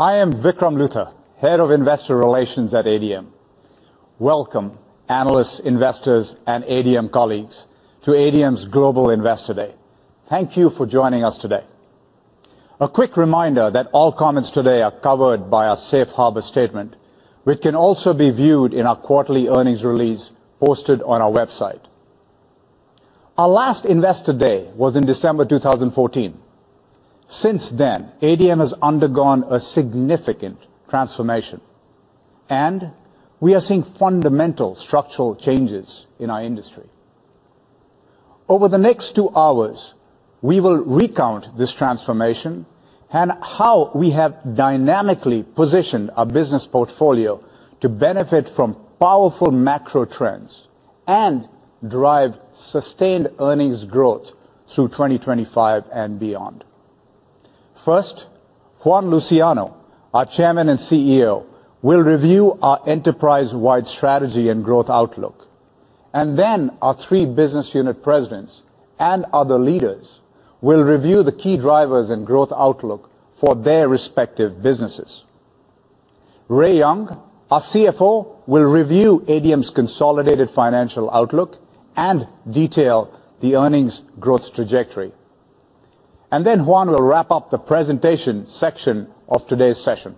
I am Vikram Luthar, Head of Investor Relations at ADM. Welcome, analysts, investors, and ADM colleagues to ADM's Global Investor Day. Thank you for joining us today. A quick reminder that all comments today are covered by a safe harbor statement, which can also be viewed in our quarterly earnings release posted on our website. Our last Investor Day was in December 2014. Since then, ADM has undergone a significant transformation, and we are seeing fundamental structural changes in our industry. Over the next two hours, we will recount this transformation and how we have dynamically positioned our business portfolio to benefit from powerful macro trends and drive sustained earnings growth through 2025 and beyond. First, Juan Luciano, our Chairman and CEO, will review our enterprise-wide strategy and growth outlook, and then our three business unit presidents and other leaders will review the key drivers and growth outlook for their respective businesses. Ray Young, our CFO, will review ADM's consolidated financial outlook and detail the earnings growth trajectory. Juan will wrap up the presentation section of today's session.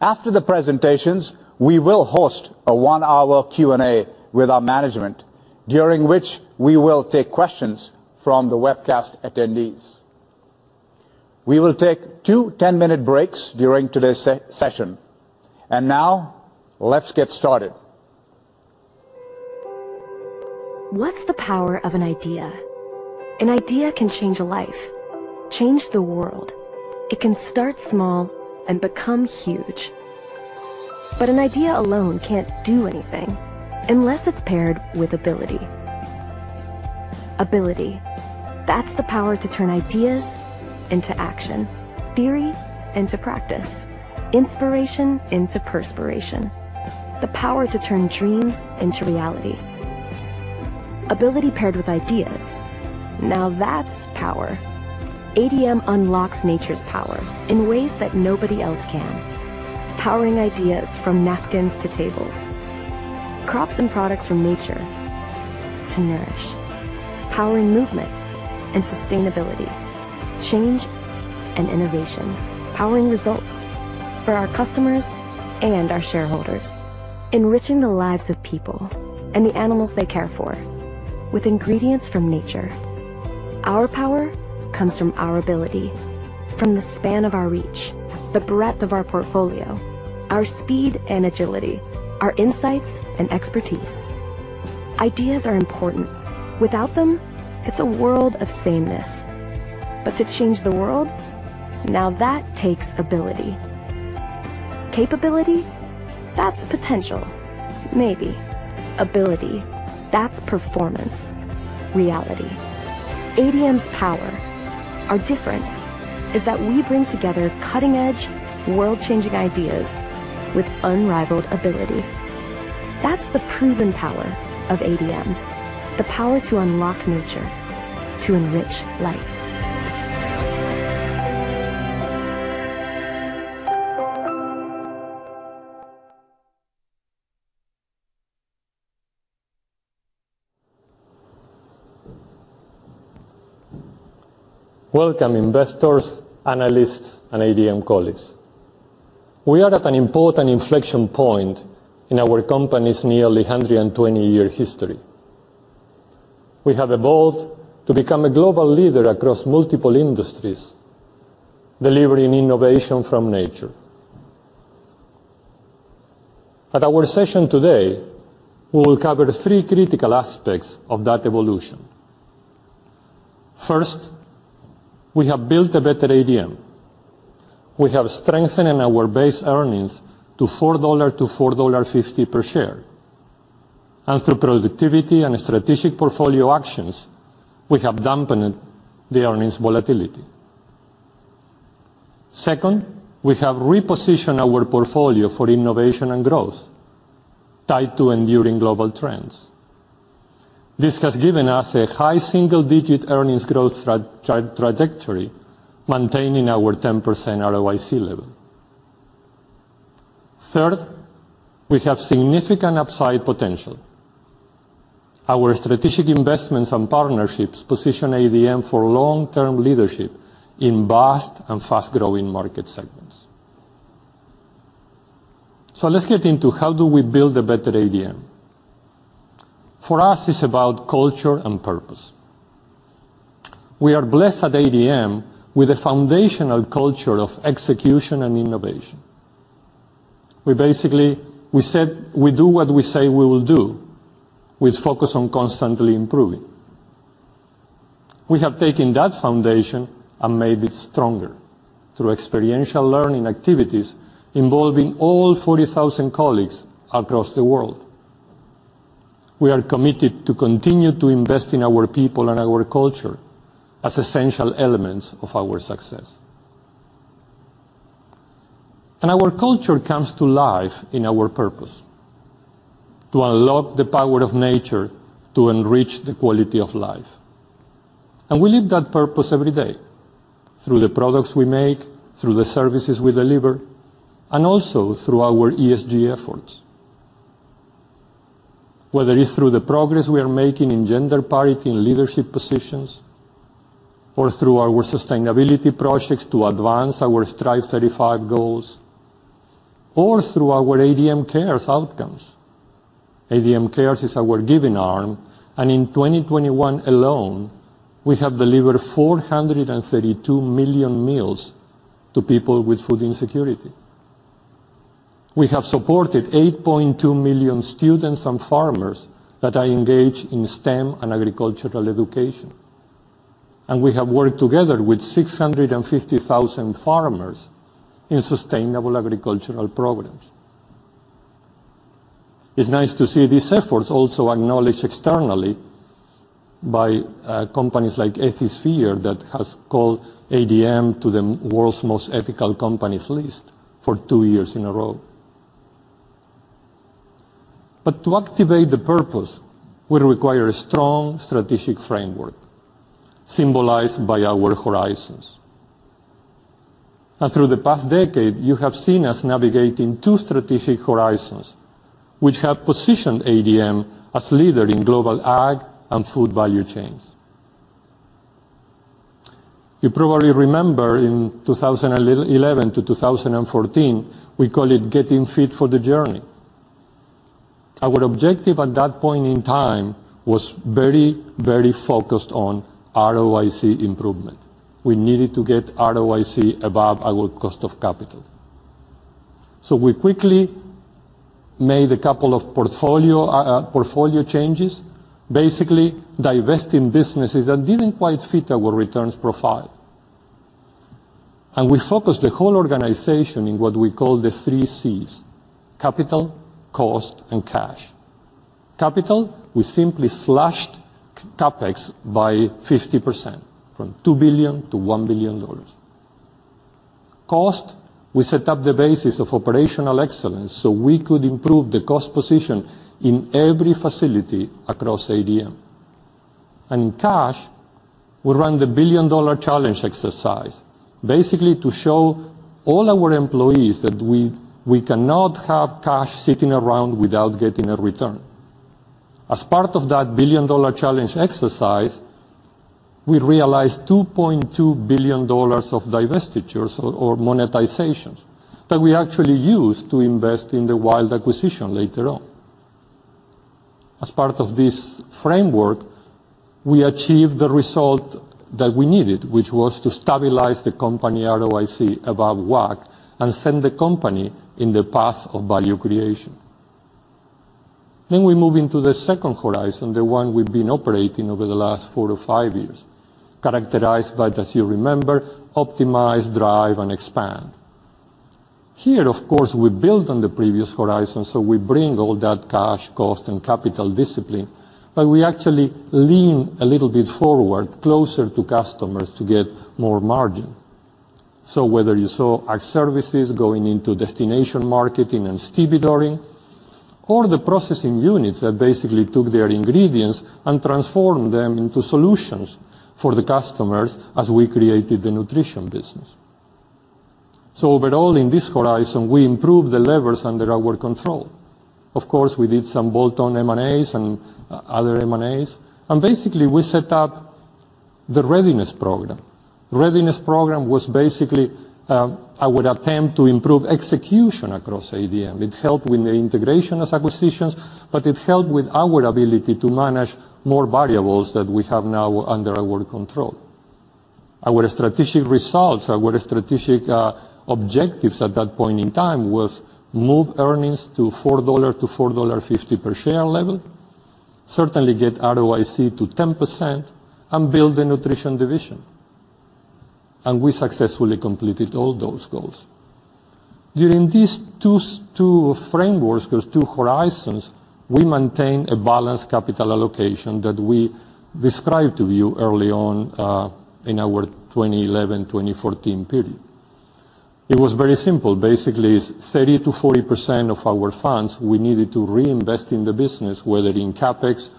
After the presentations, we will host a one-hour Q&A with our management, during which we will take questions from the webcast attendees. We will take two 10-minute breaks during today's session. Now let's get started. What's the power of an idea? An idea can change a life, change the world. It can start small and become huge. An idea alone can't do anything unless it's paired with ability. Ability, that's the power to turn ideas into action, theory into practice, inspiration into perspiration, the power to turn dreams into reality. Ability paired with ideas, now that's power. ADM unlocks nature's power in ways that nobody else can. Powering ideas from napkins to tables, crops and products from nature to nourish, powering movement and sustainability, change and innovation, powering results for our customers and our shareholders, enriching the lives of people and the animals they care for with ingredients from nature. Our power comes from our ability, from the span of our reach, the breadth of our portfolio, our speed and agility, our insights and expertise. Ideas are important. Without them, it's a world of sameness. To change the world, now that takes ability. Capability? That's potential, maybe. Ability, that's performance, reality. ADM's power, our difference, is that we bring together cutting-edge, world-changing ideas with unrivaled ability. That's the proven power of ADM, the power to unlock nature to enrich life. Welcome investors, analysts, and ADM colleagues. We are at an important inflection point in our company's nearly 120-year history. We have evolved to become a global leader across multiple industries, delivering innovation from nature. At our session today, we will cover three critical aspects of that evolution. First, we have built a better ADM. We have strengthened our base earnings to $4-$4.50 per share. Through productivity and strategic portfolio actions, we have dampened the earnings volatility. Second, we have repositioned our portfolio for innovation and growth tied to enduring global trends. This has given us a high single-digit earnings growth trajectory, maintaining our 10% ROIC level. Third, we have significant upside potential. Our strategic investments and partnerships position ADM for long-term leadership in vast and fast-growing market segments. Let's get into how do we build a better ADM? For us, it's about culture and purpose. We are blessed at ADM with a foundational culture of execution and innovation. We said we do what we say we will do with focus on constantly improving. We have taken that foundation and made it stronger through experiential learning activities involving all 40,000 colleagues across the world. We are committed to continue to invest in our people and our culture as essential elements of our success. Our culture comes to life in our purpose. To unlock the power of nature to enrich the quality of life. We live that purpose every day through the products we make, through the services we deliver, and also through our ESG efforts. Whether it's through the progress we are making in gender parity in leadership positions, or through our sustainability projects to advance our Strive 35 goals, or through our ADM Cares outcomes. ADM Cares is our giving arm, and in 2021 alone, we have delivered 432 million meals to people with food insecurity. We have supported 8.2 million students and Farmers that are engaged in STEM and agricultural education. We have worked together with 650,000 farmers in sustainable agricultural programs. It's nice to see these efforts also acknowledged externally by companies like Ethisphere that has called ADM to the World's Most Ethical Companies list for two years in a row. To activate the purpose would require a strong strategic framework symbolized by our horizons. Through the past decade, you have seen us navigating two strategic horizons, which have positioned ADM as leader in global ag and food value chains. You probably remember in 2011-2014, we called it Getting Fit for the Journey. Our objective at that point in time was very, very focused on ROIC improvement. We needed to get ROIC above our cost of capital. We quickly made a couple of portfolio changes, basically divesting businesses that didn't quite fit our returns profile. We focused the whole organization in what we call the three Cs, capital, cost, and cash. Capital, we simply slashed CapEx by 50%, from $2 billion to $1 billion. Cost, we set up the basis of operational excellence, so we could improve the cost position in every facility across ADM. Cash, we ran the billion-dollar challenge exercise, basically to show all our employees that we cannot have cash sitting around without getting a return. As part of that billion-dollar challenge exercise, we realized $2.2 billion of divestitures or monetizations that we actually used to invest in the WILD acquisition later on. As part of this framework, we achieved the result that we needed, which was to stabilize the company ROIC above WACC and send the company in the path of value creation. We move into the second horizon, the one we've been operating over the last four to five years, characterized by, as you remember, optimize, drive, and expand. Here, of course, we build on the previous horizon, so we bring all that cash, cost, and capital discipline, but we actually lean a little bit forward closer to customers to get more margin. Whether you saw our services going into destination marketing and stevedoring or the processing units that basically took their ingredients and transformed them into solutions for the customers as we created the Nutrition business. Overall in this horizon, we improved the levers under our control. Of course, we did some bolt-on M&As and other M&As, and basically we set up the Readiness program. Readiness program was basically our attempt to improve execution across ADM. It helped with the integration of acquisitions, but it helped with our ability to manage more variables that we have now under our control. Our strategic objectives at that point in time was move earnings to $4-$4.50 per share level, certainly get ROIC to 10%, and build the Nutrition division. We successfully completed all those goals. During these two frameworks, those two horizons, we maintained a balanced capital allocation that we described to you early on in our 2011-2014 period. It was very simple. Basically it's 30%-40% of our funds we needed to reinvest in the business, whether in CapEx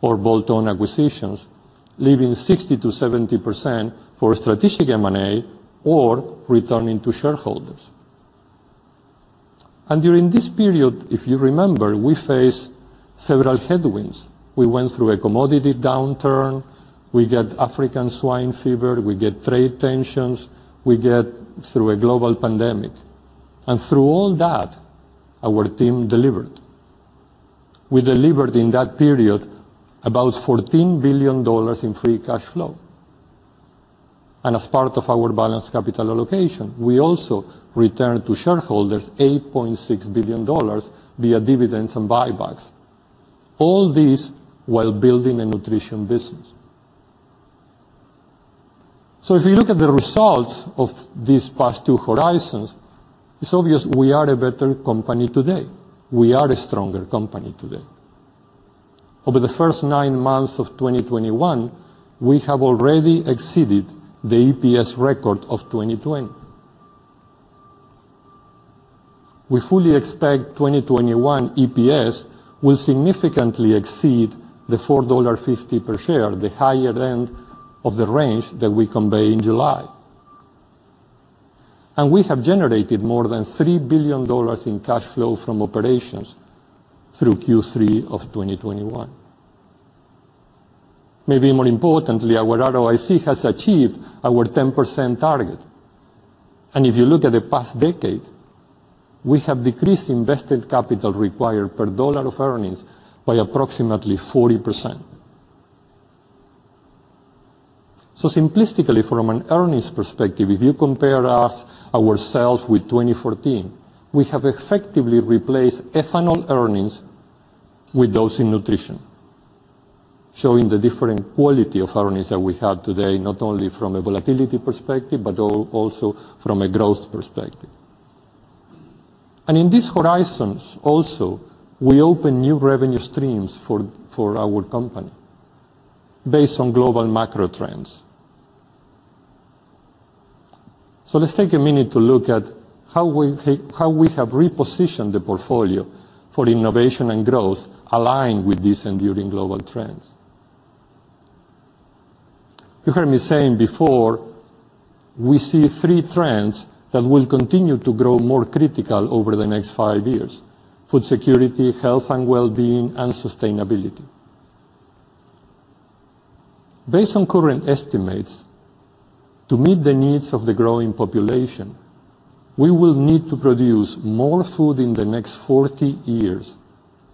or bolt-on acquisitions, leaving 60%-70% for strategic M&A or returning to shareholders. During this period, if you remember, we faced several headwinds. We went through a commodity downturn. We get African swine fever. We get trade tensions. We get through a global pandemic. Through all that, our team delivered. We delivered in that period about $14 billion in free cash flow. As part of our balanced capital allocation, we also returned to shareholders $8.6 billion via dividends and buybacks. All this while building a Nutrition business. If you look at the results of these past two horizons, it's obvious we are a better company today. We are a stronger company today. Over the first nine months of 2021, we have already exceeded the EPS record of 2020. We fully expect 2021 EPS will significantly exceed the $4.50 per share, the higher end of the range that we convey in July. We have generated more than $3 billion in cash flow from operations through Q3 of 2021. Maybe more importantly, our ROIC has achieved our 10% target. If you look at the past decade, we have decreased invested capital required per dollar of earnings by approximately 40%. Simplistically, from an earnings perspective, if you compare ourselves with 2014, we have effectively replaced ethanol earnings with those in Nutrition, showing the different quality of earnings that we have today, not only from a volatility perspective, but also from a growth perspective. In these horizons, also, we open new revenue streams for our company based on global macro trends. Let's take a minute to look at how we have repositioned the portfolio for innovation and growth aligned with these enduring global trends. You heard me saying before, we see three trends that will continue to grow more critical over the next five years: food security, health and well-being, and sustainability. Based on current estimates, to meet the needs of the growing population, we will need to produce more food in the next 40 years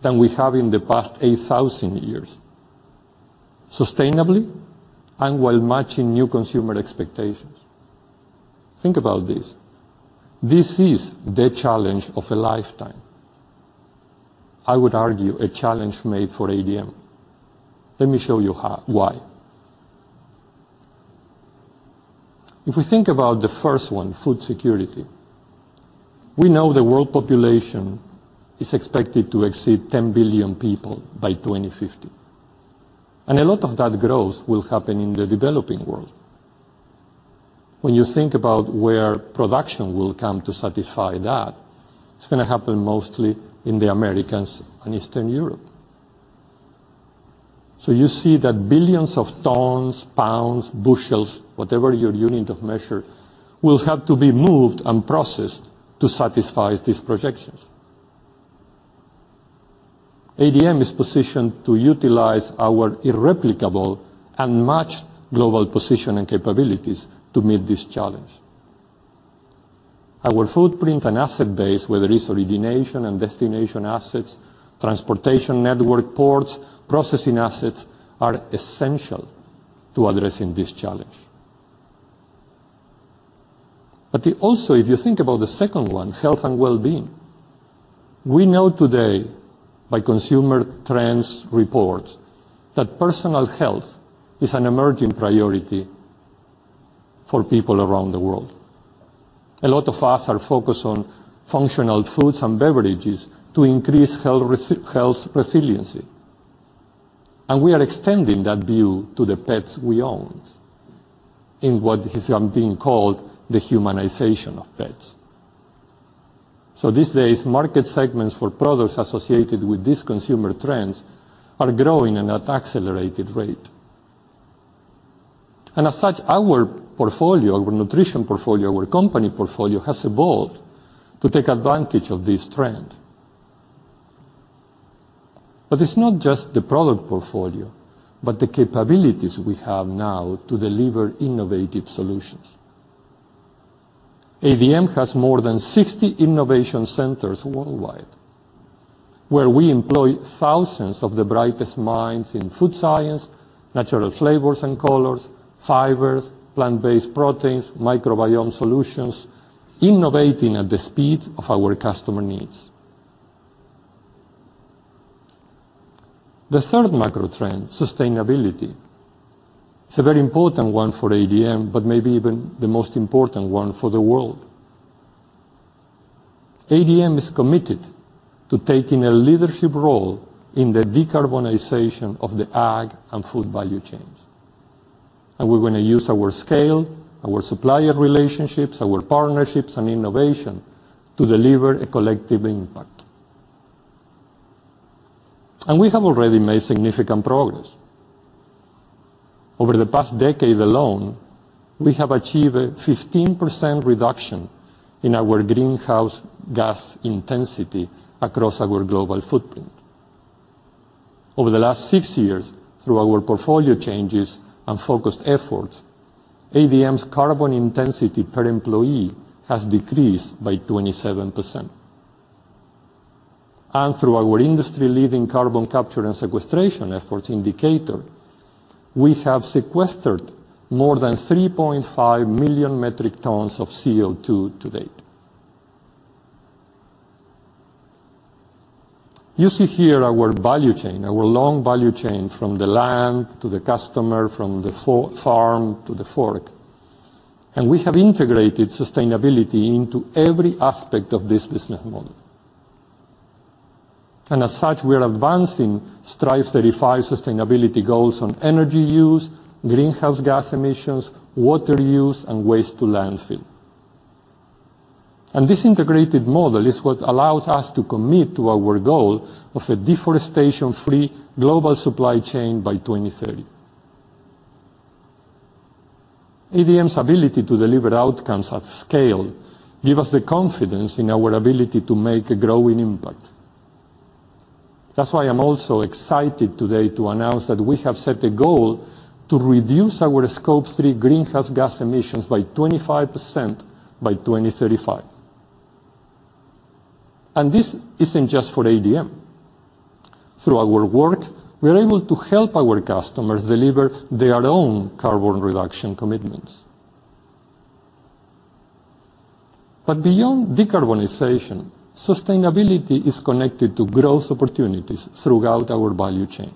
than we have in the past 8,000 years, sustainably and while matching new consumer expectations. Think about this. This is the challenge of a lifetime. I would argue a challenge made for ADM. Let me show you how. Why. If we think about the first one, food security, we know the world population is expected to exceed 10 billion people by 2050. A lot of that growth will happen in the developing world. When you think about where production will come to satisfy that, it's gonna happen mostly in the Americas and Eastern Europe. You see that billions of tons, pounds, bushels, whatever your unit of measure, will have to be moved and processed to satisfy these projections. ADM is positioned to utilize our irreplaceable and unmatched global position and capabilities to meet this challenge. Our footprint and asset base, whether it's origination and destination assets, transportation network ports, processing assets, are essential to addressing this challenge. But I also, if you think about the second one, health and well-being, we know from consumer trends reports that personal health is an emerging priority for people around the world. A lot of us are focused on functional foods and beverages to increase health resiliency. We are extending that view to the pets we own in what is being called the humanization of pets. These days, market segments for products associated with these consumer trends are growing in an accelerated rate. As such, our portfolio, our nutrition portfolio, our company portfolio has evolved to take advantage of this trend. It's not just the product portfolio, but the capabilities we have now to deliver innovative solutions. ADM has more than 60 innovation centers worldwide, where we employ thousands of the brightest minds in food science, natural flavors and colors, fibers, plant-based proteins, microbiome solutions, innovating at the speed of our customer needs. The third macro trend, sustainability, is a very important one for ADM, but maybe even the most important one for the world. ADM is committed to taking a leadership role in the decarbonization of the ag and food value chains. We're gonna use our scale, our supplier relationships, our partnerships and innovation to deliver a collective impact. We have already made significant progress. Over the past decade alone, we have achieved a 15% reduction in our greenhouse gas intensity across our global footprint. Over the last six years, through our portfolio changes and focused efforts, ADM's carbon intensity per employee has decreased by 27%. Through our industry-leading carbon capture and sequestration efforts in Decatur, we have sequestered more than 3.5 million metric tons of CO2 to date. You see here our value chain, our long value chain from the land to the customer, from the farm to the fork, and we have integrated sustainability into every aspect of this business model. As such, we are advancing Strive 35 sustainability goals on energy use, greenhouse gas emissions, water use, and waste to landfill. This integrated model is what allows us to commit to our goal of a deforestation-free global supply chain by 2030. ADM's ability to deliver outcomes at scale give us the confidence in our ability to make a growing impact. That's why I'm also excited today to announce that we have set a goal to reduce our Scope 3 greenhouse gas emissions by 25% by 2035. This isn't just for ADM. Through our work, we are able to help our customers deliver their own carbon reduction commitments. Beyond decarbonization, sustainability is connected to growth opportunities throughout our value chain.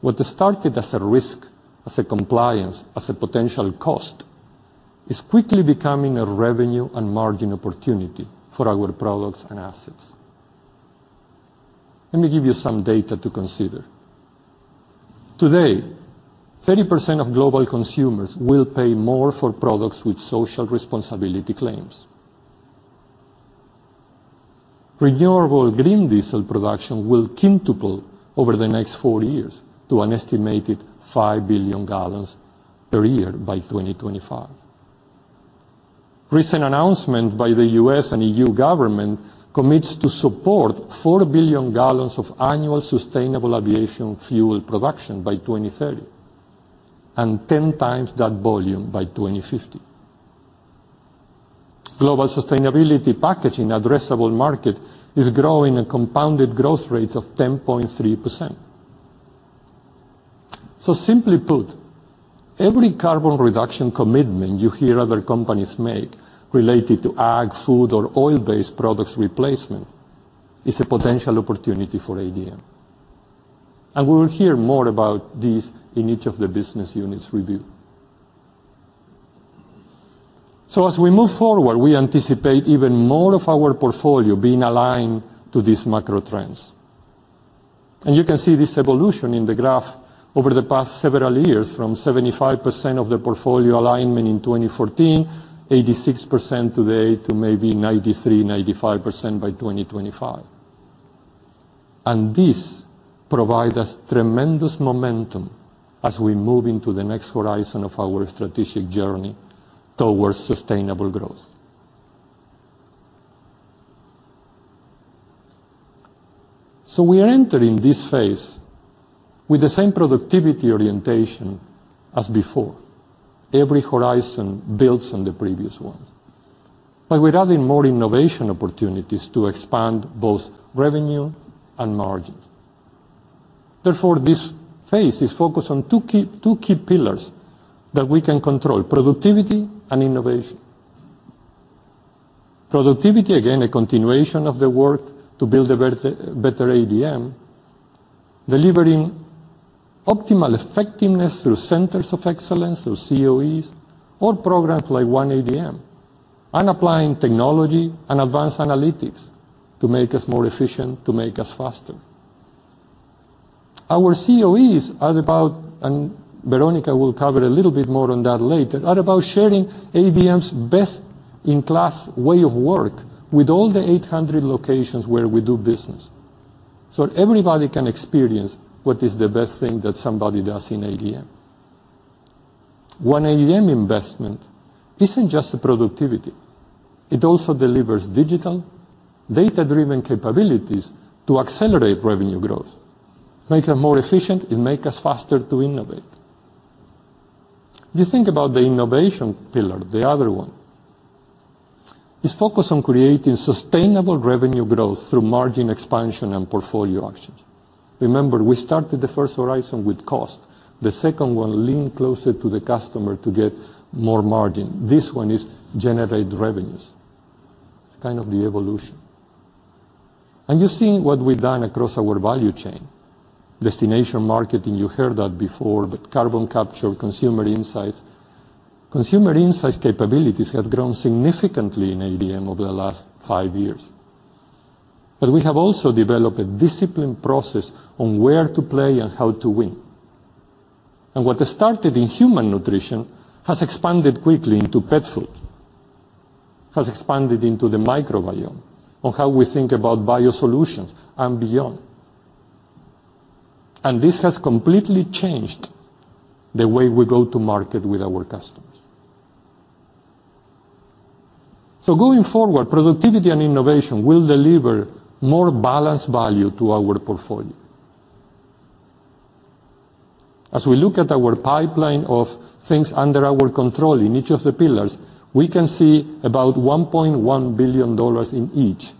What started as a risk, as a compliance, as a potential cost, is quickly becoming a revenue and margin opportunity for our products and assets. Let me give you some data to consider. Today, 30% of global consumers will pay more for products with social responsibility claims. Renewable green diesel production will quintuple over the next 4 years to an estimated 5 billion gallons per year by 2025. Recent announcement by the U.S. and EU government commits to support 4 billion gallons of annual sustainable aviation fuel production by 2030, and 10x that volume by 2050. Global sustainability packaging addressable market is growing at a compounded growth rate of 10.3%. Simply put, every carbon reduction commitment you hear other companies make related to ag, food, or oil-based products replacement is a potential opportunity for ADM. We will hear more about this in each of the business units' review. As we move forward, we anticipate even more of our portfolio being aligned to these macro trends. You can see this evolution in the graph over the past several years from 75% of the portfolio alignment in 2014, 86% today, to maybe 93%-95% by 2025. This provides us tremendous momentum as we move into the next horizon of our strategic journey towards sustainable growth. We are entering this phase with the same productivity orientation as before. Every horizon builds on the previous one. We're adding more innovation opportunities to expand both revenue and margin. Therefore, this phase is focused on two key pillars that we can control, productivity and innovation. Productivity, again, a continuation of the work to build a better ADM, delivering optimal effectiveness through Centers of Excellence or COEs, or programs like One ADM, and applying technology and advanced analytics to make us more efficient, to make us faster. Our COEs are about, and Veronica will cover a little bit more on that later, sharing ADM's best-in-class way of work with all the 800 locations where we do business. Everybody can experience what is the best thing that somebody does in ADM. One ADM investment isn't just the productivity. It also delivers digital data-driven capabilities to accelerate revenue growth, make us more efficient, and make us faster to innovate. You think about the innovation pillar, the other one. It's focused on creating sustainable revenue growth through margin expansion and portfolio actions. Remember, we started the first horizon with cost. The second one leaned closer to the customer to get more margin. This one is generate revenues. It's kind of the evolution. You've seen what we've done across our value chain. Destination marketing, you heard that before, but carbon capture, consumer insights. Consumer insights capabilities have grown significantly in ADM over the last five years. We have also developed a disciplined process on where to play and how to win. What started in human nutrition has expanded quickly into pet food, has expanded into the microbiome on how we think about BioSolutions and beyond. This has completely changed the way we go to market with our customers. Going forward, productivity and innovation will deliver more balanced value to our portfolio. We look at our pipeline of things under our control in each of the pillars, we can see about $1.1 billion in each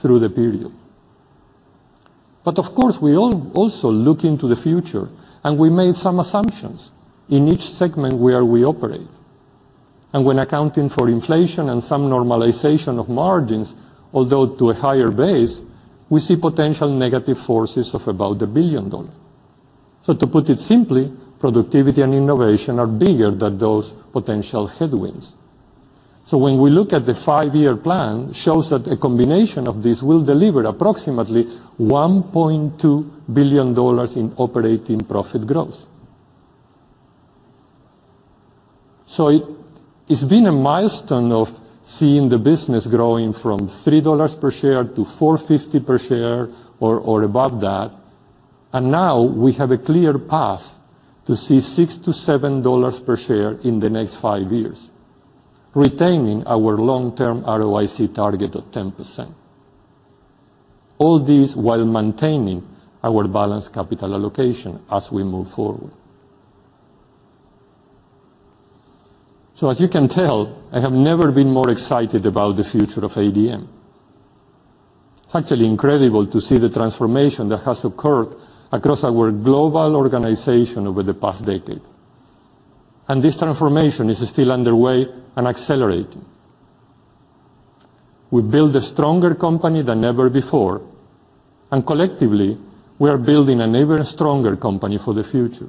through the period. Of course, we also look into the future and we made some assumptions in each segment where we operate. When accounting for inflation and some normalization of margins, although to a higher base, we see potential negative forces of about $1 billion. To put it simply, productivity and innovation are bigger than those potential headwinds. When we look at the five-year plan shows that a combination of this will deliver approximately $1.2 billion in operating profit growth. It's been a milestone of seeing the business growing from $3 per share to $4.50 per share or above that. Now we have a clear path to see $6-$7 per share in the next five years, retaining our long-term ROIC target of 10%. All this while maintaining our balanced capital allocation as we move forward. As you can tell, I have never been more excited about the future of ADM. It's actually incredible to see the transformation that has occurred across our global organization over the past decade. This transformation is still underway and accelerating. We build a stronger company than ever before, and collectively, we are building an even stronger company for the future.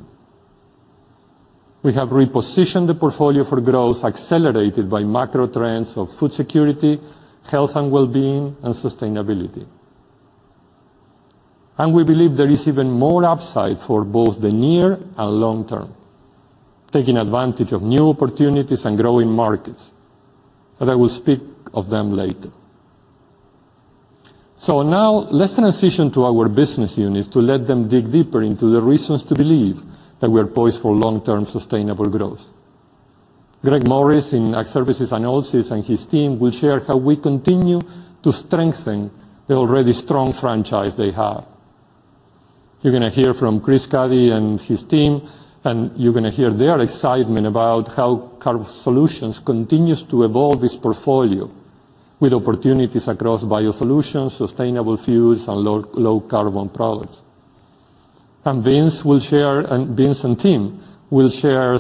We have repositioned the portfolio for growth accelerated by macro trends of food security, health and wellbeing, and sustainability. We believe there is even more upside for both the near and long term, taking advantage of new opportunities and growing markets, and I will speak of them later. Now let's transition to our business units to let them dig deeper into the reasons to believe that we are poised for long-term sustainable growth. Greg Morris in Ag Services and Oilseeds and his team will share how we continue to strengthen the already strong franchise they have. You're gonna hear from Chris Cuddy and his team, and you're gonna hear their excitement about how Carbohydrate Solutions continues to evolve its portfolio with opportunities across BioSolutions, sustainable fuels, and low, low-carbon products. Vince and team will share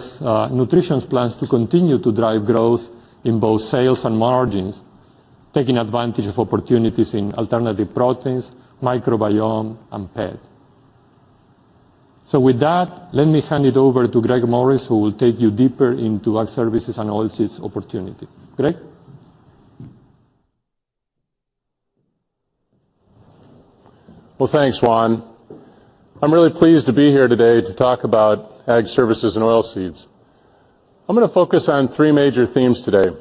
Nutrition's plans to continue to drive growth in both sales and margins, taking advantage of opportunities in alternative proteins, microbiome, and pet. With that, let me hand it over to Greg Morris, who will take you deeper into Ag Services and Oilseeds opportunity. Greg? Well, thanks, Juan. I'm really pleased to be here today to talk about Ag Services and Oilseeds. I'm gonna focus on three major themes today.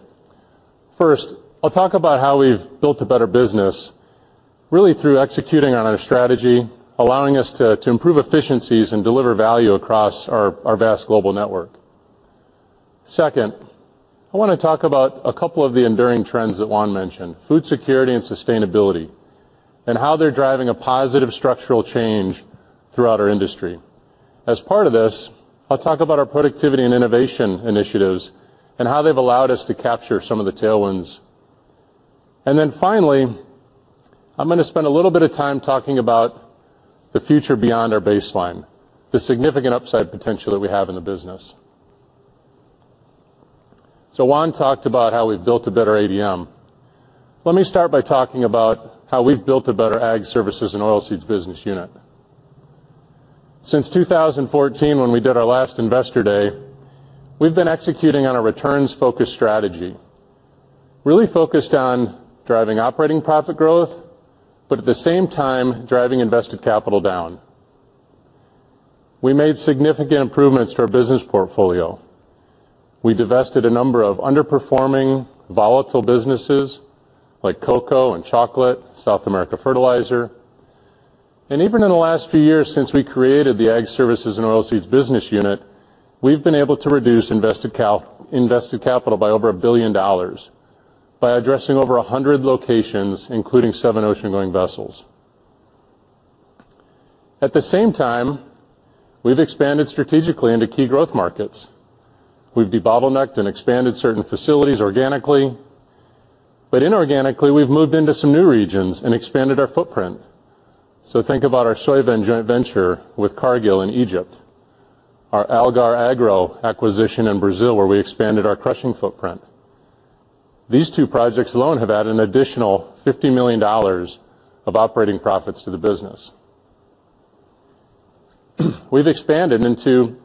First, I'll talk about how we've built a better business, really through executing on our strategy, allowing us to improve efficiencies and deliver value across our vast global network. Second, I wanna talk about a couple of the enduring trends that Juan mentioned, food security and sustainability, and how they're driving a positive structural change throughout our industry. As part of this, I'll talk about our productivity and innovation initiatives and how they've allowed us to capture some of the tailwinds. Then finally, I'm gonna spend a little bit of time talking about the future beyond our baseline, the significant upside potential that we have in the business. Juan talked about how we've built a better ADM. Let me start by talking about how we've built a better Ag Services and Oilseeds business unit. Since 2014, when we did our last Investor Day, we've been executing on a returns-focused strategy, really focused on driving operating profit growth, but at the same time, driving invested capital down. We made significant improvements to our business portfolio. We divested a number of underperforming volatile businesses like cocoa and chocolate, South American fertilizer business. Even in the last few years, since we created the Ag Services and Oilseeds business unit, we've been able to reduce invested capital by over $1 billion by addressing over 100 locations, including seven ocean-going vessels. At the same time, we've expanded strategically into key growth markets. We've debottlenecked and expanded certain facilities organically, but inorganically, we've moved into some new regions and expanded our footprint. Think about our SoyVen joint venture with Cargill in Egypt, our Algar Agro acquisition in Brazil, where we expanded our crushing footprint. These two projects alone have added an additional $50 million of operating profits to the business. We've expanded into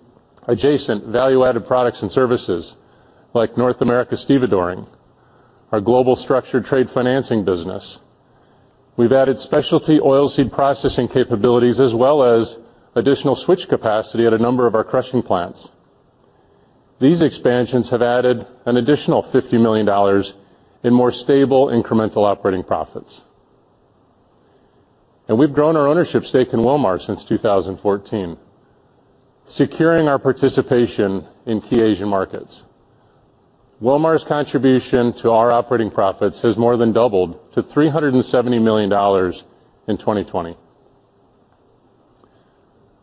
adjacent value-added products and services like North America Stevedoring, our global structured trade financing business. We've added specialty oilseed processing capabilities as well as additional switch capacity at a number of our crushing plants. These expansions have added an additional $50 million in more stable incremental operating profits. We've grown our ownership stake in Wilmar since 2014, securing our participation in key Asian markets. Wilmar's contribution to our operating profits has more than doubled to $370 million in 2020.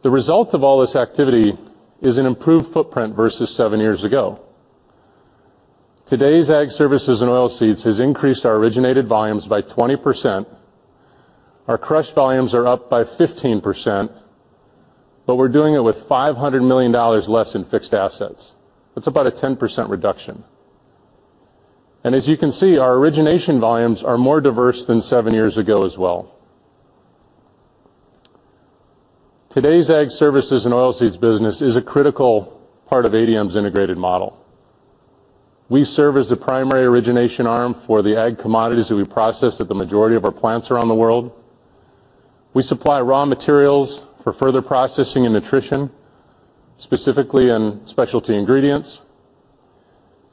The result of all this activity is an improved footprint versus seven years ago. Today's Ag Services and Oilseeds has increased our originated volumes by 20%. Our crush volumes are up by 15%, but we're doing it with $500 million less in fixed assets. That's about a 10% reduction. As you can see, our origination volumes are more diverse than seven years ago as well. Today's Ag Services and Oilseeds business is a critical part of ADM's integrated model. We serve as the primary origination arm for the ag commodities that we process at the majority of our plants around the world. We supply raw materials for further processing and nutrition, specifically in specialty ingredients.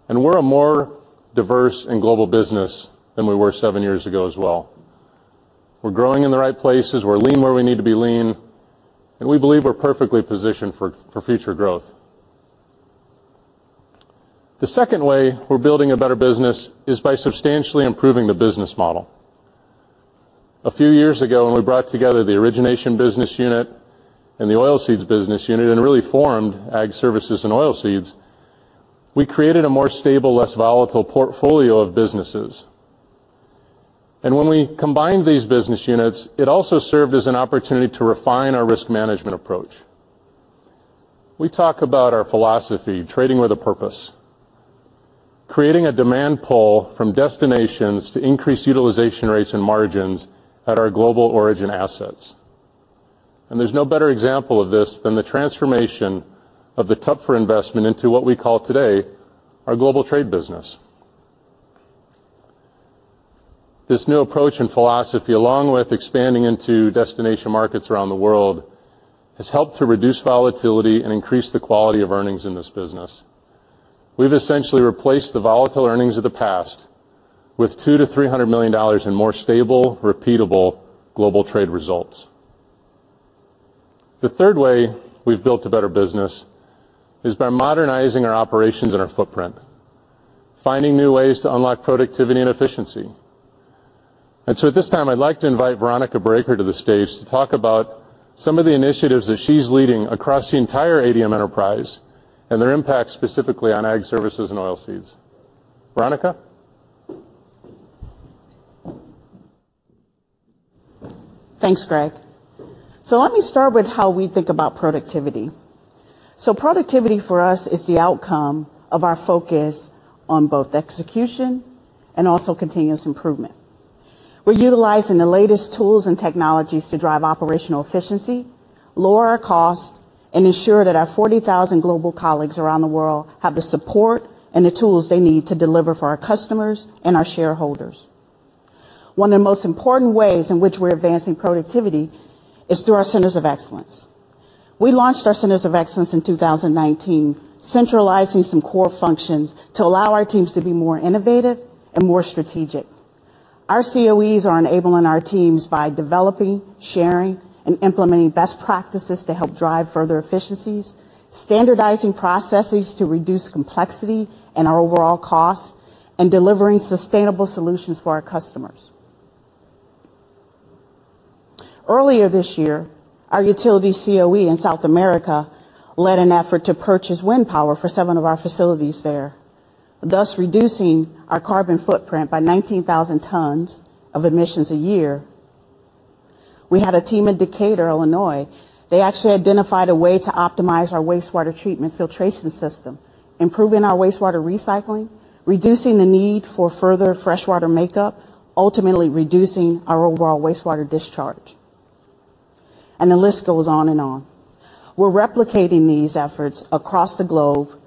We're a more diverse and global business than we were seven years ago as well. We're growing in the right places. We're lean where we need to be lean, and we believe we're perfectly positioned for future growth. The second way we're building a better business is by substantially improving the business model. A few years ago, when we brought together the origination business unit and the oilseeds business unit and really formed Ag Services and Oilseeds, we created a more stable, less volatile portfolio of businesses. When we combined these business units, it also served as an opportunity to refine our risk management approach. We talk about our philosophy, trading with a purpose, creating a demand pull from destinations to increase utilization rates and margins at our global origin assets. There's no better example of this than the transformation of the Toepfer investment into what we call today our global trade business. This new approach and philosophy, along with expanding into destination markets around the world, has helped to reduce volatility and increase the quality of earnings in this business. We've essentially replaced the volatile earnings of the past with $200 million-$300 million in more stable, repeatable global trade results. The third way we've built a better business is by modernizing our operations and our footprint, finding new ways to unlock productivity and efficiency. At this time, I'd like to invite Veronica Braker to the stage to talk about some of the initiatives that she's leading across the entire ADM enterprise and their impact specifically on Ag Services and Oilseeds. Veronica? Thanks, Greg. Let me start with how we think about productivity. Productivity for us is the outcome of our focus on both execution and also continuous improvement. We're utilizing the latest tools and technologies to drive operational efficiency, lower our costs, and ensure that our 40,000 global colleagues around the world have the support and the tools they need to deliver for our customers and our shareholders. One of the most important ways in which we're advancing productivity is through our Centers of Excellence. We launched our Centers of Excellence in 2019, centralizing some core functions to allow our teams to be more innovative and more strategic. Our COEs are enabling our teams by developing, sharing, and implementing best practices to help drive further efficiencies, standardizing processes to reduce complexity and our overall costs, and delivering sustainable solutions for our customers. Earlier this year, our utility COE in South America led an effort to purchase wind power for seven of our facilities there, thus reducing our carbon footprint by 19,000 tons of emissions a year. We had a team in Decatur, Illinois. They actually identified a way to optimize our wastewater treatment filtration system, improving our wastewater recycling, reducing the need for further freshwater makeup, ultimately reducing our overall wastewater discharge. The list goes on and on. We're replicating these efforts across the globe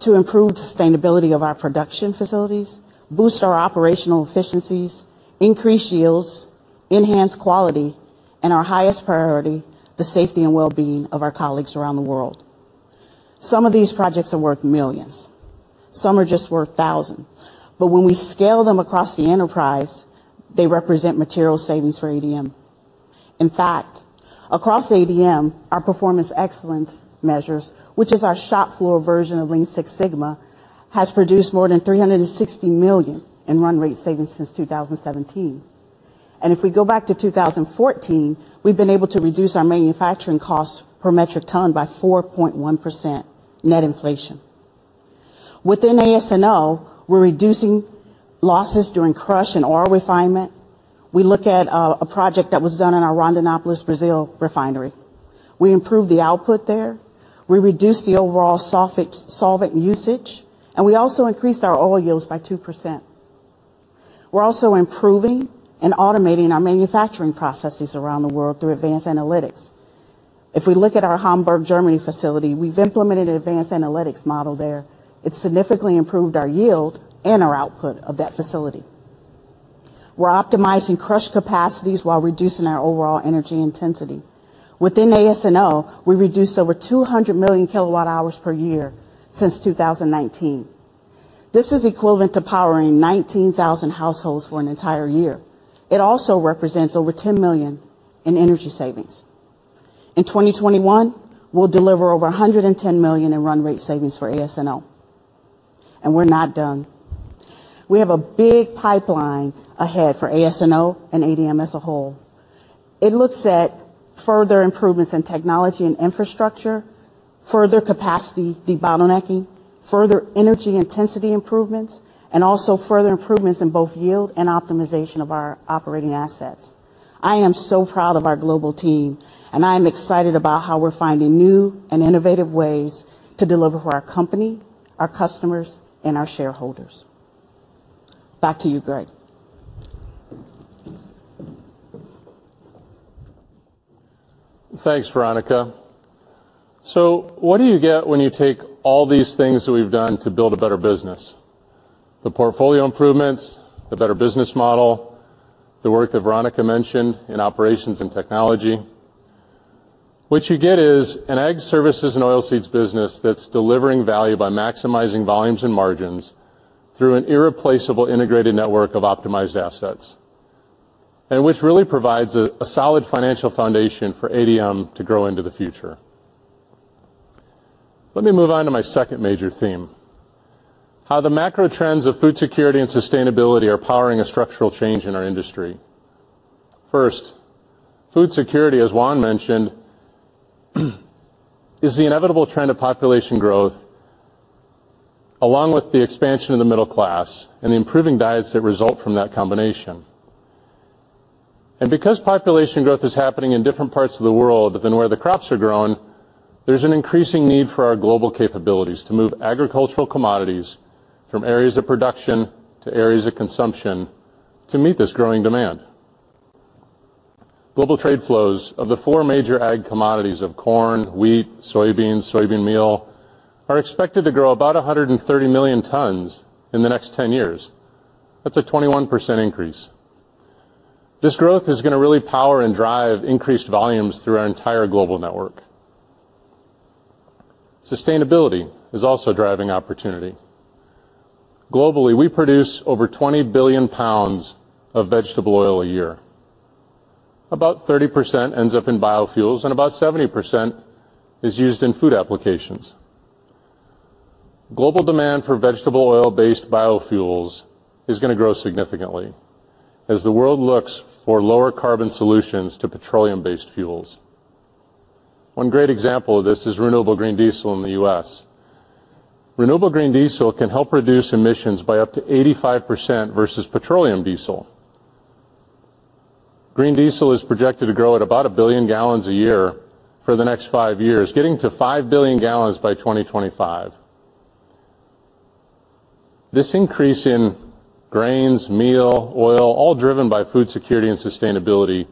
to improve sustainability of our production facilities, boost our operational efficiencies, increase yields, enhance quality, and our highest priority, the safety and well-being of our colleagues around the world. Some of these projects are worth millions. Some are just worth thousands. When we scale them across the enterprise, they represent material savings for ADM. In fact, across ADM, our performance excellence measures, which is our shop floor version of Lean Six Sigma, has produced more than $360 million in run rate savings since 2017. If we go back to 2014, we've been able to reduce our manufacturing costs per metric ton by 4.1% net inflation. Within AS&O, we're reducing losses during crush and oil refinement. We look at a project that was done in our Rondonópolis, Brazil refinery. We improved the output there. We reduced the overall solvent usage, and we also increased our oil yields by 2%. We're also improving and automating our manufacturing processes around the world through advanced analytics. If we look at our Hamburg, Germany facility, we've implemented an advanced analytics model there. It significantly improved our yield and our output of that facility. We're optimizing crush capacities while reducing our overall energy intensity. Within AS&O, we reduced over 200 million kWh per year since 2019. This is equivalent to powering 19,000 households for an entire year. It also represents over $10 million in energy savings. In 2021, we'll deliver over $110 million in run rate savings for AS&O, and we're not done. We have a big pipeline ahead for AS&O and ADM as a whole. It looks at further improvements in technology and infrastructure, further capacity debottlenecking, further energy intensity improvements, and also further improvements in both yield and optimization of our operating assets. I am so proud of our global team, and I am excited about how we're finding new and innovative ways to deliver for our company, our customers, and our shareholders. Back to you, Greg. Thanks, Veronica. What do you get when you take all these things that we've done to build a better business? The portfolio improvements, the better business model, the work that Veronica mentioned in operations and technology. What you get is an Ag Services and Oilseeds business that's delivering value by maximizing volumes and margins through an irreplaceable integrated network of optimized assets. which really provides a solid financial foundation for ADM to grow into the future. Let me move on to my second major theme, how the macro trends of food security and sustainability are powering a structural change in our industry. First, food security, as Juan mentioned, is the inevitable trend of population growth, along with the expansion of the middle class and the improving diets that result from that combination. Because population growth is happening in different parts of the world than where the crops are grown, there's an increasing need for our global capabilities to move agricultural commodities from areas of production to areas of consumption to meet this growing demand. Global trade flows of the four major ag commodities of corn, wheat, soybeans, soybean meal are expected to grow about 130 million tons in the next 10 years. That's a 21% increase. This growth is gonna really power and drive increased volumes through our entire global network. Sustainability is also driving opportunity. Globally, we produce over 20 billion pounds of vegetable oil a year. About 30% ends up in biofuels, and about 70% is used in food applications. Global demand for vegetable oil-based biofuels is gonna grow significantly as the world looks for lower carbon solutions to petroleum-based fuels. One great example of this is renewable green diesel in the U.S. Renewable green diesel can help reduce emissions by up to 85% versus petroleum diesel. Green diesel is projected to grow at about 1 billion gallons a year for the next five years, getting to 5 billion gallons by 2025. This increase in grains, meal, oil, all driven by food security and sustainability,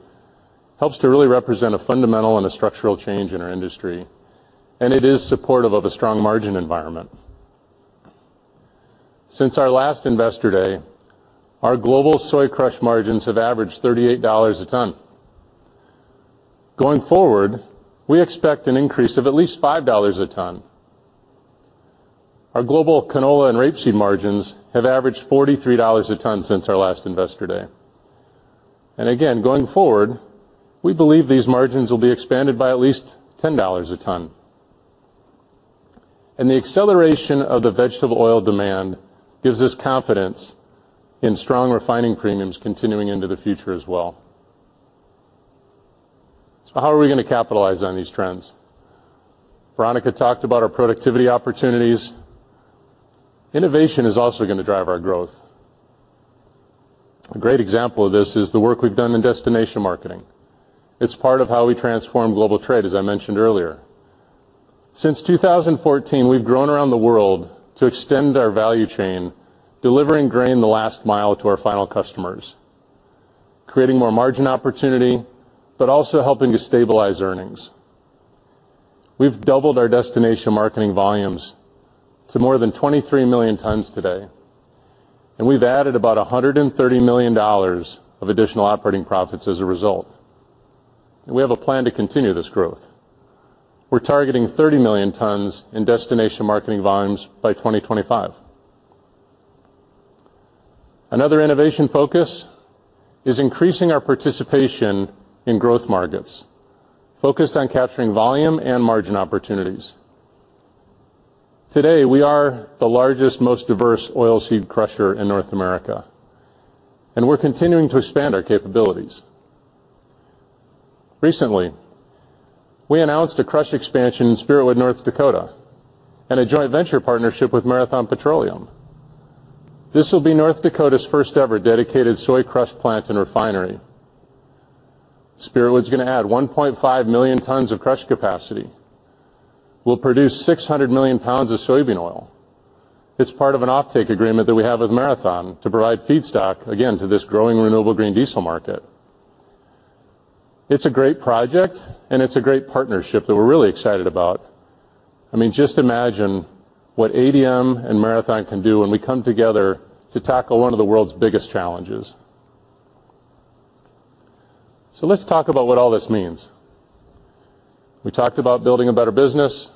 helps to really represent a fundamental and a structural change in our industry, and it is supportive of a strong margin environment. Since our last Investor Day, our global soy crush margins have averaged $38 a ton. Going forward, we expect an increase of at least $5 a ton. Our global canola and rapeseed margins have averaged $43 a ton since our last Investor Day. Again, going forward, we believe these margins will be expanded by at least $10 a ton. The acceleration of the vegetable oil demand gives us confidence in strong refining premiums continuing into the future as well. How are we gonna capitalize on these trends? Veronica talked about our productivity opportunities. Innovation is also gonna drive our growth. A great example of this is the work we've done in destination marketing. It's part of how we transform global trade, as I mentioned earlier. Since 2014, we've grown around the world to extend our value chain, delivering grain the last mile to our final customers, creating more margin opportunity, but also helping to stabilize earnings. We've doubled our destination marketing volumes to more than 23 million tons today, and we've added about $130 million of additional operating profits as a result. We have a plan to continue this growth. We're targeting 30 million tons in destination marketing volumes by 2025. Another innovation focus is increasing our participation in growth markets, focused on capturing volume and margin opportunities. Today, we are the largest, most diverse oilseed crusher in North America, and we're continuing to expand our capabilities. Recently, we announced a crush expansion in Spiritwood, North Dakota, and a joint venture partnership with Marathon Petroleum. This will be North Dakota's first-ever dedicated soy crush plant and refinery. Spiritwood's gonna add 1.5 million tons of crush capacity. We'll produce 600 million pounds of soybean oil. It's part of an offtake agreement that we have with Marathon to provide feedstock, again, to this growing renewable green diesel market. It's a great project, and it's a great partnership that we're really excited about. I mean, just imagine what ADM and Marathon can do when we come together to tackle one of the world's biggest challenges. Let's talk about what all this means. We talked about building a better business,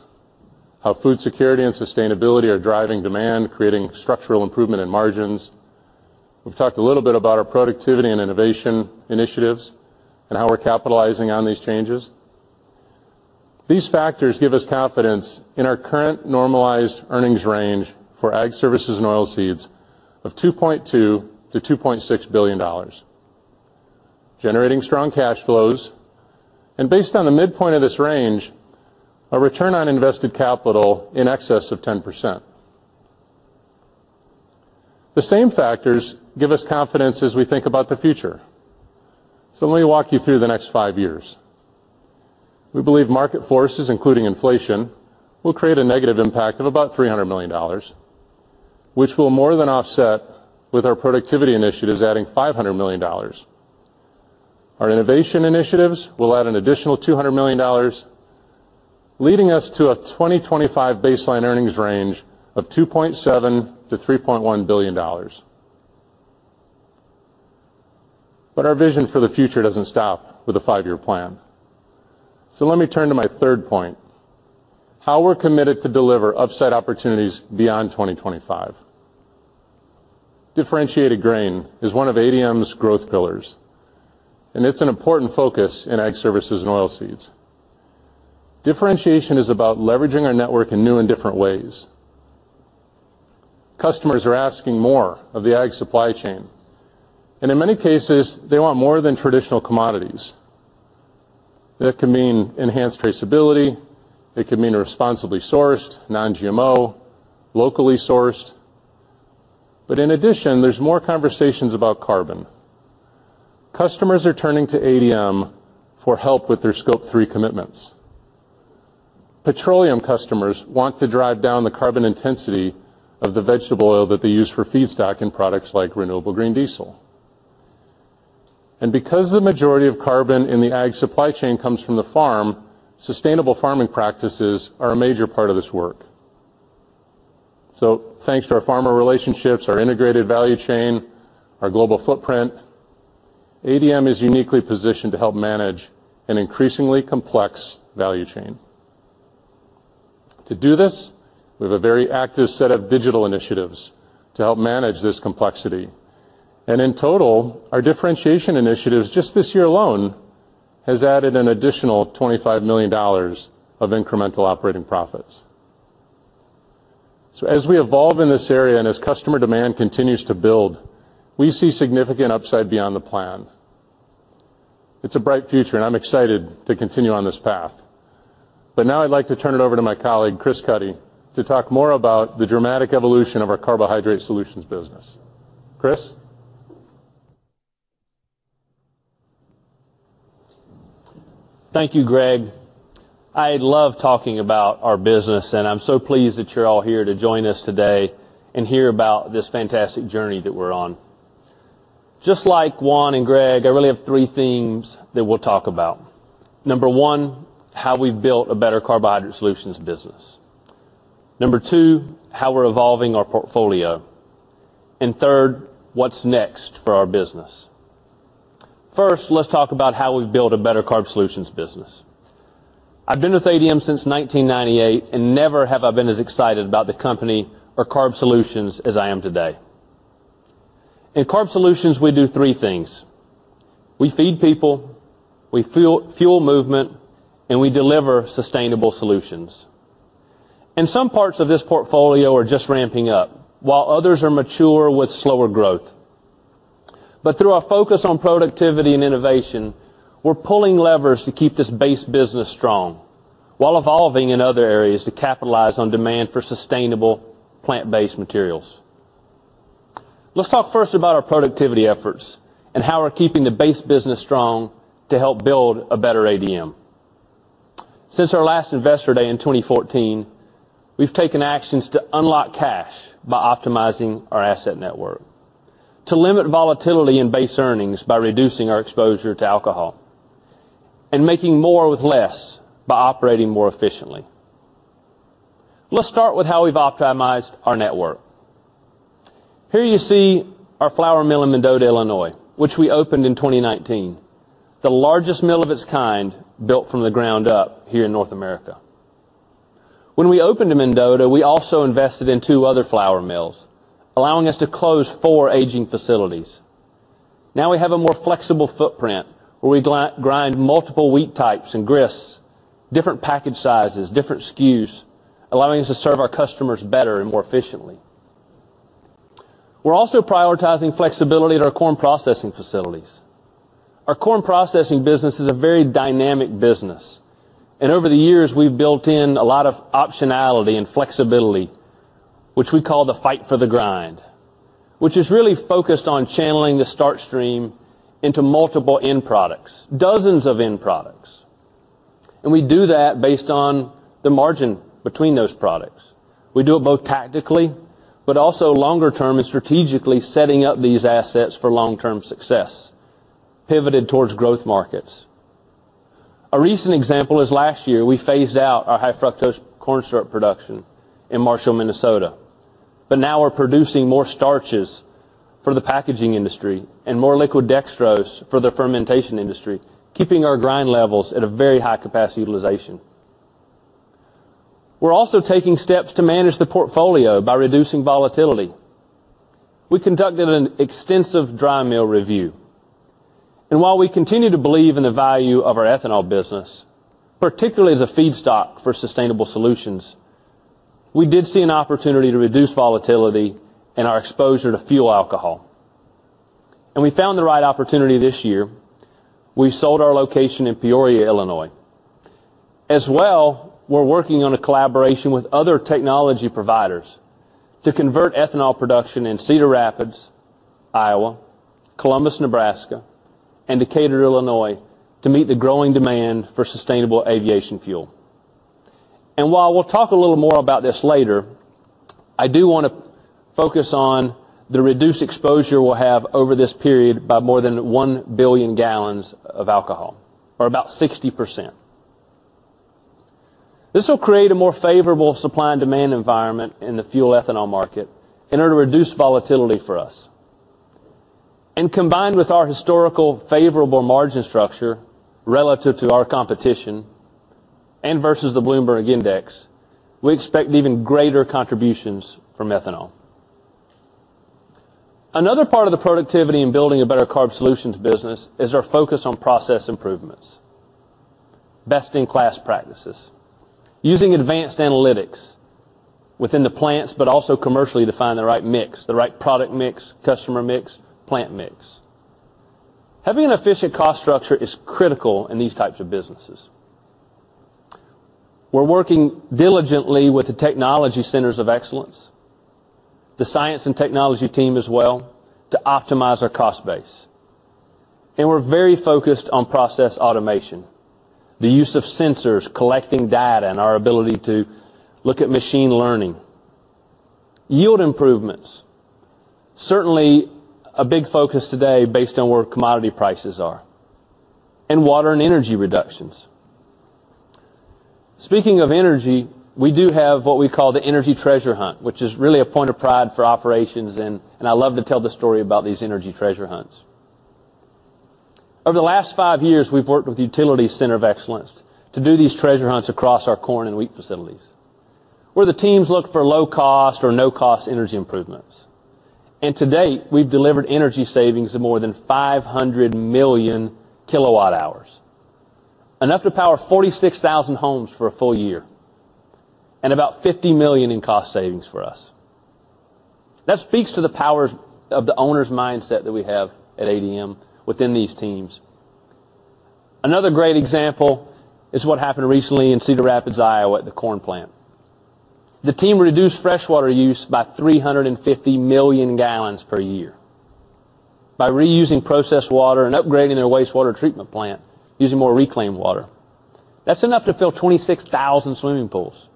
how food security and sustainability are driving demand, creating structural improvement in margins. We've talked a little bit about our productivity and innovation initiatives and how we're capitalizing on these changes. These factors give us confidence in our current normalized earnings range for Ag Services and Oilseeds of $2.2 billion-$2.6 billion, generating strong cash flows, and based on the midpoint of this range, a return on invested capital in excess of 10%. The same factors give us confidence as we think about the future. Let me walk you through the next five years. We believe market forces, including inflation, will create a negative impact of about $300 million, which will more than offset with our productivity initiatives adding $500 million. Our innovation initiatives will add an additional $200 million, leading us to a 2025 baseline earnings range of $2.7 billion-$3.1 billion. Our vision for the future doesn't stop with a five-year plan. Let me turn to my third point, how we're committed to deliver upside opportunities beyond 2025. Differentiated grain is one of ADM's growth pillars, and it's an important focus in Ag Services and Oilseeds. Differentiation is about leveraging our network in new and different ways. Customers are asking more of the ag supply chain, and in many cases, they want more than traditional commodities. That can mean enhanced traceability. It could mean responsibly sourced, non-GMO, locally sourced. In addition, there's more conversations about carbon. Customers are turning to ADM for help with their Scope 3 commitments. Petroleum customers want to drive down the carbon intensity of the vegetable oil that they use for feedstock in products like renewable green diesel. Because the majority of carbon in the ag supply chain comes from the farm, sustainable farming practices are a major part of this work. Thanks to our farmer relationships, our integrated value chain, our global footprint, ADM is uniquely positioned to help manage an increasingly complex value chain. To do this, we have a very active set of digital initiatives to help manage this complexity. In total, our differentiation initiatives, just this year alone, has added an additional $25 million of incremental operating profits. As we evolve in this area, and as customer demand continues to build, we see significant upside beyond the plan. It's a bright future, and I'm excited to continue on this path. Now I'd like to turn it over to my colleague, Chris Cuddy, to talk more about the dramatic evolution of our Carbohydrate Solutions business. Chris? Thank you, Greg. I love talking about our business, and I'm so pleased that you're all here to join us today and hear about this fantastic journey that we're on. Just like Juan and Greg, I really have three themes that we'll talk about. Number one, how we've built a better Carbohydrate Solutions business. Number two, how we're evolving our portfolio. Third, what's next for our business. First, let's talk about how we've built a better Carb Solutions business. I've been with ADM since 1998, and never have I been as excited about the company or Carb Solutions as I am today. In Carb Solutions, we do three things. We feed people, we fuel movement, and we deliver sustainable solutions. Some parts of this portfolio are just ramping up while others are mature with slower growth. Through our focus on productivity and innovation, we're pulling levers to keep this base business strong while evolving in other areas to capitalize on demand for sustainable plant-based materials. Let's talk first about our productivity efforts and how we're keeping the base business strong to help build a better ADM. Since our last Investor Day in 2014, we've taken actions to unlock cash by optimizing our asset network, to limit volatility in base earnings by reducing our exposure to alcohol, and making more with less by operating more efficiently. Let's start with how we've optimized our network. Here you see our flour mill in Mendota, Illinois, which we opened in 2019, the largest mill of its kind built from the ground up here in North America. When we opened in Mendota, we also invested in two other flour mills, allowing us to close four aging facilities. Now we have a more flexible footprint where we grind multiple wheat types and grists, different package sizes, different SKUs, allowing us to serve our customers better and more efficiently. We're also prioritizing flexibility at our corn processing facilities. Our corn processing business is a very dynamic business, and over the years, we've built in a lot of optionality and flexibility, which we call the fight for the grind, which is really focused on channeling the starch stream into multiple end products, dozens of end products. We do that based on the margin between those products. We do it both tactically, but also longer term and strategically setting up these assets for long-term success, pivoted towards growth markets. A recent example is last year, we phased out our high fructose corn syrup production in Marshall, Minnesota. Now we're producing more starches for the packaging industry and more liquid dextrose for the fermentation industry, keeping our grind levels at a very high capacity utilization. We're also taking steps to manage the portfolio by reducing volatility. We conducted an extensive dry mill review. While we continue to believe in the value of our ethanol business, particularly as a feedstock for sustainable solutions, we did see an opportunity to reduce volatility and our exposure to fuel alcohol. We found the right opportunity this year. We sold our location in Peoria, Illinois. As well, we're working on a collaboration with other technology providers to convert ethanol production in Cedar Rapids, Iowa, Columbus, Nebraska, and Decatur, Illinois, to meet the growing demand for sustainable aviation fuel. While we'll talk a little more about this later, I do wanna focus on the reduced exposure we'll have over this period by more than 1 billion gallons of alcohol, or about 60%. This will create a more favorable supply and demand environment in the fuel ethanol market in order to reduce volatility for us. Combined with our historical favorable margin structure relative to our competition and versus the Bloomberg index, we expect even greater contributions from ethanol. Another part of the productivity in building a better carb solutions business is our focus on process improvements, best-in-class practices, using advanced analytics within the plants, but also commercially to find the right mix, the right product mix, customer mix, plant mix. Having an efficient cost structure is critical in these types of businesses. We're working diligently with the technology Centers of Excellence, the science and technology team as well, to optimize our cost base. We're very focused on process automation, the use of sensors collecting data, and our ability to look at machine learning. Yield improvements, certainly a big focus today based on where commodity prices are, and water and energy reductions. Speaking of energy, we do have what we call the energy treasure hunt, which is really a point of pride for operations, and I love to tell the story about these energy treasure hunts. Over the last five years, we've worked with Utility Center of Excellence to do these treasure hunts across our corn and wheat facilities, where the teams look for low-cost or no-cost energy improvements. To date, we've delivered energy savings of more than 500 million kWh, enough to power 46,000 homes for a full year, and about $50 million in cost savings for us. That speaks to the powers of the owner's mindset that we have at ADM within these teams. Another great example is what happened recently in Cedar Rapids, Iowa, at the corn plant. The team reduced freshwater use by 350 million gallons per year by reusing processed water and upgrading their wastewater treatment plant using more reclaimed water. That's enough to fill 26,000 swimming pools.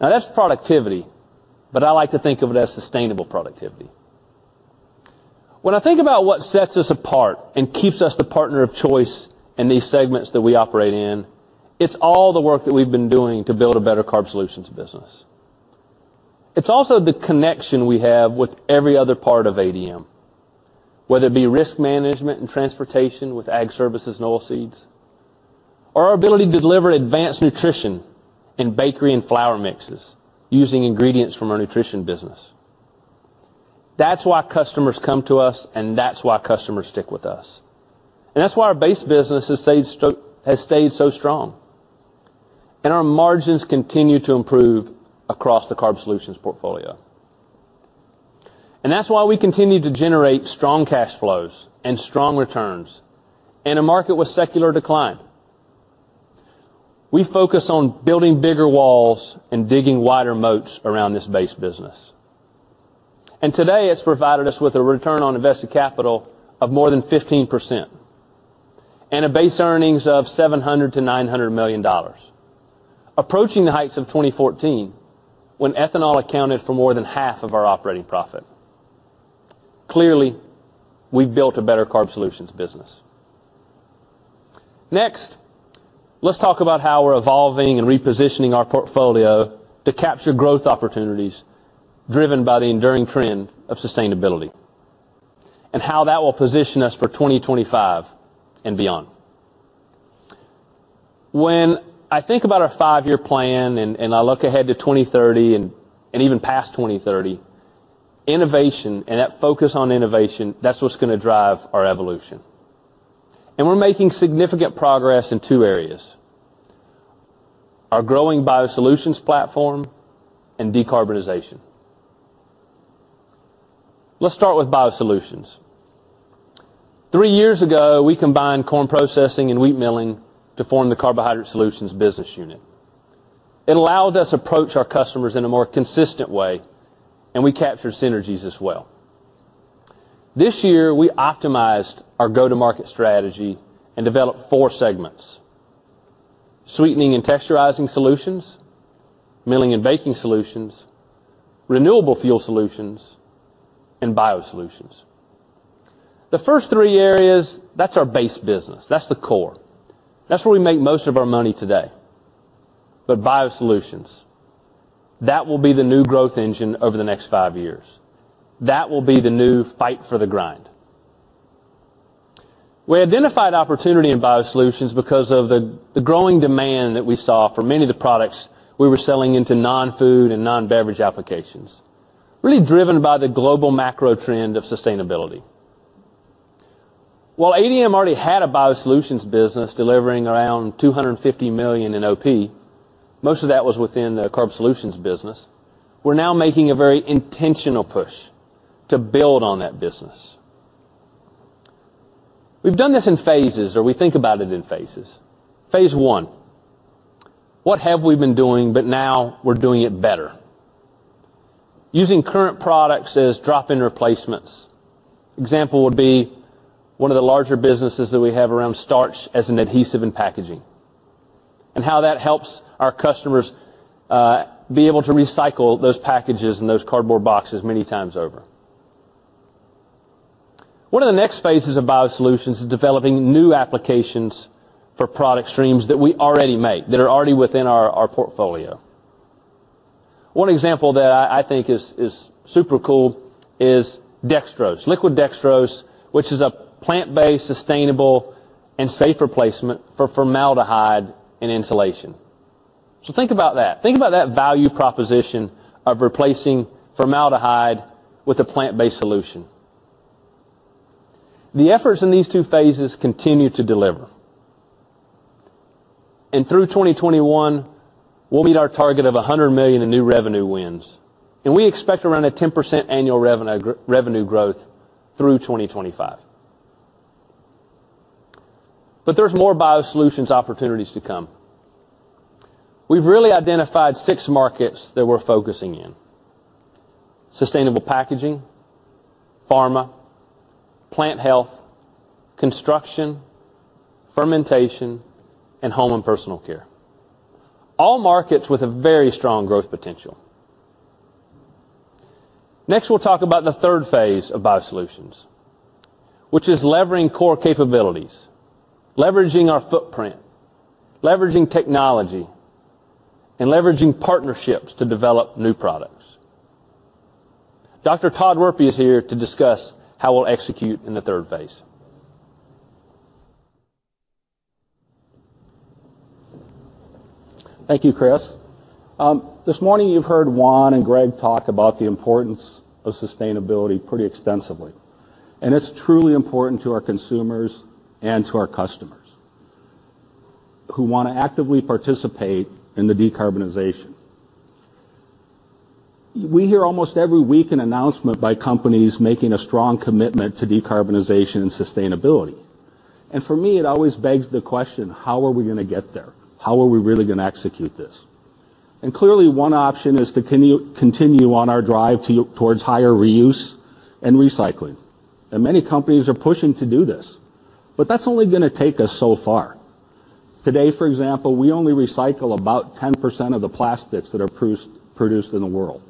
Now that's productivity, but I like to think of it as sustainable productivity. When I think about what sets us apart and keeps us the partner of choice in these segments that we operate in, it's all the work that we've been doing to build a better carb solutions business. It's also the connection we have with every other part of ADM, whether it be risk management and transportation with Ag Services and Oilseeds, or our ability to deliver advanced nutrition in bakery and flour mixes using ingredients from our Nutrition business. That's why customers come to us, and that's why customers stick with us. That's why our base business has stayed so strong, and our margins continue to improve across the carb solutions portfolio. That's why we continue to generate strong cash flows and strong returns in a market with secular decline. We focus on building bigger walls and digging wider moats around this base business. Today, it's provided us with a return on invested capital of more than 15% and a base earnings of $700 million-$900 million, approaching the heights of 2014 when ethanol accounted for more than half of our operating profit. Clearly, we've built a better carb solutions business. Next, let's talk about how we're evolving and repositioning our portfolio to capture growth opportunities driven by the enduring trend of sustainability and how that will position us for 2025 and beyond. When I think about our five-year plan and I look ahead to 2030 and even past 2030, innovation and that focus on innovation, that's what's gonna drive our evolution. We're making significant progress in two areas, our growing BioSolutions platform and decarbonization. Let's start with BioSolutions. Three years ago, we combined corn processing and wheat milling to form the Carbohydrate Solutions business unit. It allowed us to approach our customers in a more consistent way, and we captured synergies as well. This year, we optimized our go-to-market strategy and developed four segments, Sweetening and Texturizing Solutions, Milling and Baking Solutions, Renewable Fuel Solutions, and BioSolutions. The first three areas, that's our base business. That's the core. That's where we make most of our money today. BioSolutions, that will be the new growth engine over the next five years. That will be the new fight for the grind. We identified opportunity in BioSolutions because of the growing demand that we saw for many of the products we were selling into non-food and non-beverage applications, really driven by the global macro trend of sustainability. While ADM already had a BioSolutions business delivering around $250 million in OP, most of that was within the carb solutions business. We're now making a very intentional push to build on that business. We've done this in phases, or we think about it in phases. phase I, what have we been doing, but now we're doing it better. Using current products as drop-in replacements. Example would be one of the larger businesses that we have around starch as an adhesive in packaging, and how that helps our customers be able to recycle those packages and those cardboard boxes many times over. One of the next phases of BioSolutions is developing new applications for product streams that we already make, that are already within our portfolio. One example that I think is super cool is dextrose. Liquid dextrose, which is a plant-based, sustainable, and safe replacement for formaldehyde in insulation. Think about that. Think about that value proposition of replacing formaldehyde with a plant-based solution. The efforts in these two phases continue to deliver. Through 2021, we'll meet our target of $100 million in new revenue wins, and we expect around 10% annual revenue growth through 2025. There's more BioSolutions opportunities to come. We've really identified six markets that we're focusing in, sustainable packaging, pharma, plant health, construction, fermentation, and home and personal care. All markets with a very strong growth potential. Next, we'll talk about the third phase of BioSolutions, which is leveraging core capabilities, leveraging our footprint, leveraging technology, and leveraging partnerships to develop new products. Dr. Todd Werpy is here to discuss how we'll execute in the third phase. Thank you, Chris. This morning you've heard Juan and Greg talk about the importance of sustainability pretty extensively, and it's truly important to our consumers and to our customers who wanna actively participate in the decarbonization. We hear almost every week an announcement by companies making a strong commitment to decarbonization and sustainability. For me, it always begs the question, how are we gonna get there? How are we really gonna execute this? Clearly, one option is to continue on our drive towards higher reuse and recycling. Many companies are pushing to do this, but that's only gonna take us so far. Today, for example, we only recycle about 10% of the plastics that are produced in the world.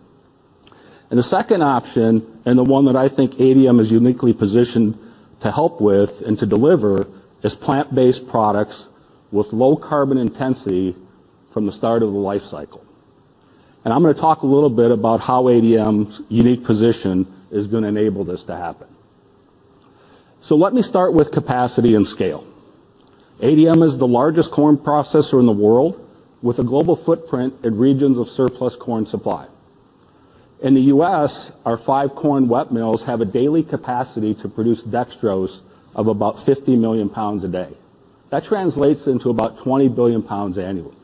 The second option, and the one that I think ADM is uniquely positioned to help with and to deliver, is plant-based products with low carbon intensity from the start of the life cycle. I'm gonna talk a little bit about how ADM's unique position is gonna enable this to happen. Let me start with capacity and scale. ADM is the largest corn processor in the world, with a global footprint in regions of surplus corn supply. In the U.S., our five corn wet mills have a daily capacity to produce dextrose of about 50 million pounds a day. That translates into about 20 billion pounds annually.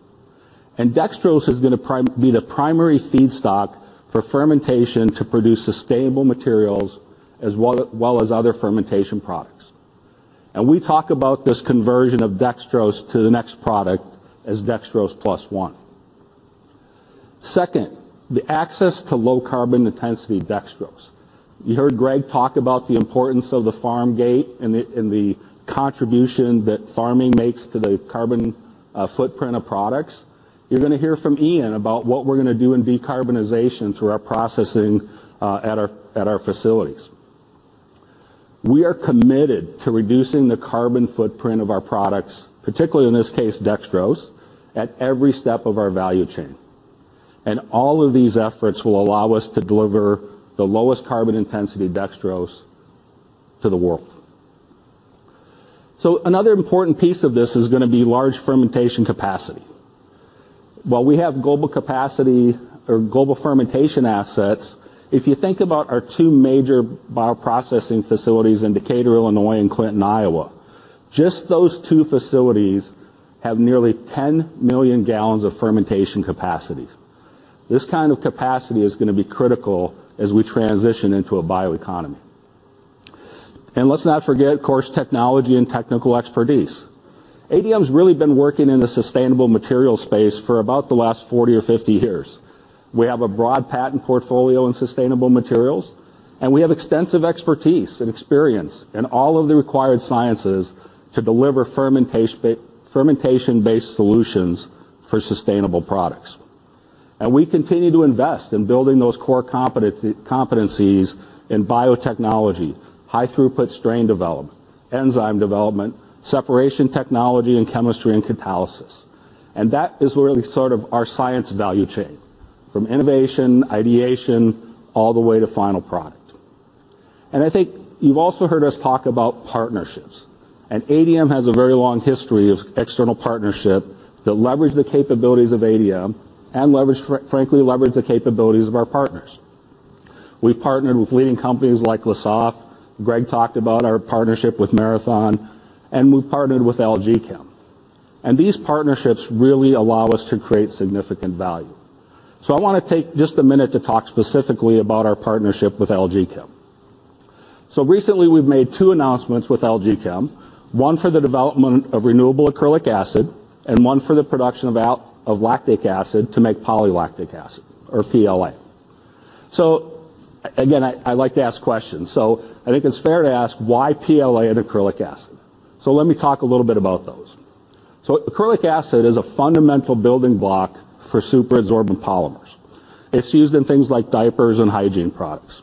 Dextrose is gonna be the primary feedstock for fermentation to produce sustainable materials, as well as other fermentation products. We talk about this conversion of dextrose to the next product as Dextrose plus one. Second, the access to low carbon intensity dextrose. You heard Greg talk about the importance of the farm gate and the contribution that farming makes to the carbon footprint of products. You're gonna hear from Ian about what we're gonna do in decarbonization through our processing at our facilities. We are committed to reducing the carbon footprint of our products, particularly in this case, dextrose, at every step of our value chain. All of these efforts will allow us to deliver the lowest carbon intensity dextrose to the world. Another important piece of this is gonna be large fermentation capacity. While we have global capacity or global fermentation assets, if you think about our two major bioprocessing facilities in Decatur, Illinois and Clinton, Iowa, just those two facilities have nearly 10 million gallons of fermentation capacity. This kind of capacity is gonna be critical as we transition into a bioeconomy. Let's not forget, of course, technology and technical expertise. ADM's really been working in the sustainable materials space for about the last 40 or 50 years. We have a broad patent portfolio in sustainable materials, and we have extensive expertise and experience in all of the required sciences to deliver fermentation-based solutions for sustainable products. We continue to invest in building those core competencies in biotechnology, high-throughput strain development, enzyme development, separation technology, and chemistry and catalysis. That is really sort of our science value chain, from innovation, ideation, all the way to final product. I think you've also heard us talk about partnerships, and ADM has a very long history of external partnerships that leverage the capabilities of ADM and, frankly, leverage the capabilities of our partners. We've partnered with leading companies like Lesaffre. Greg talked about our partnership with Marathon, and we've partnered with LG Chem. These partnerships really allow us to create significant value. I wanna take just a minute to talk specifically about our partnership with LG Chem. Recently, we've made two announcements with LG Chem. One for the development of renewable acrylic acid and one for the production of lactic acid to make polylactic acid or PLA. Again, I like to ask questions. I think it's fair to ask why PLA and acrylic acid. Let me talk a little bit about those. Acrylic acid is a fundamental building block for super absorbent polymers. It's used in things like diapers and hygiene products.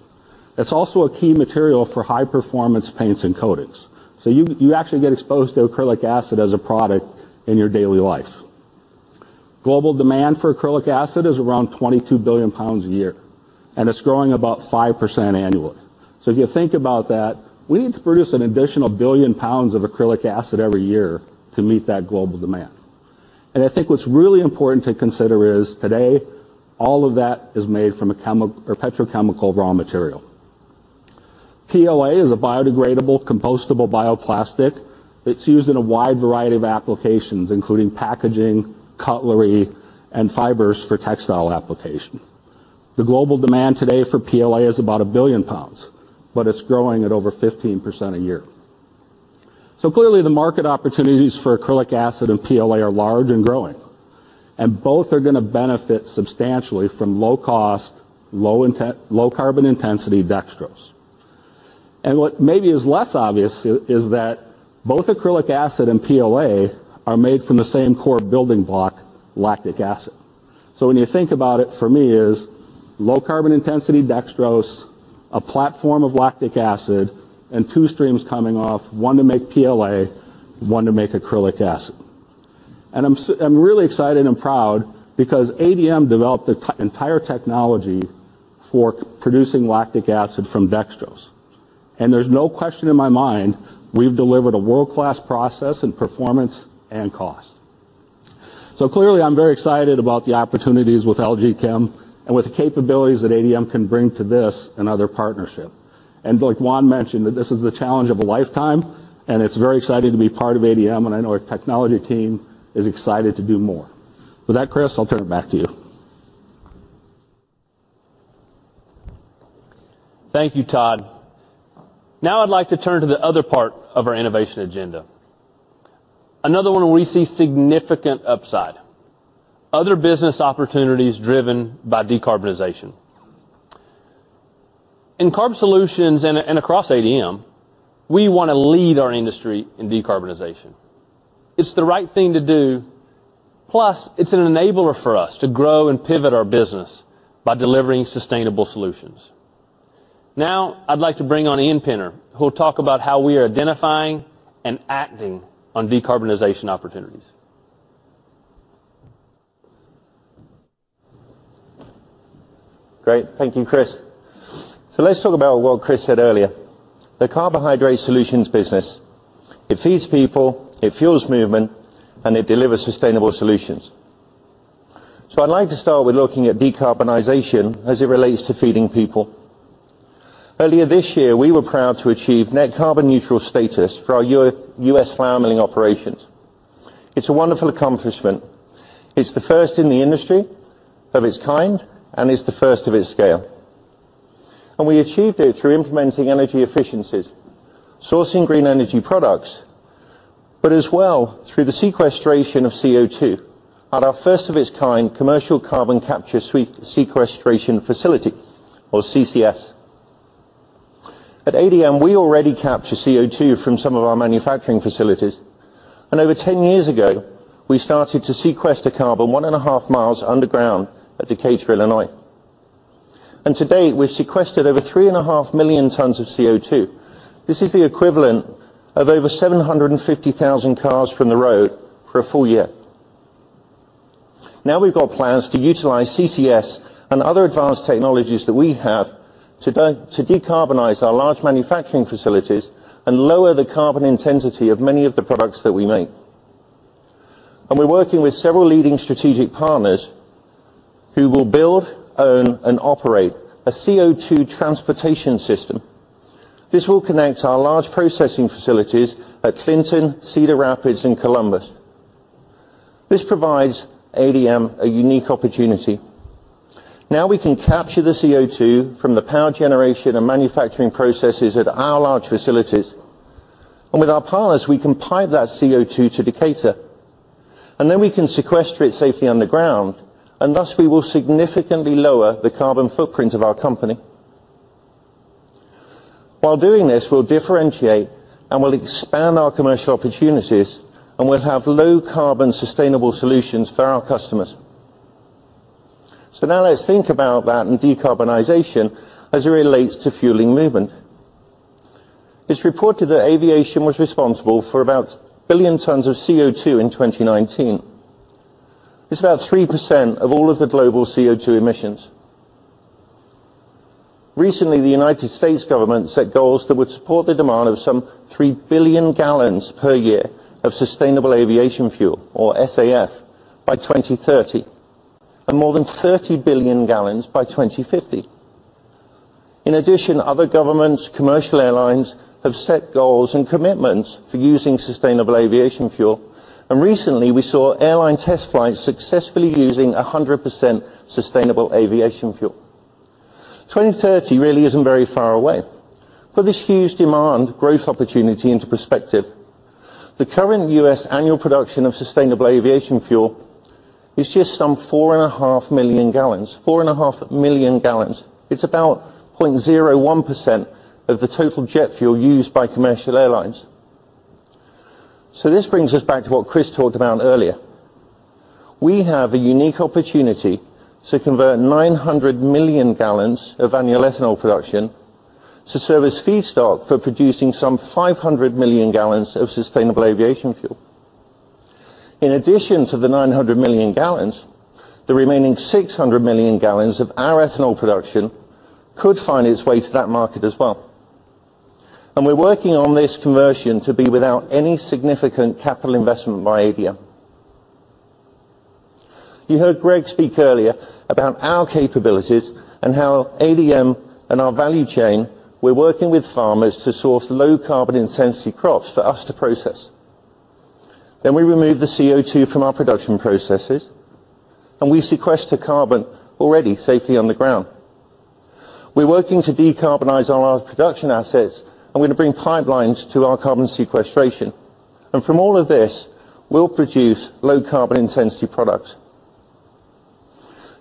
It's also a key material for high-performance paints and coatings. You actually get exposed to acrylic acid as a product in your daily life. Global demand for acrylic acid is around 22 billion pounds a year, and it's growing about 5% annually. If you think about that, we need to produce an additional 1 billion pounds of acrylic acid every year to meet that global demand. I think what's really important to consider is today, all of that is made from a petrochemical raw material. PLA is a biodegradable compostable bioplastic. It's used in a wide variety of applications, including packaging, cutlery, and fibers for textile application. The global demand today for PLA is about 1 billion pounds, but it's growing at over 15% a year. Clearly, the market opportunities for acrylic acid and PLA are large and growing, and both are gonna benefit substantially from low cost, low carbon intensity dextrose. What maybe is less obvious is that both acrylic acid and PLA are made from the same core building block, lactic acid. When you think about it, for me is low carbon intensity dextrose, a platform of lactic acid, and two streams coming off, one to make PLA, one to make acrylic acid. I'm really excited and proud because ADM developed the entire technology for producing lactic acid from dextrose. There's no question in my mind, we've delivered a world-class process and performance and cost. Clearly, I'm very excited about the opportunities with LG Chem and with the capabilities that ADM can bring to this and other partnership. Like Juan mentioned, that this is the challenge of a lifetime, and it's very exciting to be part of ADM, and I know our technology team is excited to do more. With that, Chris, I'll turn it back to you. Thank you, Todd. Now I'd like to turn to the other part of our innovation agenda. Another one where we see significant upside. Other business opportunities driven by decarbonization. In Carb Solutions and across ADM, we wanna lead our industry in decarbonization. It's the right thing to do, plus it's an enabler for us to grow and pivot our business by delivering sustainable solutions. Now, I'd like to bring on Ian Pinner, who will talk about how we are identifying and acting on decarbonization opportunities. Great. Thank you, Chris. Let's talk about what Chris said earlier. The Carbohydrate Solutions business, it feeds people, it fuels movement, and it delivers sustainable solutions. I'd like to start with looking at decarbonization as it relates to feeding people. Earlier this year, we were proud to achieve net carbon neutral status for our EU-U.S. flour milling operations. It's a wonderful accomplishment. It's the first in the industry of its kind, and it's the first of its scale. We achieved it through implementing energy efficiencies, sourcing green energy products, but as well through the sequestration of CO2 at our first of its kind commercial carbon capture sequestration facility or CCS. At ADM, we already capture CO2 from some of our manufacturing facilities. Over 10 years ago, we started to sequester carbon 1.5 mi underground at Decatur, Illinois. To date, we've sequestered over 3.5 million tons of CO2. This is the equivalent of over 750,000 cars from the road for a full year. Now we've got plans to utilize CCS and other advanced technologies that we have to decarbonize our large manufacturing facilities and lower the carbon intensity of many of the products that we make. We're working with several leading strategic partners who will build, own, and operate a CO2 transportation system. This will connect our large processing facilities at Clinton, Cedar Rapids, and Columbus. This provides ADM a unique opportunity. Now we can capture the CO2 from the power generation and manufacturing processes at our large facilities. With our partners, we can pipe that CO2 to Decatur. Then we can sequester it safely underground, and thus we will significantly lower the carbon footprint of our company. While doing this, we'll differentiate and we'll expand our commercial opportunities, and we'll have low carbon sustainable solutions for our customers. Now let's think about that in decarbonization as it relates to fueling movement. It's reported that aviation was responsible for about 1 billion tons of CO2 in 2019. It's about 3% of all of the global CO2 emissions. Recently, the United States government set goals that would support the demand of some 3 billion gallons per year of sustainable aviation fuel or SAF by 2030, and more than 30 billion gallons by 2050. In addition, other governments, commercial airlines have set goals and commitments for using sustainable aviation fuel. Recently, we saw airline test flights successfully using 100% sustainable aviation fuel. 2030 really isn't very far away. Put this huge demand growth opportunity into perspective. The current U.S. annual production of sustainable aviation fuel is just some 4.5 million gallons. 4.5 million gallons. It's about 0.01% of the total jet fuel used by commercial airlines. This brings us back to what Chris talked about earlier. We have a unique opportunity to convert 900 million gallons of annual ethanol production to serve as feedstock for producing some 500 million gallons of sustainable aviation fuel. In addition to the 900 million gallons, the remaining 600 million gallons of our ethanol production could find its way to that market as well. We're working on this conversion to be without any significant capital investment by ADM. You heard Greg speak earlier about our capabilities and how ADM and our value chain, we're working with Farmers to source low carbon intensity crops for us to process. We remove the CO2 from our production processes, and we sequester carbon already safely underground. We're working to decarbonize all our production assets, and we're gonna bring pipelines to our carbon sequestration. From all of this, we'll produce low carbon intensity products.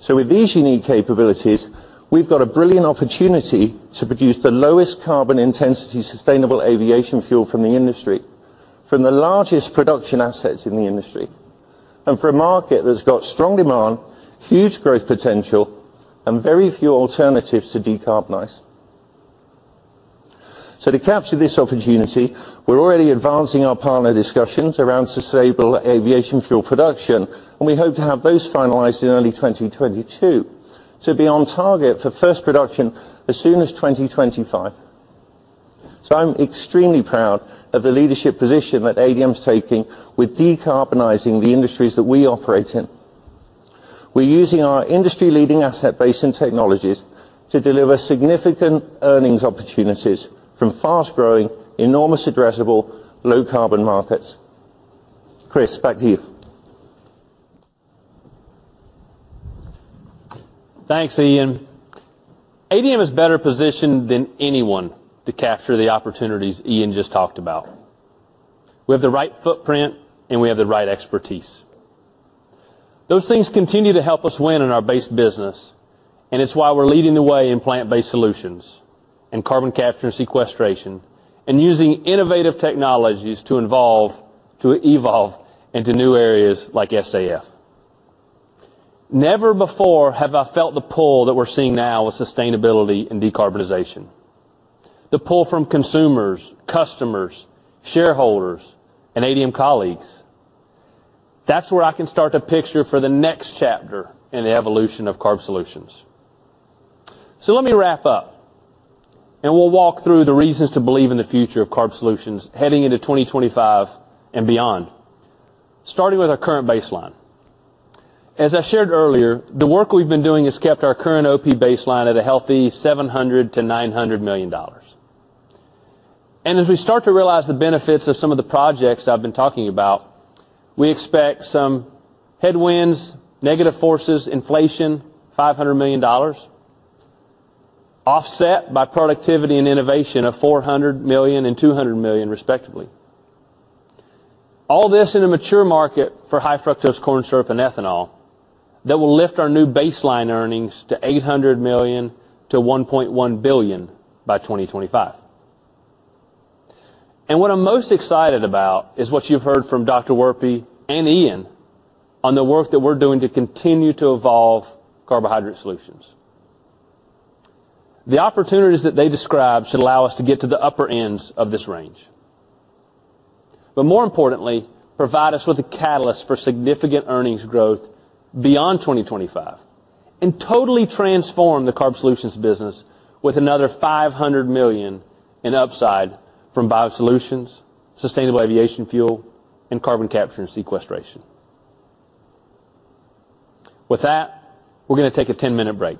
With these unique capabilities, we've got a brilliant opportunity to produce the lowest carbon intensity sustainable aviation fuel from the industry, from the largest production assets in the industry, and for a market that's got strong demand, huge growth potential, and very few alternatives to decarbonize. To capture this opportunity, we're already advancing our partner discussions around sustainable aviation fuel production, and we hope to have those finalized in early 2022 to be on target for first production as soon as 2025. I'm extremely proud of the leadership position that ADM's taking with decarbonizing the industries that we operate in. We're using our industry-leading asset base and technologies to deliver significant earnings opportunities from fast-growing, enormous addressable low carbon markets. Chris, back to you. Thanks, Ian. ADM is better positioned than anyone to capture the opportunities Ian just talked about. We have the right footprint, and we have the right expertise. Those things continue to help us win in our base business, and it's why we're leading the way in plant-based solutions and carbon capture and sequestration, and using innovative technologies to evolve into new areas like SAF. Never before have I felt the pull that we're seeing now with sustainability and decarbonization. The pull from consumers, customers, shareholders, and ADM colleagues. That's where I can start to picture for the next chapter in the evolution of carb solutions. Let me wrap up, and we'll walk through the reasons to believe in the future of carb solutions heading into 2025 and beyond, starting with our current baseline. As I shared earlier, the work we've been doing has kept our current OP baseline at a healthy $700 million-$900 million. As we start to realize the benefits of some of the projects I've been talking about, we expect some headwinds, negative forces, inflation of $500 million, offset by productivity and innovation of $400 million and $200 million respectively. All this in a mature market for high fructose corn syrup and ethanol that will lift our new baseline earnings to $800 million-$1.1 billion by 2025. What I'm most excited about is what you've heard from Dr. Werpy and Ian on the work that we're doing to continue to evolve Carbohydrate Solutions. The opportunities that they describe should allow us to get to the upper ends of this range. More importantly, provide us with a catalyst for significant earnings growth beyond 2025 and totally transform the Carb Solutions business with another $500 million in upside from BioSolutions, sustainable aviation fuel, and carbon capture and sequestration. With that, we're gonna take a 10-minute break.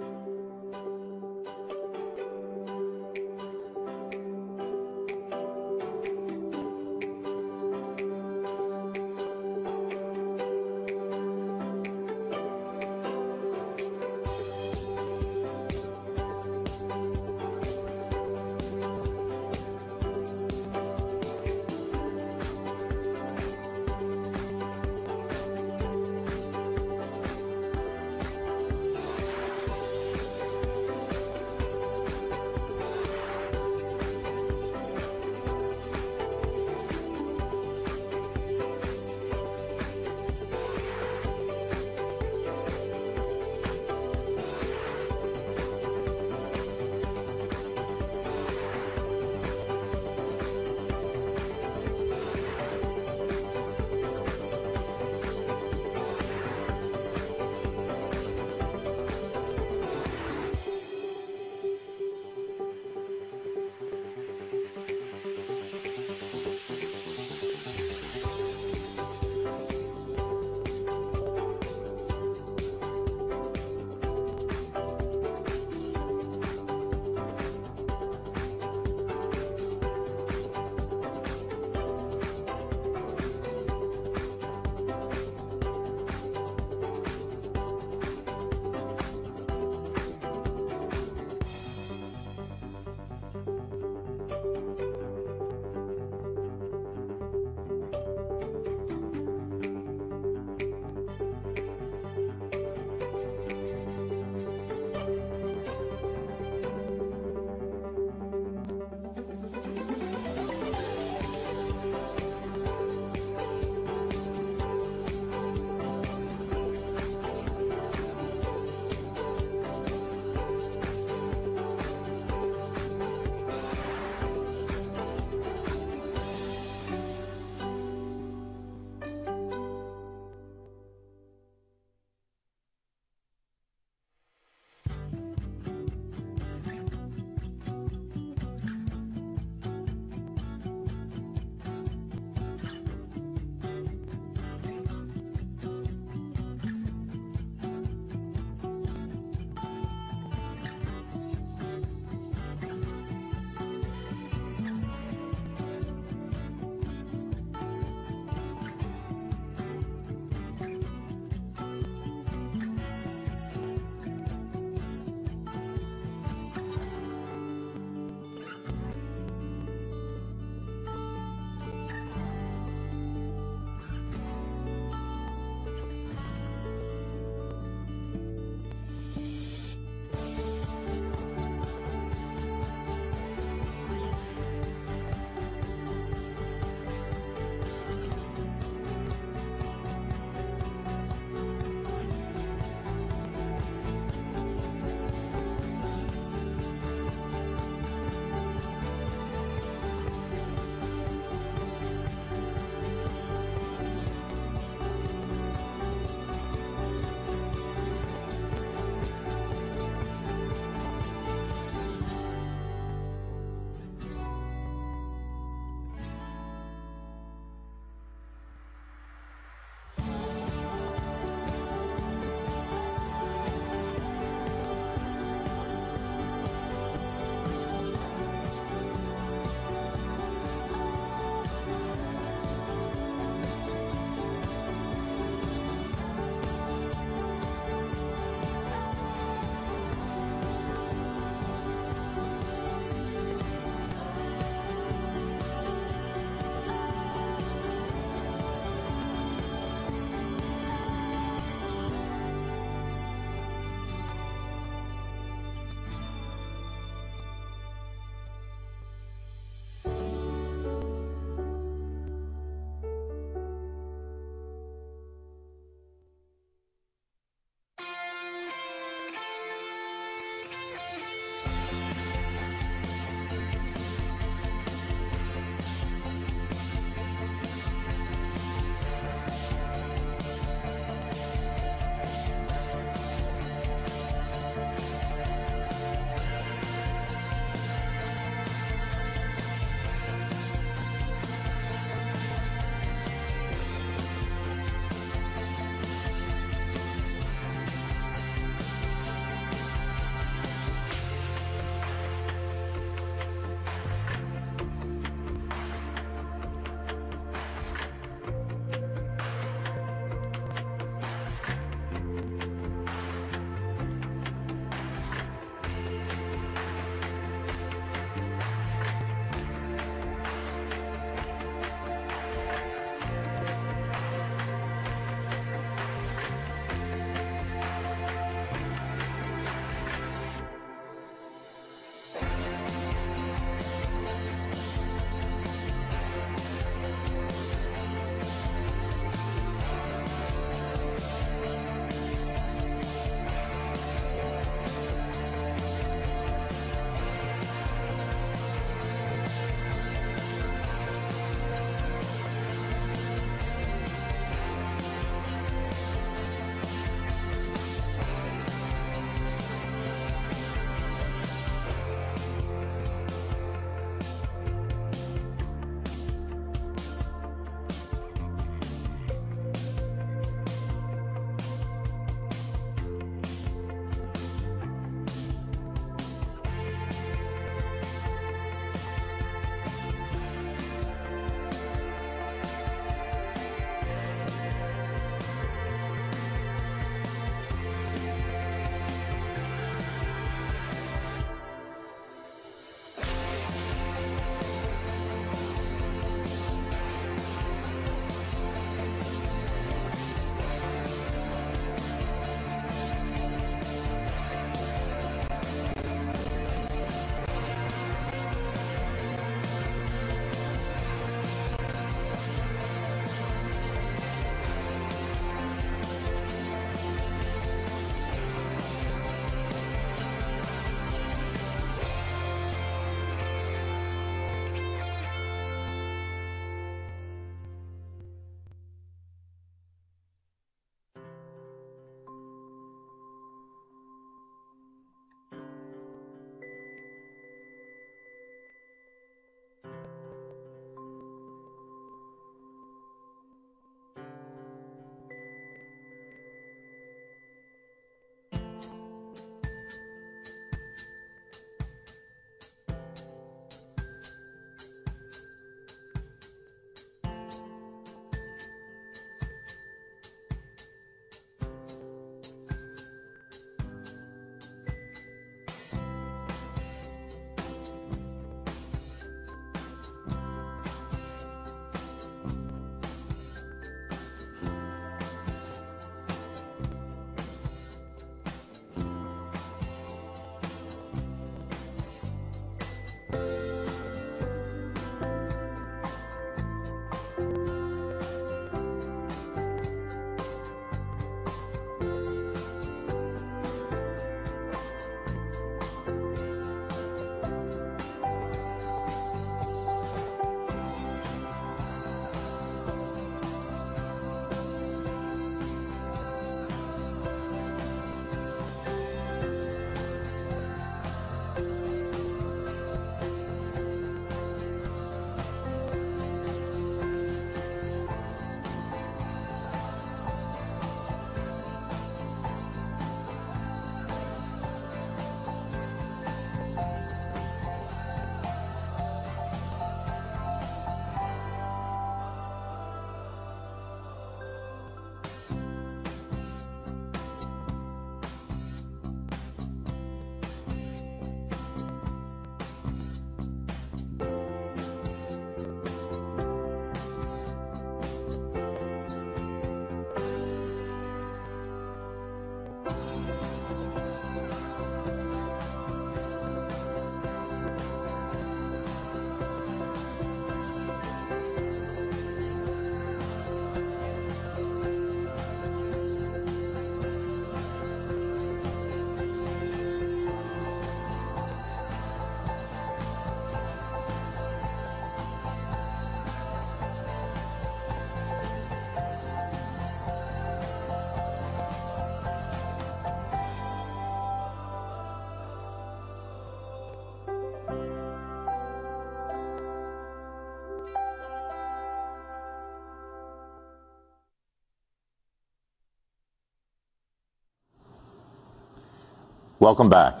Welcome back.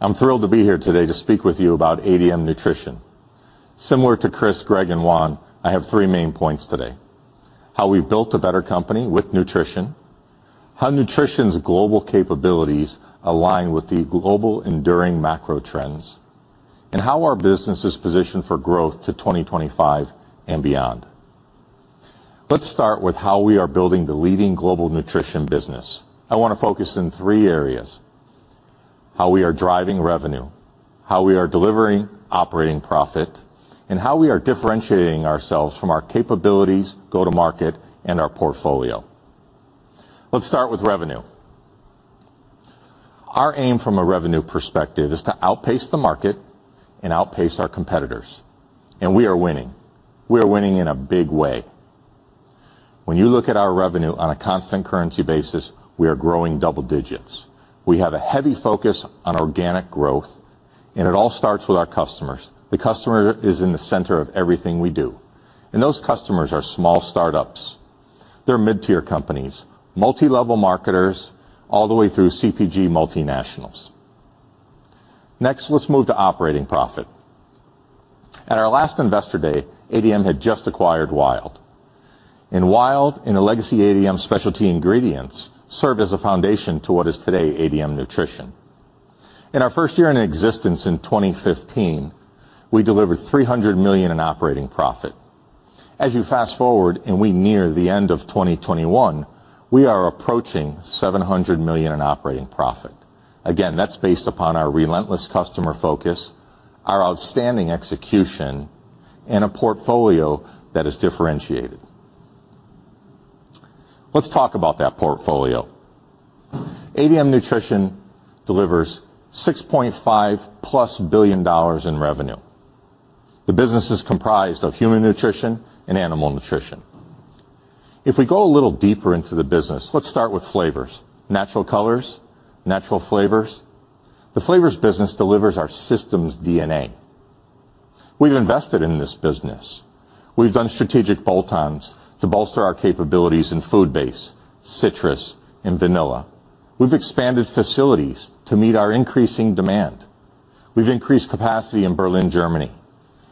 I'm thrilled to be here today to speak with you about ADM Nutrition. Similar to Chris, Greg, and Juan, I have three main points today: how we built a better company with nutrition, how nutrition's global capabilities align with the global enduring macro trends, and how our business is positioned for growth to 2025 and beyond. Let's start with how we are building the leading global nutrition business. I wanna focus in three areas: how we are driving revenue, how we are delivering operating profit, and how we are differentiating ourselves from our capabilities, go-to-market, and our portfolio. Let's start with revenue. Our aim from a revenue perspective is to outpace the market and outpace our competitors, and we are winning. We are winning in a big way. When you look at our revenue on a constant currency basis, we are growing double digits. We have a heavy focus on organic growth, and it all starts with our customers. The customer is in the center of everything we do, and those customers are small startups. They're mid-tier companies, multi-level marketers, all the way through CPG multinationals. Next, let's move to operating profit. At our last Investor Day, ADM had just acquired WILD. WILD, in a legacy ADM specialty ingredients, served as a foundation to what is today ADM Nutrition. In our first year in existence in 2015, we delivered $300 million in operating profit. As you fast-forward and we near the end of 2021, we are approaching $700 million in operating profit. Again, that's based upon our relentless customer focus, our outstanding execution, and a portfolio that is differentiated. Let's talk about that portfolio. ADM Nutrition delivers $6.5+ billion in revenue. The business is comprised of human nutrition and animal nutrition. If we go a little deeper into the business, let's start with flavors, natural colors, natural flavors. The flavors business delivers our systems DNA. We've invested in this business. We've done strategic bolt-ons to bolster our capabilities in food base, citrus, and vanilla. We've expanded facilities to meet our increasing demand. We've increased capacity in Berlin, Germany.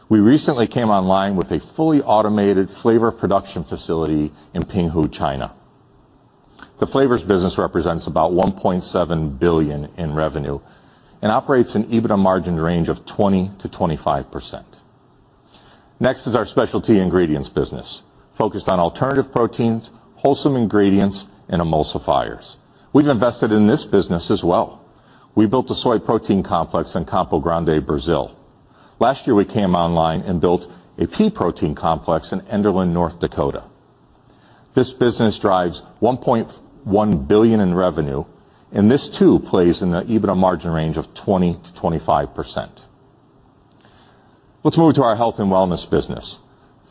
We recently came online with a fully automated flavor production facility in Pinghu, China. The flavors business represents about $1.7 billion in revenue and operates an EBITDA margin range of 20%-25%. Next is our specialty ingredients business, focused on alternative proteins, wholesome ingredients, and emulsifiers. We've invested in this business as well. We built a soy protein complex in Campo Grande, Brazil. Last year, we came online and built a pea protein complex in Enderlin, North Dakota. This business drives $1.1 billion in revenue, and this too plays in the EBITDA margin range of 20%-25%. Let's move to our health and wellness business.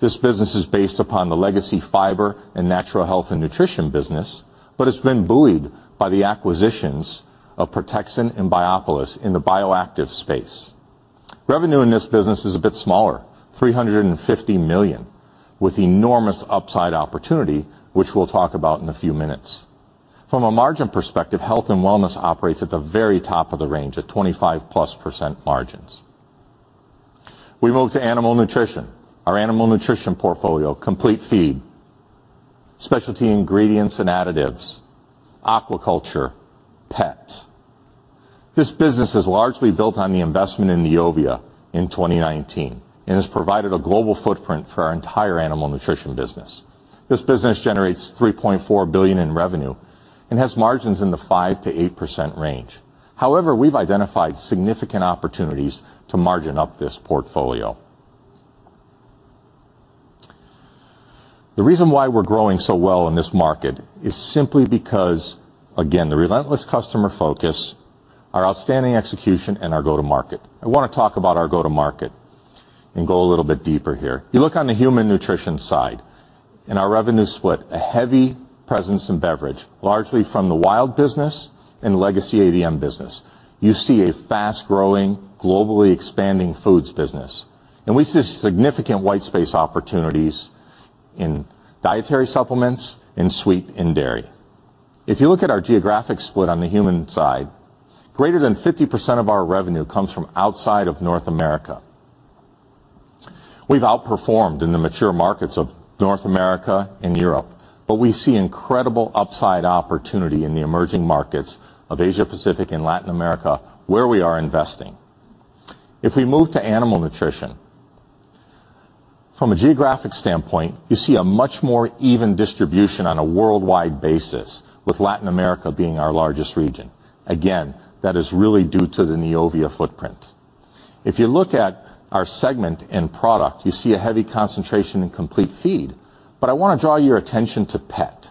This business is based upon the legacy fiber and natural health and nutrition business, but it's been buoyed by the acquisitions of Protexin and Biopolis in the bioactive space. Revenue in this business is a bit smaller, $350 million, with enormous upside opportunity, which we'll talk about in a few minutes. From a margin perspective, health and wellness operates at the very top of the range at 25%+ margins. We move to animal nutrition. Our animal nutrition portfolio, complete feed, specialty ingredients and additives, aquaculture, pet. This business is largely built on the investment in Neovia in 2019 and has provided a global footprint for our entire animal nutrition business. This business generates $3.4 billion in revenue and has margins in the 5%-8% range. However, we've identified significant opportunities to margin up this portfolio. The reason why we're growing so well in this market is simply because, again, the relentless customer focus, our outstanding execution and our go-to-market. I wanna talk about our go-to-market and go a little bit deeper here. You look on the human nutrition side and our revenue split, a heavy presence in beverage, largely from the Wild business and legacy ADM business. You see a fast-growing, globally expanding foods business. We see significant white space opportunities in dietary supplements, in sweet, in dairy. If you look at our geographic split on the human side, greater than 50% of our revenue comes from outside of North America. We've outperformed in the mature markets of North America and Europe, but we see incredible upside opportunity in the emerging markets of Asia-Pacific and Latin America, where we are investing. If we move to animal nutrition, from a geographic standpoint, you see a much more even distribution on a worldwide basis, with Latin America being our largest region. Again, that is really due to the Neovia footprint. If you look at our segment and product, you see a heavy concentration in complete feed, but I wanna draw your attention to pet.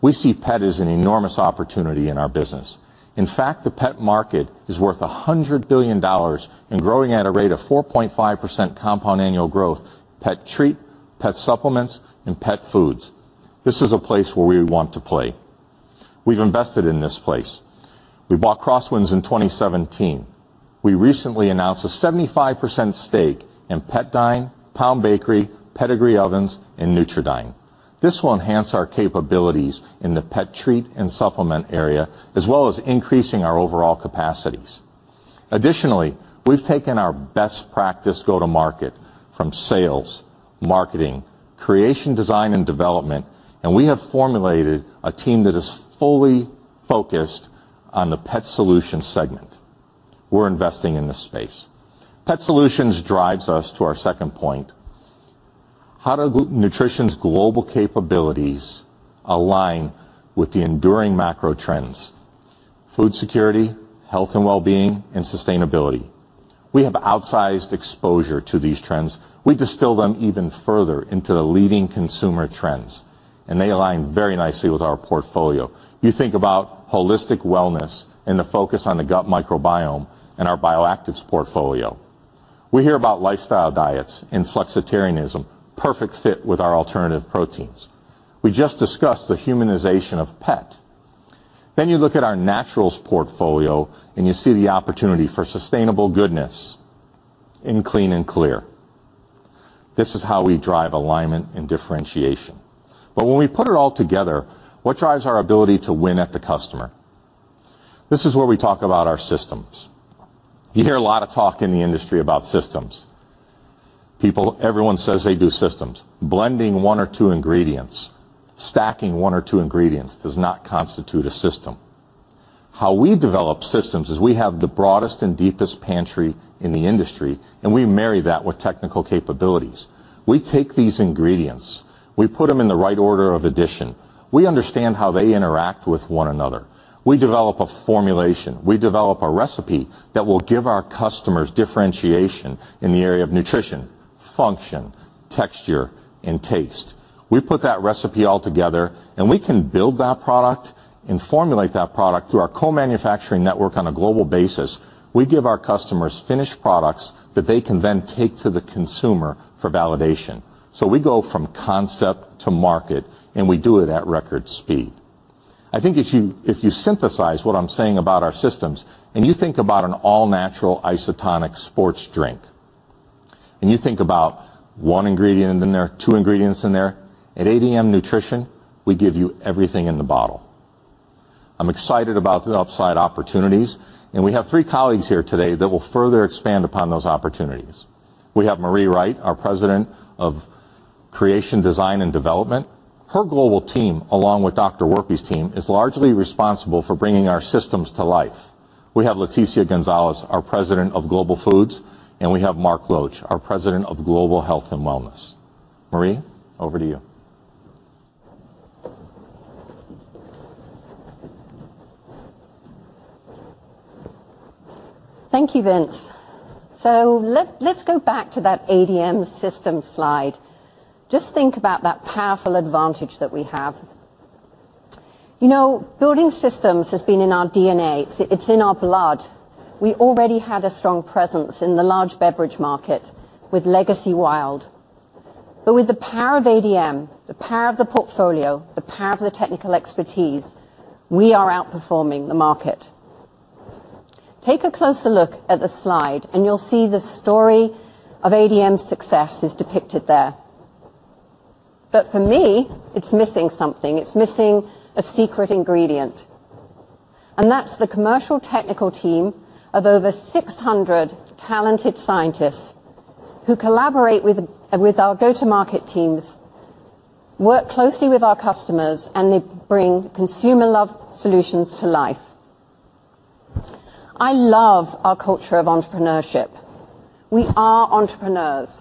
We see pet as an enormous opportunity in our business. In fact, the pet market is worth $100 billion and growing at a rate of 4.5% compound annual growth, pet treat, pet supplements and pet foods. This is a place where we want to play. We've invested in this place. We bought Crosswind in 2017. We recently announced a 75% stake in PetDine, Pound Bakery, Pedigree Ovens, and NutraDine. This will enhance our capabilities in the pet treat and supplement area, as well as increasing our overall capacities. Additionally, we've taken our best practice go-to-market from sales, marketing, creation, design, and development, and we have formulated a team that is fully focused on the pet solutions segment. We're investing in this space. Pet solutions drives us to our second point. How do Nutrition's global capabilities align with the enduring macro trends? Food security, health and wellbeing, and sustainability. We have outsized exposure to these trends. We distill them even further into the leading consumer trends, and they align very nicely with our portfolio. You think about holistic wellness and the focus on the gut microbiome and our bioactives portfolio. We hear about lifestyle diets and flexitarianism, perfect fit with our alternative proteins. We just discussed the humanization of pet. You look at our naturals portfolio, and you see the opportunity for sustainable goodness in Clean & Clear. This is how we drive alignment and differentiation. When we put it all together, what drives our ability to win at the customer? This is where we talk about our systems. You hear a lot of talk in the industry about systems. People, everyone says they do systems. Blending one or two ingredients, stacking one or two ingredients does not constitute a system. How we develop systems is we have the broadest and deepest pantry in the industry, and we marry that with technical capabilities. We take these ingredients, we put them in the right order of addition. We understand how they interact with one another. We develop a formulation. We develop a recipe that will give our customers differentiation in the area of nutrition, function, texture, and taste. We put that recipe all together, and we can build that product and formulate that product through our co-manufacturing network on a global basis. We give our customers finished products that they can then take to the consumer for validation. We go from concept to market, and we do it at record speed. I think if you synthesize what I'm saying about our systems and you think about an all-natural isotonic sports drink, and you think about one ingredient in there, two ingredients in there, at ADM Nutrition, we give you everything in the bottle. I'm excited about the upside opportunities, and we have three colleagues here today that will further expand upon those opportunities. We have Marie Wright, our President of Creation, Design, and Development. Her global team, along with Dr. Werpy's team, is largely responsible for bringing our systems to life. We have Leticia Gonçalves, our President of Global Foods, and we have Mark Lotsch, our President of Global Health and Wellness. Marie, over to you. Thank you, Vince. Let's go back to that ADM system slide. Just think about that powerful advantage that we have. You know, building systems has been in our DNA. It's in our blood. We already had a strong presence in the large beverage market with legacy WILD. With the power of ADM, the power of the portfolio, the power of the technical expertise, we are outperforming the market. Take a closer look at the slide and you'll see the story of ADM's success is depicted there. For me, it's missing something. It's missing a secret ingredient, and that's the commercial technical team of over 600 talented scientists who collaborate with our go-to-market teams, work closely with our customers, and they bring consumer love solutions to life. I love our culture of entrepreneurship. We are entrepreneurs.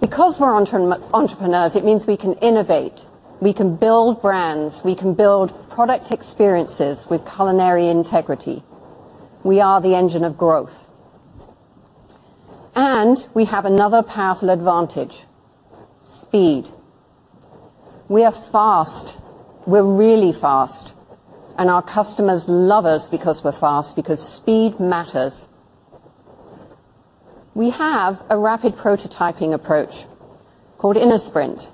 Because we're entrepreneurs, it means we can innovate, we can build brands, we can build product experiences with culinary integrity. We are the engine of growth. We have another powerful advantage, speed. We are fast. We're really fast, and our customers love us because we're fast, because speed matters. We have a rapid prototyping approach called InnoSprint.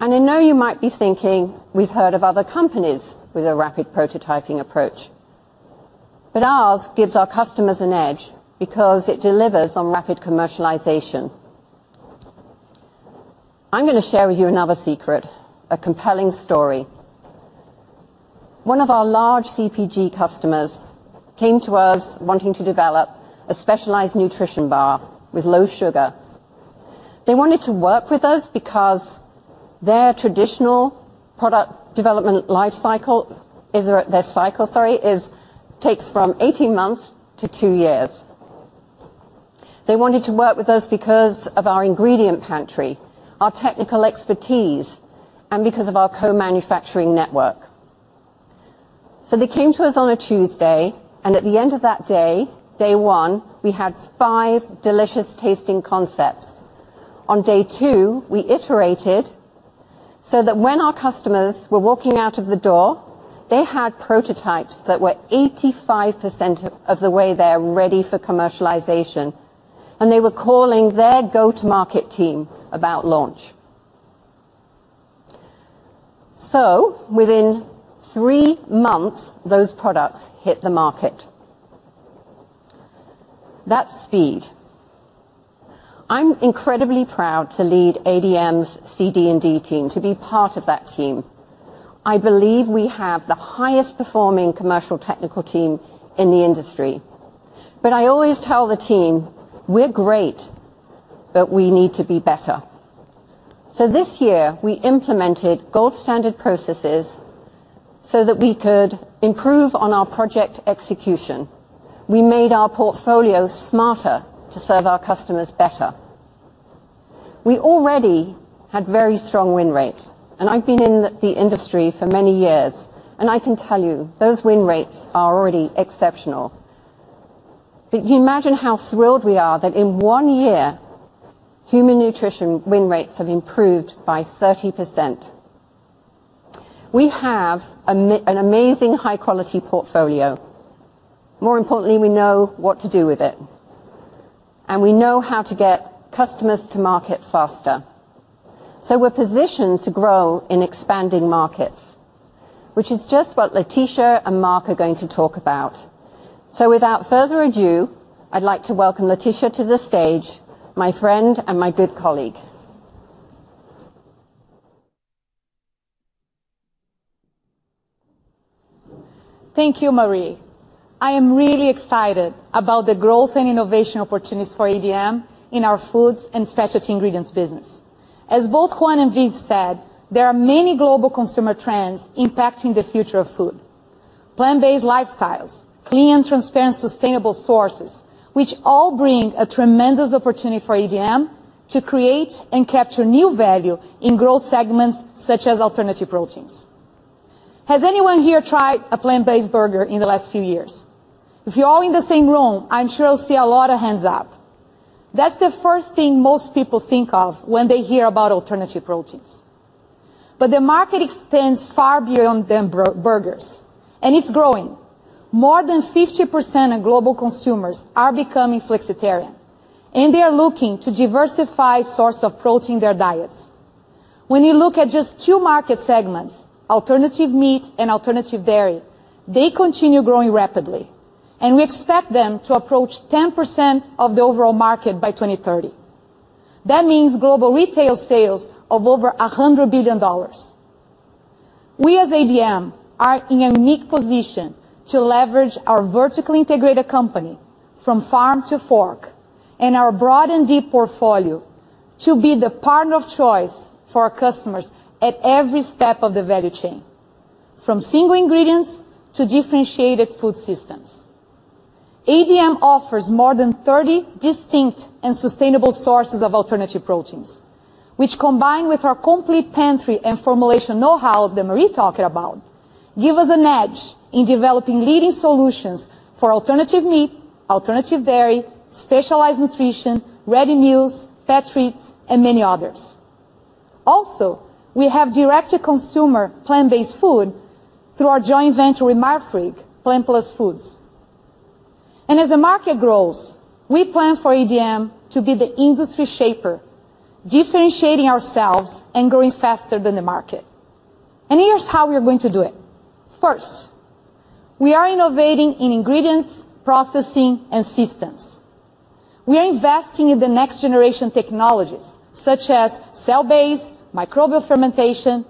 I know you might be thinking, we've heard of other companies with a rapid prototyping approach, but ours gives our customers an edge because it delivers on rapid commercialization. I'm gonna share with you another secret, a compelling story. One of our large CPG customers came to us wanting to develop a specialized nutrition bar with low sugar. They wanted to work with us because their traditional product development life cycle takes from 18 months to two years. They wanted to work with us because of our ingredient pantry, our technical expertise, and because of our co-manufacturing network. They came to us on a Tuesday, and at the end of that day one, we had five delicious tasting concepts. On day two, we iterated so that when our customers were walking out of the door, they had prototypes that were 85% of the way there, ready for commercialization, and they were calling their go-to-market team about launch. Within three months, those products hit the market. That's speed. I'm incredibly proud to lead ADM's CD&D team, to be part of that team. I believe we have the highest performing commercial technical team in the industry. I always tell the team, "We're great, but we need to be better." This year we implemented gold standard processes so that we could improve on our project execution. We made our portfolio smarter to serve our customers better. We already had very strong win rates, and I've been in the industry for many years, and I can tell you those win rates are already exceptional. You imagine how thrilled we are that in one year, human nutrition win rates have improved by 30%. We have an amazing high-quality portfolio. More importantly, we know what to do with it. We know how to get customers to market faster. We're positioned to grow in expanding markets, which is just what Leticia and Mark are going to talk about. Without further ado, I'd like to welcome Leticia to the stage, my friend and my good colleague. Thank you, Marie. I am really excited about the growth and innovation opportunities for ADM in our foods and specialty ingredients business. As both Juan and Vince said, there are many global consumer trends impacting the future of food. Plant-based lifestyles, clean and transparent, sustainable sources, which all bring a tremendous opportunity for ADM to create and capture new value in growth segments such as alternative proteins. Has anyone here tried a plant-based burger in the last few years? If you're all in the same room, I'm sure I'll see a lot of hands up. That's the first thing most people think of when they hear about alternative proteins. The market extends far beyond them burgers, and it's growing. More than 50% of global consumers are becoming flexitarian, and they are looking to diversify source of protein in their diets. When you look at just two market segments, alternative meat and alternative dairy, they continue growing rapidly, and we expect them to approach 10% of the overall market by 2030. That means global retail sales of over $100 billion. We, as ADM, are in a unique position to leverage our vertically integrated company from farm to fork, and our broad and deep portfolio to be the partner of choice for our customers at every step of the value chain, from single ingredients to differentiated food systems. ADM offers more than 30 distinct and sustainable sources of alternative proteins, which combined with our complete pantry and formulation know-how that Marie talked about. Give us an edge in developing leading solutions for alternative meat, alternative dairy, specialized nutrition, ready meals, pet treats, and many others. We have direct-to-consumer plant-based food through our joint venture with Marfrig, PlantPlus Foods. As the market grows, we plan for ADM to be the industry shaper, differentiating ourselves and growing faster than the market. Here's how we are going to do it. First, we are innovating in ingredients, processing, and systems. We are investing in the next generation technologies, such as cell-based microbial fermentation.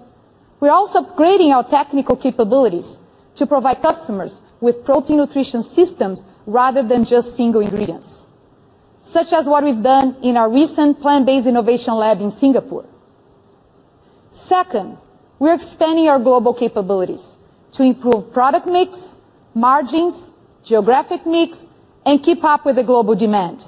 We're also upgrading our technical capabilities to provide customers with protein nutrition systems rather than just single ingredients, such as what we've done in our recent plant-based innovation lab in Singapore. Second, we're expanding our global capabilities to improve product mix, margins, geographic mix, and keep up with the global demand.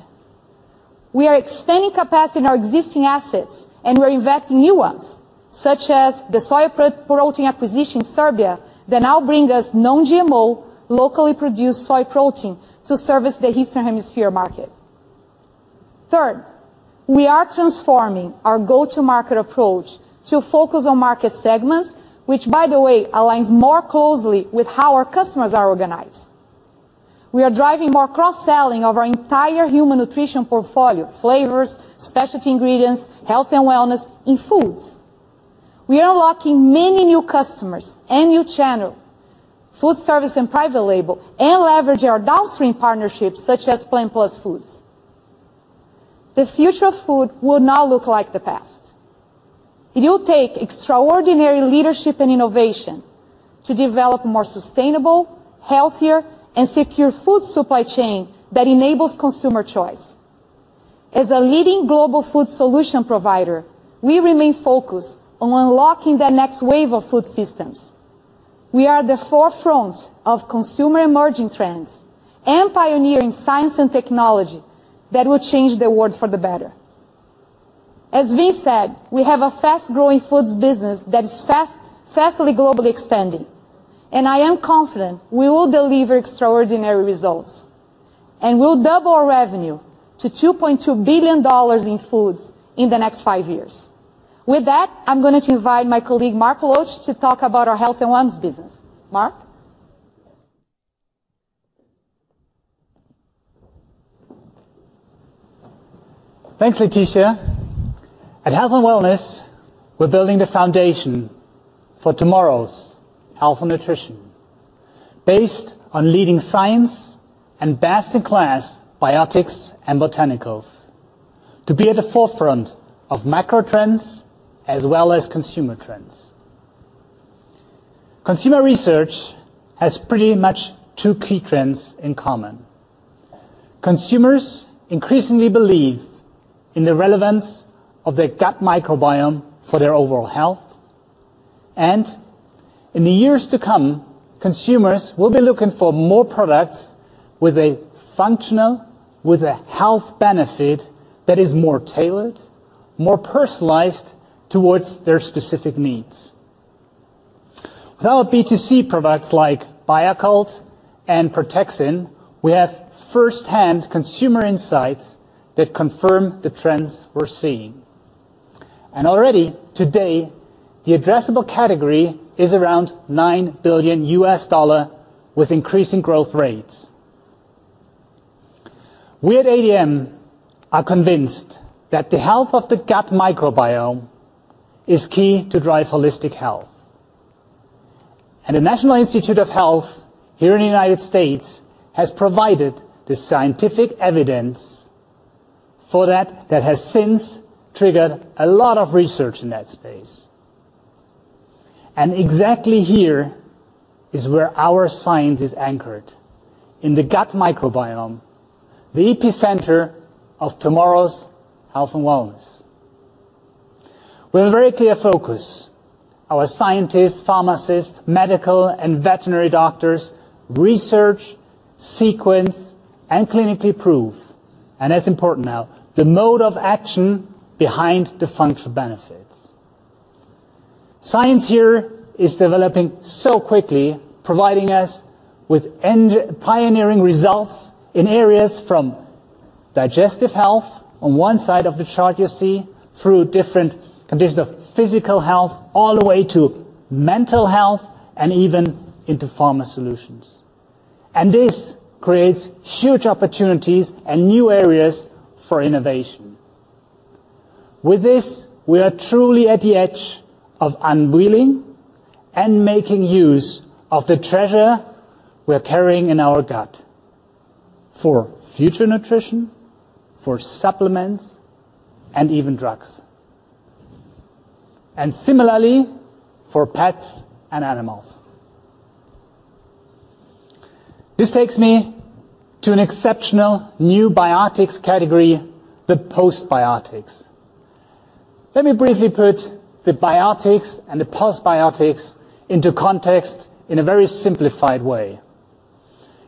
We are expanding capacity in our existing assets, and we're investing in new ones, such as the soy protein acquisition in Serbia that now bring us non-GMO, locally produced soy protein to service the Eastern Hemisphere market. Third, we are transforming our go-to-market approach to focus on market segments, which by the way, aligns more closely with how our customers are organized. We are driving more cross-selling of our entire human nutrition portfolio, flavors, specialty ingredients, health and wellness in foods. We are unlocking many new customers and new channel, food service and private label, and leverage our downstream partnerships such as PlantPlus Foods. The future of food will not look like the past. It will take extraordinary leadership and innovation to develop more sustainable, healthier, and secure food supply chain that enables consumer choice. As a leading global food solution provider, we remain focused on unlocking the next wave of food systems. We are at the forefront of consumer emerging trends and pioneer in science and technology that will change the world for the better. As V said, we have a fast-growing foods business that is fast globally expanding, and I am confident we will deliver extraordinary results, and we'll double our revenue to $2.2 billion in foods in the next five years. With that, I'm gonna invite my colleague, Mark Lotsch, to talk about our health and wellness business. Mark? Thanks, Leticia. At Health and Wellness, we're building the foundation for tomorrow's health and nutrition based on leading science and best-in-class biotics and botanicals to be at the forefront of macro trends as well as consumer trends. Consumer research has pretty much two key trends in common. Consumers increasingly believe in the relevance of their gut microbiome for their overall health. In the years to come, consumers will be looking for more products with a health benefit that is more tailored, more personalized towards their specific needs. Without B2C products like Bio-Kult and Protexin, we have first-hand consumer insights that confirm the trends we're seeing. Already today, the addressable category is around $9 billion with increasing growth rates. We at ADM are convinced that the health of the gut microbiome is key to drive holistic health. The National Institutes of Health here in the United States has provided the scientific evidence for that has since triggered a lot of research in that space. Exactly here is where our science is anchored, in the gut microbiome, the epicenter of tomorrow's health and wellness. With a very clear focus, our scientists, pharmacists, medical and veterinary doctors research, sequence, and clinically prove, and that's important now, the mode of action behind the functional benefits. Science here is developing so quickly, providing us with pioneering results in areas from digestive health on one side of the chart you see, through different conditions of physical health, all the way to mental health and even into pharma solutions. This creates huge opportunities and new areas for innovation. With this, we are truly at the edge of unveiling and making use of the treasure we're carrying in our gut for future nutrition, for supplements, and even drugs. Similarly for pets and animals. This takes me to an exceptional new biotics category, the postbiotics. Let me briefly put the biotics and the postbiotics into context in a very simplified way.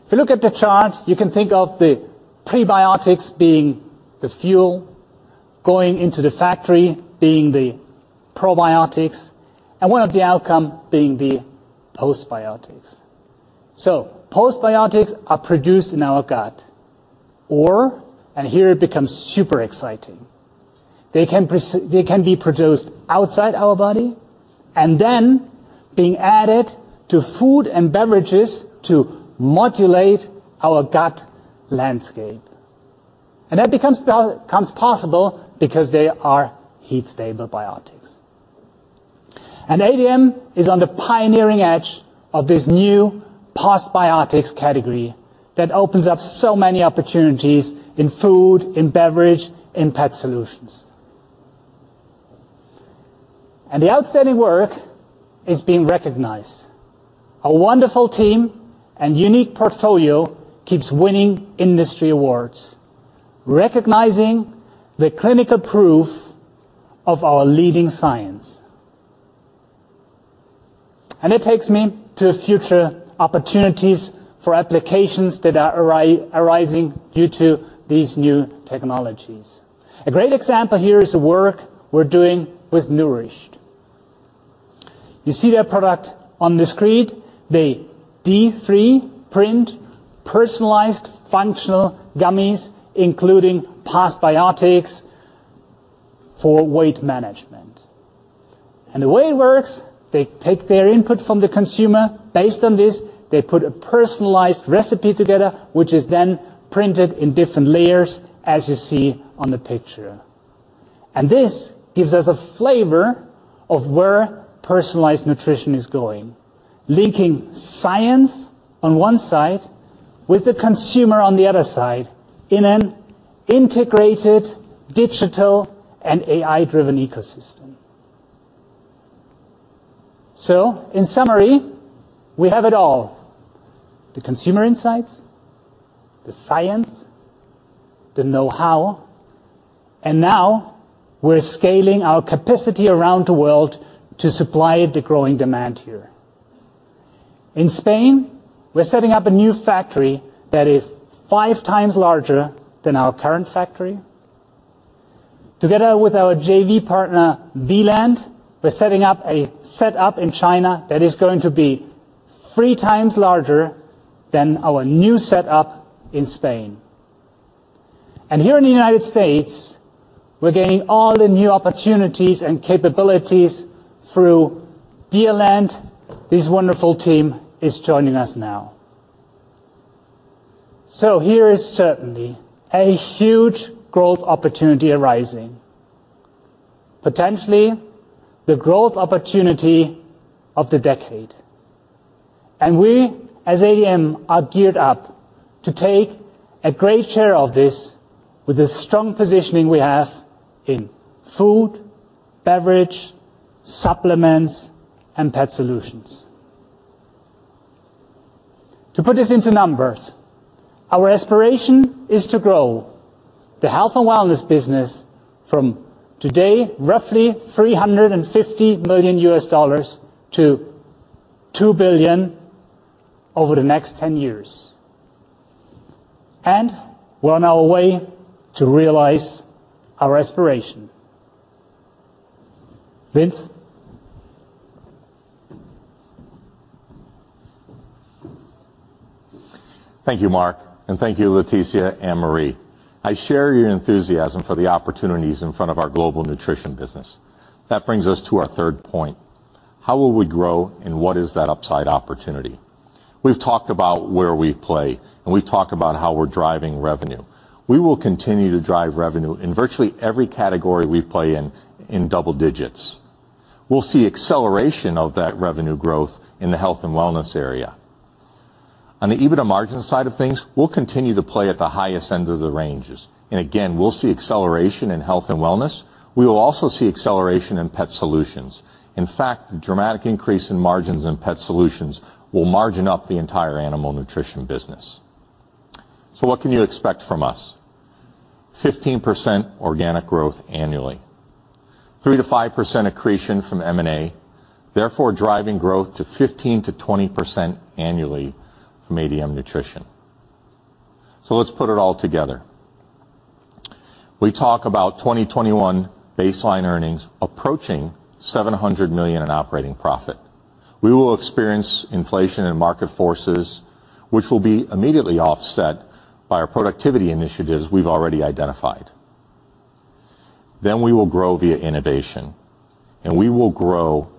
If you look at the chart, you can think of the prebiotics being the fuel, going into the factory being the probiotics, and one of the outcome being the postbiotics. Postbiotics are produced in our gut, or, and here it becomes super exciting, they can be produced outside our body and then being added to food and beverages to modulate our gut landscape. That becomes possible because they are heat-stable biotics. ADM is on the pioneering edge of this new postbiotics category that opens up so many opportunities in food, in beverage, in pet solutions. The outstanding work is being recognized. Our wonderful team and unique portfolio keeps winning industry awards, recognizing the clinical proof of our leading science. It takes me to future opportunities for applications that are arising due to these new technologies. A great example here is the work we're doing with Nourished. You see their product on the screen. They 3D print personalized functional gummies, including postbiotics for weight management. The way it works, they take their input from the consumer. Based on this, they put a personalized recipe together, which is then printed in different layers as you see on the picture. This gives us a flavor of where personalized nutrition is going, linking science on one side with the consumer on the other side in an integrated digital and AI-driven ecosystem. In summary, we have it all, the consumer insights, the science, the know-how, and now we're scaling our capacity around the world to supply the growing demand here. In Spain, we're setting up a new factory that is five times larger than our current factory. Together with our JV partner, Vland, we're setting up a set up in China that is going to be three times larger than our new set up in Spain. Here in the United States, we're gaining all the new opportunities and capabilities through Deerland. This wonderful team is joining us now. Here is certainly a huge growth opportunity arising. Potentially the growth opportunity of the decade. We, as ADM, are geared up to take a great share of this with the strong positioning we have in food, beverage, supplements, and pet solutions. To put this into numbers, our aspiration is to grow the Health and Wellness business from today roughly $350 million to $2 billion over the next 10 years. We're on our way to realize our aspiration. Vince? Thank you, Mark, and thank you, Leticia and Marie. I share your enthusiasm for the opportunities in front of our global nutrition business. That brings us to our third point. How will we grow, and what is that upside opportunity? We've talked about where we play, and we've talked about how we're driving revenue. We will continue to drive revenue in virtually every category we play in in double digits. We'll see acceleration of that revenue growth in the health and wellness area. On the EBITDA margin side of things, we'll continue to play at the highest ends of the ranges. Again, we'll see acceleration in health and wellness. We will also see acceleration in pet solutions. In fact, the dramatic increase in margins in pet solutions will margin up the entire animal nutrition business. What can you expect from us? 15% organic growth annually. 3%-5% accretion from M&A, therefore, driving growth to 15%-20% annually from ADM Nutrition. Let's put it all together. We talk about 2021 baseline earnings approaching $700 million in operating profit. We will experience inflation and market forces, which will be immediately offset by our productivity initiatives we've already identified. We will grow via innovation, and we will grow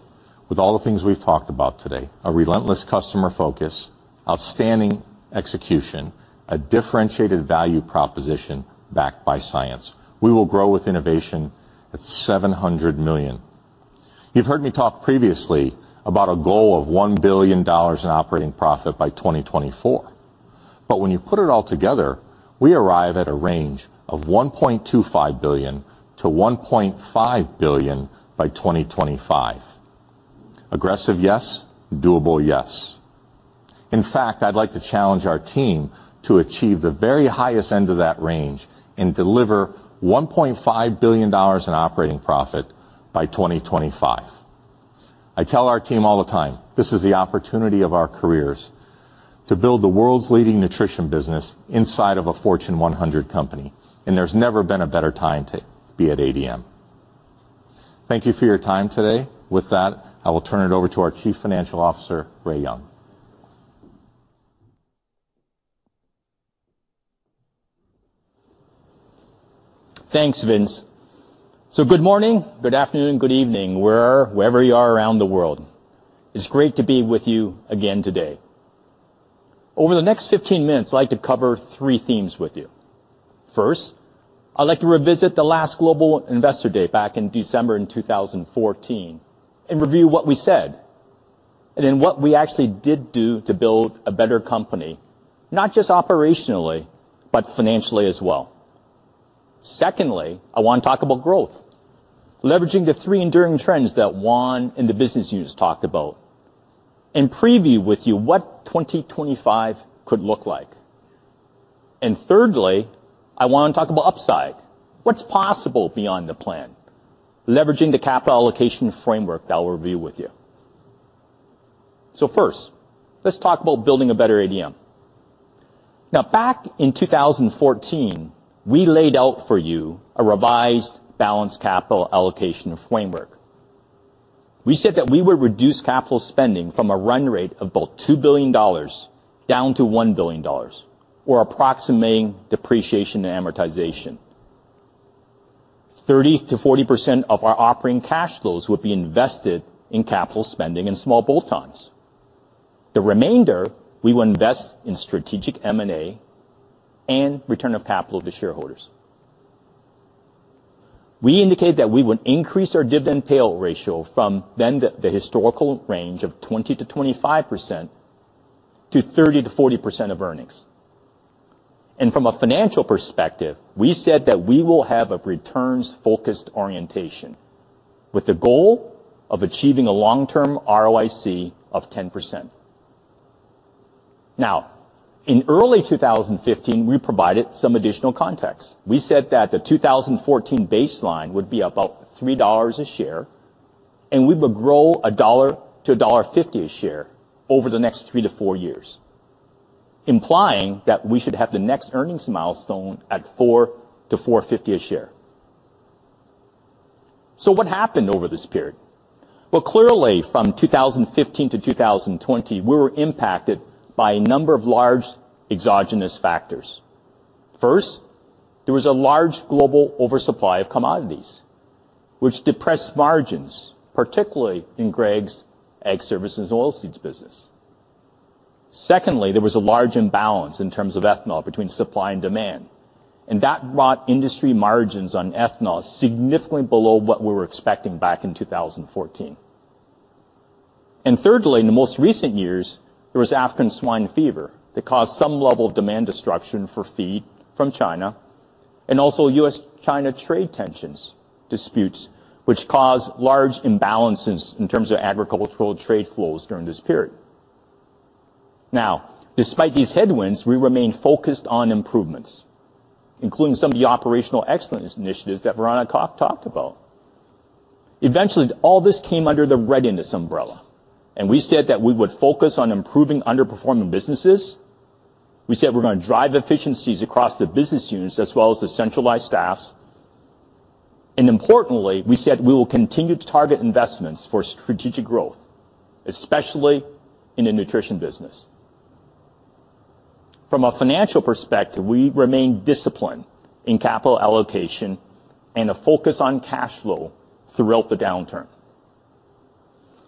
with all the things we've talked about today, a relentless customer focus, outstanding execution, a differentiated value proposition backed by science. We will grow with innovation at $700 million. You've heard me talk previously about a goal of $1 billion in operating profit by 2024. When you put it all together, we arrive at a range of $1.25 billion-$1.5 billion by 2025. Aggressive, yes. Doable, yes. In fact, I'd like to challenge our team to achieve the very highest end of that range and deliver $1.5 billion in operating profit by 2025. I tell our team all the time, this is the opportunity of our careers to build the world's leading nutrition business inside of a Fortune 100 company, and there's never been a better time to be at ADM. Thank you for your time today. With that, I will turn it over to our Chief Financial Officer, Ray Young. Thanks, Vince. Good morning, good afternoon, good evening, wherever you are around the world. It's great to be with you again today. Over the next 15 minutes, I'd like to cover three themes with you. First, I'd like to revisit the last global investor day back in December in 2014 and review what we said, and then what we actually did do to build a better company, not just operationally, but financially as well. Secondly, I wanna talk about growth, leveraging the three enduring trends that Juan and the business units talked about, and preview with you what 2025 could look like. Thirdly, I wanna talk about upside. What's possible beyond the plan, leveraging the capital allocation framework that I'll review with you. First, let's talk about building a better ADM. Now back in 2014, we laid out for you a revised balanced capital allocation framework. We said that we would reduce capital spending from a run rate of about $2 billion down to $1 billion or approximating depreciation and amortization. 30% -40% of our operating cash flows would be invested in capital spending and small bolt-ons. The remainder we will invest in strategic M&A and return of capital to shareholders. We indicate that we would increase our dividend payout ratio from the historical range of 20%-25% to 30% -40% of earnings. From a financial perspective, we said that we will have a returns-focused orientation with the goal of achieving a long-term ROIC of 10%. Now, in early 2015, we provided some additional context. We said that the 2014 baseline would be about $3 a share, and we would grow $1-$1.50 a share over the next three-four years, implying that we should have the next earnings milestone at $4-$4.50 a share. What happened over this period? Well, clearly from 2015 to 2020, we were impacted by a number of large exogenous factors. First, there was a large global oversupply of commodities, which depressed margins, particularly in Greg's Ag Services and Oilseeds business. Secondly, there was a large imbalance in terms of ethanol between supply and demand, and that brought industry margins on ethanol significantly below what we were expecting back in 2014. Thirdly, in the most recent years, there was African swine fever that caused some level of demand destruction for feed from China, and also U.S.-China trade tensions disputes, which caused large imbalances in terms of agricultural trade flows during this period. Now, despite these headwinds, we remain focused on improvements, including some of the operational excellence initiatives that Veronica talked about. Eventually, all this came under the Readiness umbrella, and we said that we would focus on improving underperforming businesses. We said we're gonna drive efficiencies across the business units as well as the centralized staffs. Importantly, we said we will continue to target investments for strategic growth, especially in the Nutrition business. From a financial perspective, we remain disciplined in capital allocation and a focus on cash flow throughout the downturn.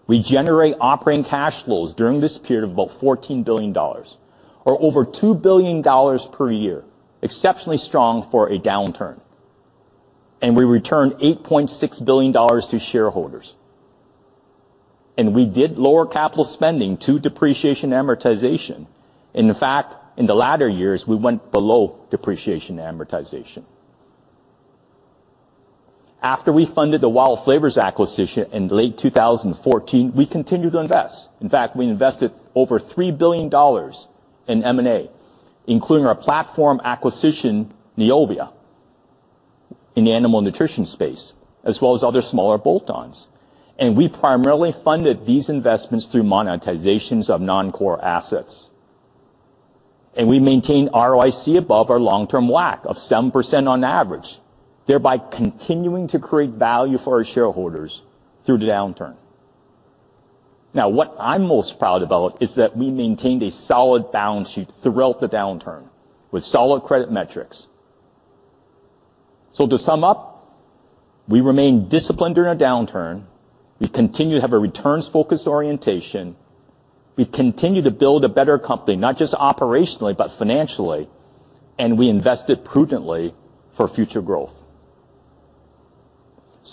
We generate operating cash flows during this period of about $14 billion or over $2 billion per year, exceptionally strong for a downturn. We returned $8.6 billion to shareholders, and we did lower capital spending to depreciation and amortization. In fact, in the latter years, we went below depreciation and amortization. After we funded the WILD Flavors acquisition in late 2014, we continued to invest. In fact, we invested over $3 billion in M&A, including our platform acquisition, Neovia, in the animal nutrition space, as well as other smaller bolt-ons. We primarily funded these investments through monetizations of non-core assets. We maintained ROIC above our long-term WACC of 7% on average, thereby continuing to create value for our shareholders through the downturn. Now, what I'm most proud about is that we maintained a solid balance sheet throughout the downturn with solid credit metrics. To sum up, we remain disciplined during a downturn. We continue to have a returns-focused orientation. We continue to build a better company, not just operationally, but financially, and we invested prudently for future growth.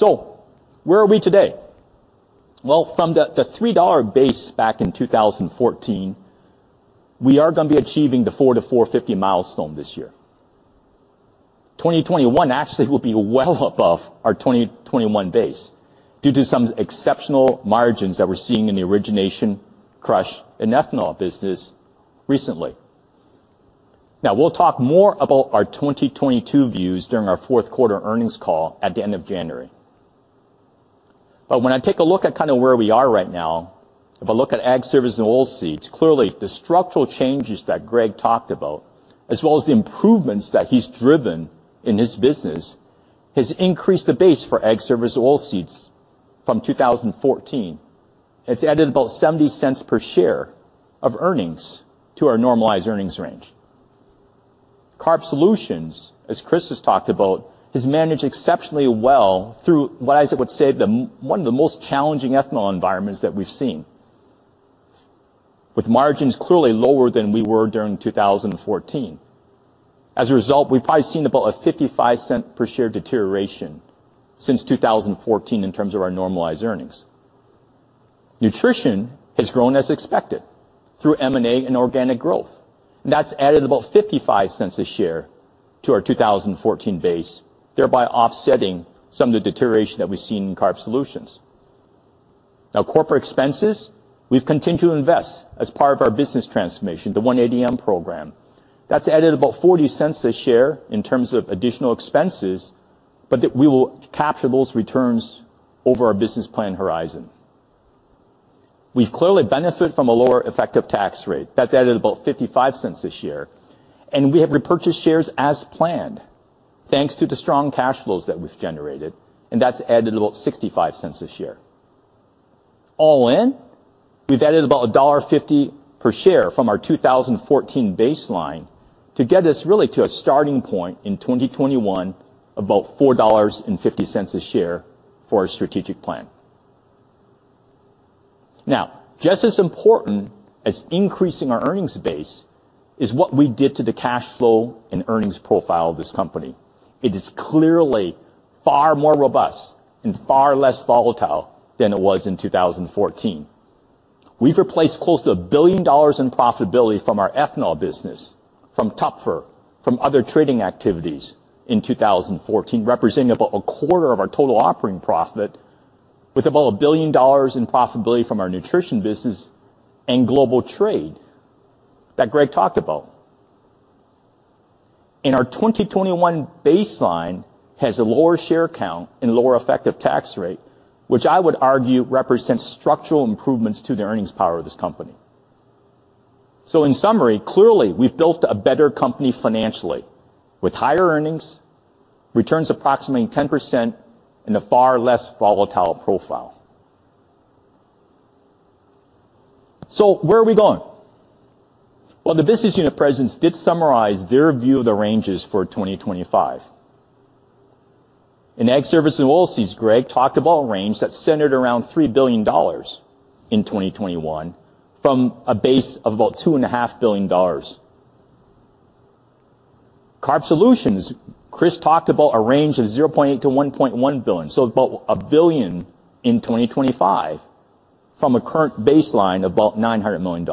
Where are we today? Well, from the $3 base back in 2014, we are gonna be achieving the $4-$4.50 milestone this year. 2021 actually will be well above our 2021 base due to some exceptional margins that we're seeing in the origination crush in ethanol business recently. Now we'll talk more about our 2022 views during our fourth quarter earnings call at the end of January. When I take a look at kind of where we are right now, if I look at Ag Services and Oilseeds, clearly the structural changes that Greg talked about, as well as the improvements that he's driven in his business, has increased the base for Ag Services and Oilseeds from 2014. It's added about $0.70 per share of earnings to our normalized earnings range. Carb Solutions, as Chris has talked about, has managed exceptionally well through what I would say is one of the most challenging ethanol environments that we've seen, with margins clearly lower than we were during 2014. As a result, we've probably seen about a $0.55 per share deterioration since 2014 in terms of our normalized earnings. Nutrition has grown as expected through M&A and organic growth. That's added about $0.55 per share to our 2014 base, thereby offsetting some of the deterioration that we've seen in Carb Solutions. Now, corporate expenses, we've continued to invest as part of our business transformation, the One ADM program. That's added about $0.40 per share in terms of additional expenses, but we will capture those returns over our business plan horizon. We've clearly benefited from a lower effective tax rate. That's added about $0.55 this year. We have repurchased shares as planned thanks to the strong cash flows that we've generated, and that's added about $0.65 per share. All in, we've added about $1.50 per share from our 2014 baseline to get us really to a starting point in 2021, about $4.50 per share for our strategic plan. Now, just as important as increasing our earnings base is what we did to the cash flow and earnings profile of this company. It is clearly far more robust and far less volatile than it was in 2014. We've replaced close to $1 billion in profitability from our ethanol business, from Toepfer, from other trading activities in 2014, representing about a quarter of our total operating profit, with about $1 billion in profitability from our nutrition business and global trade that Greg talked about. Our 2021 baseline has a lower share count and lower effective tax rate, which I would argue represents structural improvements to the earnings power of this company. In summary, clearly, we've built a better company financially with higher earnings, returns approximately 10% and a far less volatile profile. Where are we going? Well, the business unit presidents did summarize their view of the ranges for 2025. In Ag Services and Oilseeds, Greg talked about a range that centered around $3 billion in 2021 from a base of about $2.5 billion. Carbohydrate Solutions, Chris talked about a range of $0.8 billion-$1.1 billion, so about $1 billion in 2025 from a current baseline of about $900 million.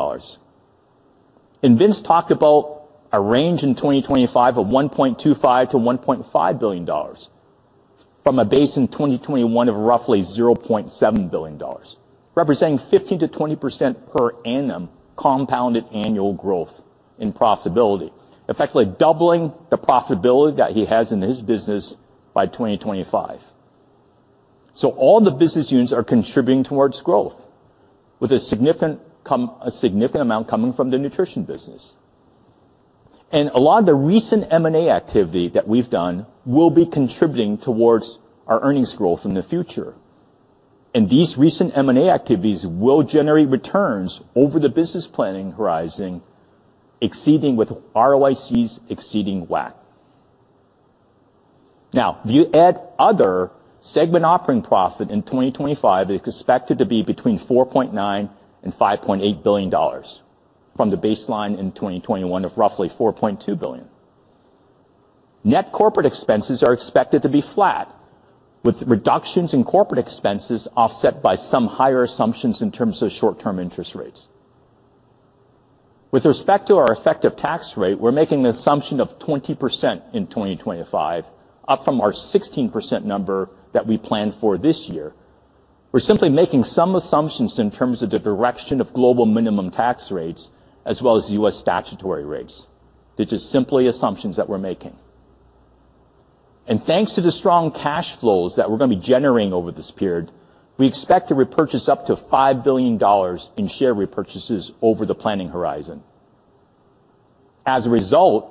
Vince talked about a range in 2025 of $1.25 billion-$1.5 billion from a base in 2021 of roughly $0.7 billion, representing 15%-20% per annum compounded annual growth in profitability, effectively doubling the profitability that he has in his business by 2025. All the business units are contributing towards growth with a significant amount coming from the Nutrition business. A lot of the recent M&A activity that we've done will be contributing towards our earnings growth in the future. These recent M&A activities will generate returns over the business planning horizon with ROICs exceeding WACC. Adjusted segment operating profit in 2025 is expected to be between $4.9 billion and $5.8 billion from the baseline in 2021 of roughly $4.2 billion. Net corporate expenses are expected to be flat, with reductions in corporate expenses offset by some higher assumptions in terms of short-term interest rates. With respect to our effective tax rate, we're making an assumption of 20% in 2025, up from our 16% number that we planned for this year. We're simply making some assumptions in terms of the direction of global minimum tax rates as well as U.S. statutory rates. They're just simply assumptions that we're making. Thanks to the strong cash flows that we're gonna be generating over this period, we expect to repurchase up to $5 billion in share repurchases over the planning horizon. As a result,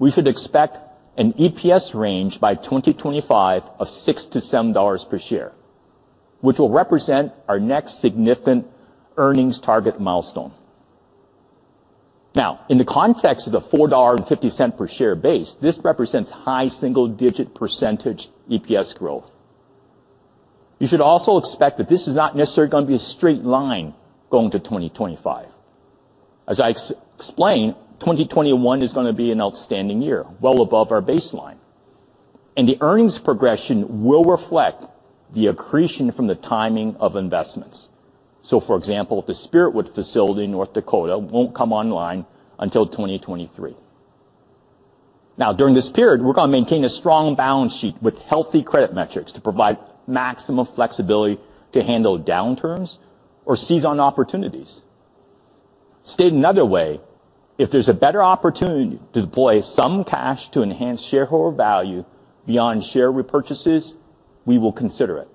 we should expect an EPS range by 2025 of $6-$7 per share, which will represent our next significant earnings target milestone. Now, in the context of the $4.50 per share base, this represents high single-digit % EPS growth. You should also expect that this is not necessarily gonna be a straight line going to 2025. As I explained, 2021 is gonna be an outstanding year, well above our baseline. The earnings progression will reflect the accretion from the timing of investments. For example, the Spirit Wood facility in North Dakota won't come online until 2023. Now during this period, we're gonna maintain a strong balance sheet with healthy credit metrics to provide maximum flexibility to handle downturns or seize on opportunities. Stated another way, if there's a better opportunity to deploy some cash to enhance shareholder value beyond share repurchases, we will consider it.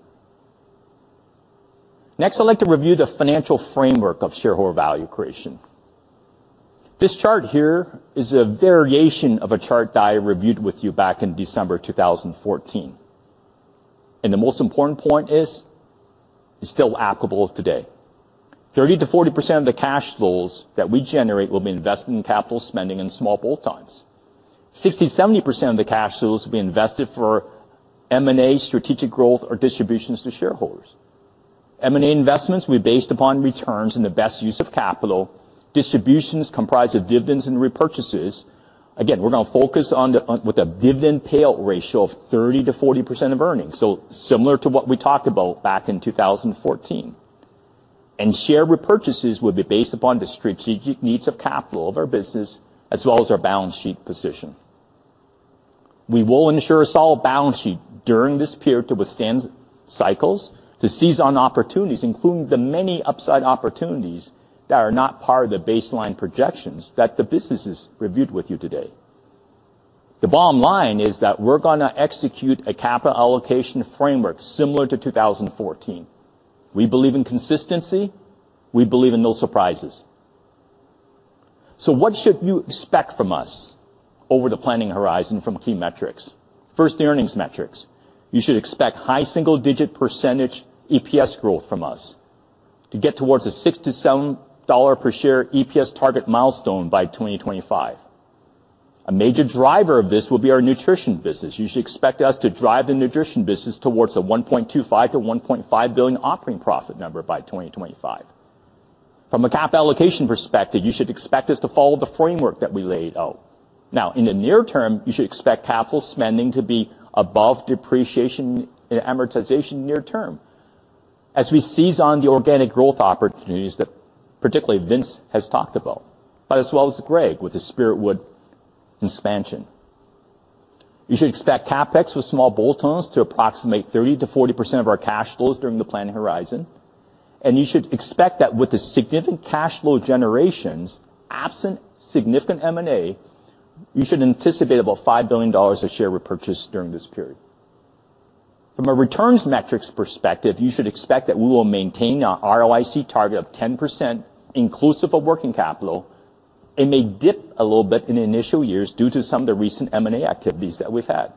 Next, I'd like to review the financial framework of shareholder value creation. This chart here is a variation of a chart that I reviewed with you back in December 2014. The most important point is, it's still applicable today. 30%-40% of the cash flows that we generate will be invested in capital spending and small bolt-ons. 60%-70% of the cash flows will be invested for M&A strategic growth or distributions to shareholders. M&A investments will be based upon returns and the best use of capital. Distributions comprised of dividends and repurchases. Again, we're gonna focus on with a dividend payout ratio of 30%-40% of earnings, so similar to what we talked about back in 2014. Share repurchases will be based upon the strategic needs of capital of our business, as well as our balance sheet position. We will ensure a solid balance sheet during this period to withstand cycles, to seize on opportunities, including the many upside opportunities that are not part of the baseline projections that the businesses reviewed with you today. The bottom line is that we're gonna execute a capital allocation framework similar to 2014. We believe in consistency, we believe in no surprises. What should you expect from us over the planning horizon from key metrics? First, the earnings metrics. You should expect high single-digit % EPS growth from us to get towards a $6-$7 per share EPS target milestone by 2025. A major driver of this will be our Nutrition business. You should expect us to drive the Nutrition business towards a $1.25 billion-$1.5 billion operating profit number by 2025. From a capital allocation perspective, you should expect us to follow the framework that we laid out. Now, in the near term, you should expect capital spending to be above depreciation and amortization near term as we seize on the organic growth opportunities that particularly Vince has talked about, but as well as Greg with the Spiritwood expansion. You should expect CapEx with small bolt-ons to approximate 30%-40% of our cash flows during the planning horizon. You should expect that with the significant cash flow generations, absent significant M&A, you should anticipate about $5 billion of share repurchase during this period. From a returns metrics perspective, you should expect that we will maintain our ROIC target of 10% inclusive of working capital. It may dip a little bit in the initial years due to some of the recent M&A activities that we've had.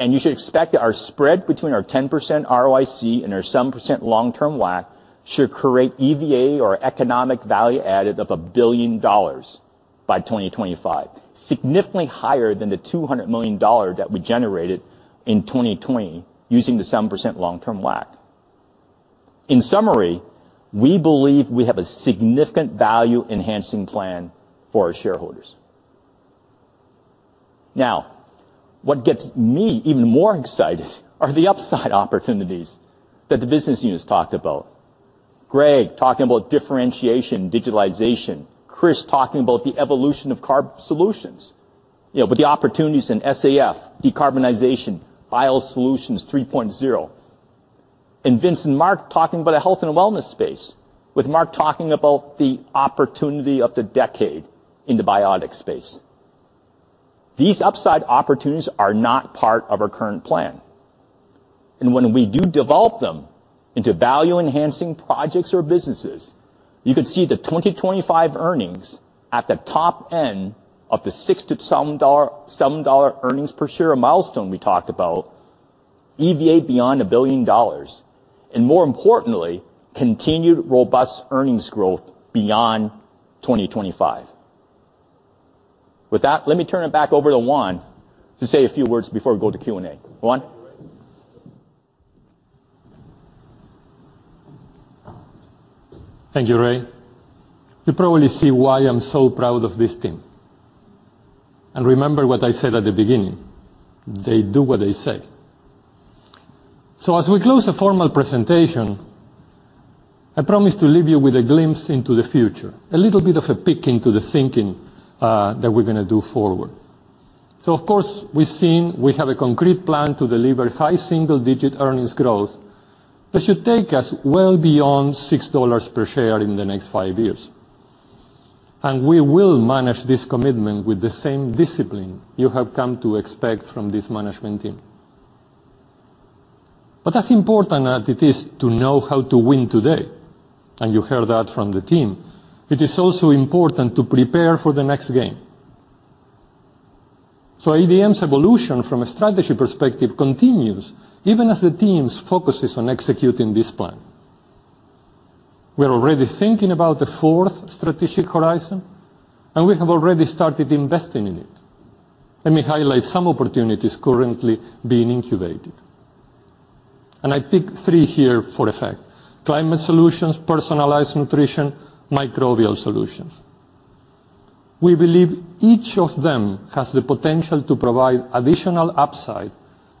You should expect that our spread between our 10% ROIC and our some percent long-term WACC should create EVA or economic value added of $1 billion by 2025, significantly higher than the $200 million that we generated in 2020 using the some percent long-term WACC. In summary, we believe we have a significant value-enhancing plan for our shareholders. Now, what gets me even more excited are the upside opportunities that the business units talked about. Greg talking about differentiation, digitalization, Chris talking about the evolution of carb solutions, you know, with the opportunities in SAF, decarbonization, BioSolutions 3.0. Vince and Mark talking about the health and wellness space, with Mark talking about the opportunity of the decade in the biotic space. These upside opportunities are not part of our current plan. When we do develop them into value-enhancing projects or businesses, you could see the 2025 earnings at the top end of the $6-$7, $7 earnings per share milestone we talked about, EVA beyond $1 billion, and more importantly, continued robust earnings growth beyond 2025. With that, let me turn it back over to Juan to say a few words before we go to Q&A. Juan? Thank you, Ray. You probably see why I'm so proud of this team. Remember what I said at the beginning, they do what they say. As we close the formal presentation, I promise to leave you with a glimpse into the future, a little bit of a peek into the thinking that we're gonna do forward. Of course, we've seen we have a concrete plan to deliver high single-digit earnings growth that should take us well beyond $6 per share in the next five years. We will manage this commitment with the same discipline you have come to expect from this management team. As important as it is to know how to win today, and you heard that from the team, it is also important to prepare for the next game. ADM's evolution from a strategy perspective continues, even as the team focuses on executing this plan. We're already thinking about the fourth strategic horizon, and we have already started investing in it. Let me highlight some opportunities currently being incubated. I pick three here for effect, climate solutions, personalized nutrition, microbial solutions. We believe each of them has the potential to provide additional upside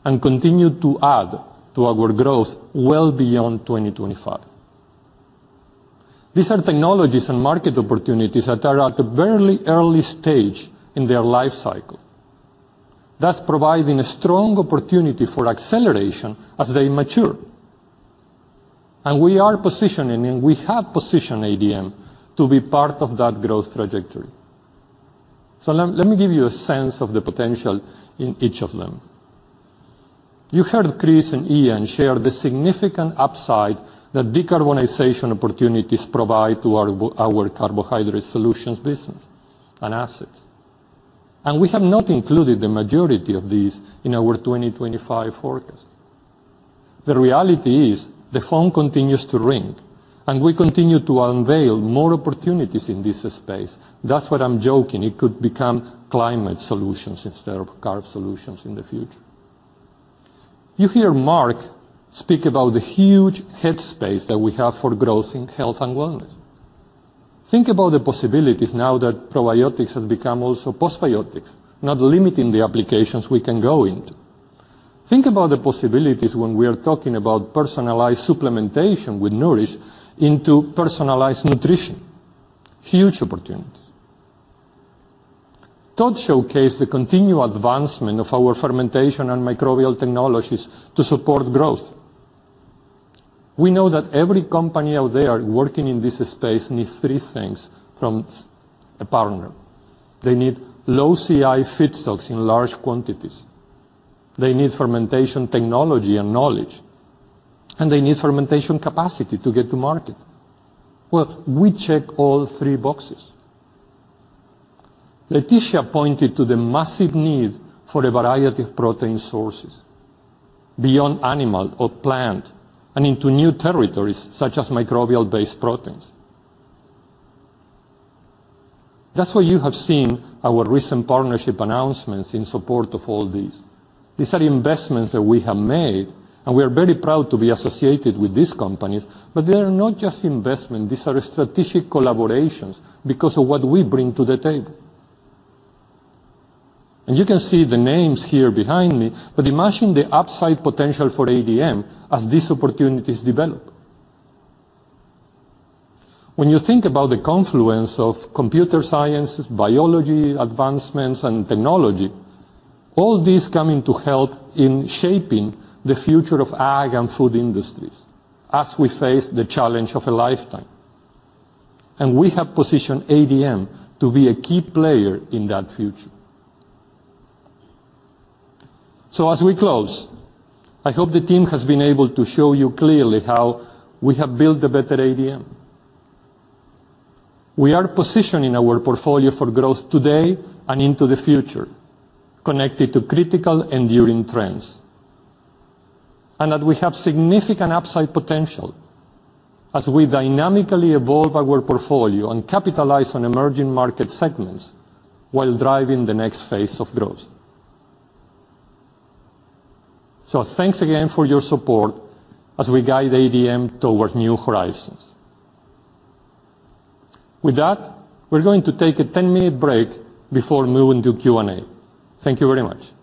and continue to add to our growth well beyond 2025. These are technologies and market opportunities that are at the very early stage in their life cycle, thus providing a strong opportunity for acceleration as they mature. We are positioning, and we have positioned ADM to be part of that growth trajectory. Let me give you a sense of the potential in each of them. You heard Chris and Ian share the significant upside that decarbonization opportunities provide to our carbohydrate solutions business and assets. We have not included the majority of these in our 2025 forecast. The reality is the phone continues to ring, and we continue to unveil more opportunities in this space. That's why I'm joking, it could become climate solutions instead of carb solutions in the future. You hear Mark speak about the huge headspace that we have for growth in health and wellness. Think about the possibilities now that probiotics has become also postbiotics, not limiting the applications we can go into. Think about the possibilities when we are talking about personalized supplementation with Nourished into personalized nutrition. Huge opportunities. Todd showcased the continued advancement of our fermentation and microbial technologies to support growth. We know that every company out there working in this space needs three things from a partner. They need low CI feedstocks in large quantities. They need fermentation technology and knowledge, and they need fermentation capacity to get to market. Well, we check all three boxes. Leticia pointed to the massive need for a variety of protein sources beyond animal or plant and into new territories such as microbial-based proteins. That's why you have seen our recent partnership announcements in support of all these. These are investments that we have made, and we are very proud to be associated with these companies, but they are not just investment. These are strategic collaborations because of what we bring to the table. You can see the names here behind me, but imagine the upside potential for ADM as these opportunities develop. When you think about the confluence of computer science, biology, advancements and technology, all these come in to help in shaping the future of ag and food industries as we face the challenge of a lifetime. We have positioned ADM to be a key player in that future. As we close, I hope the team has been able to show you clearly how we have built a better ADM. We are positioning our portfolio for growth today and into the future, connected to critical enduring trends. That we have significant upside potential as we dynamically evolve our portfolio and capitalize on emerging market segments while driving the next phase of growth. Thanks again for your support as we guide ADM towards new horizons. With that, we're going to take a 10-minute break before moving to Q&A. Thank you very much.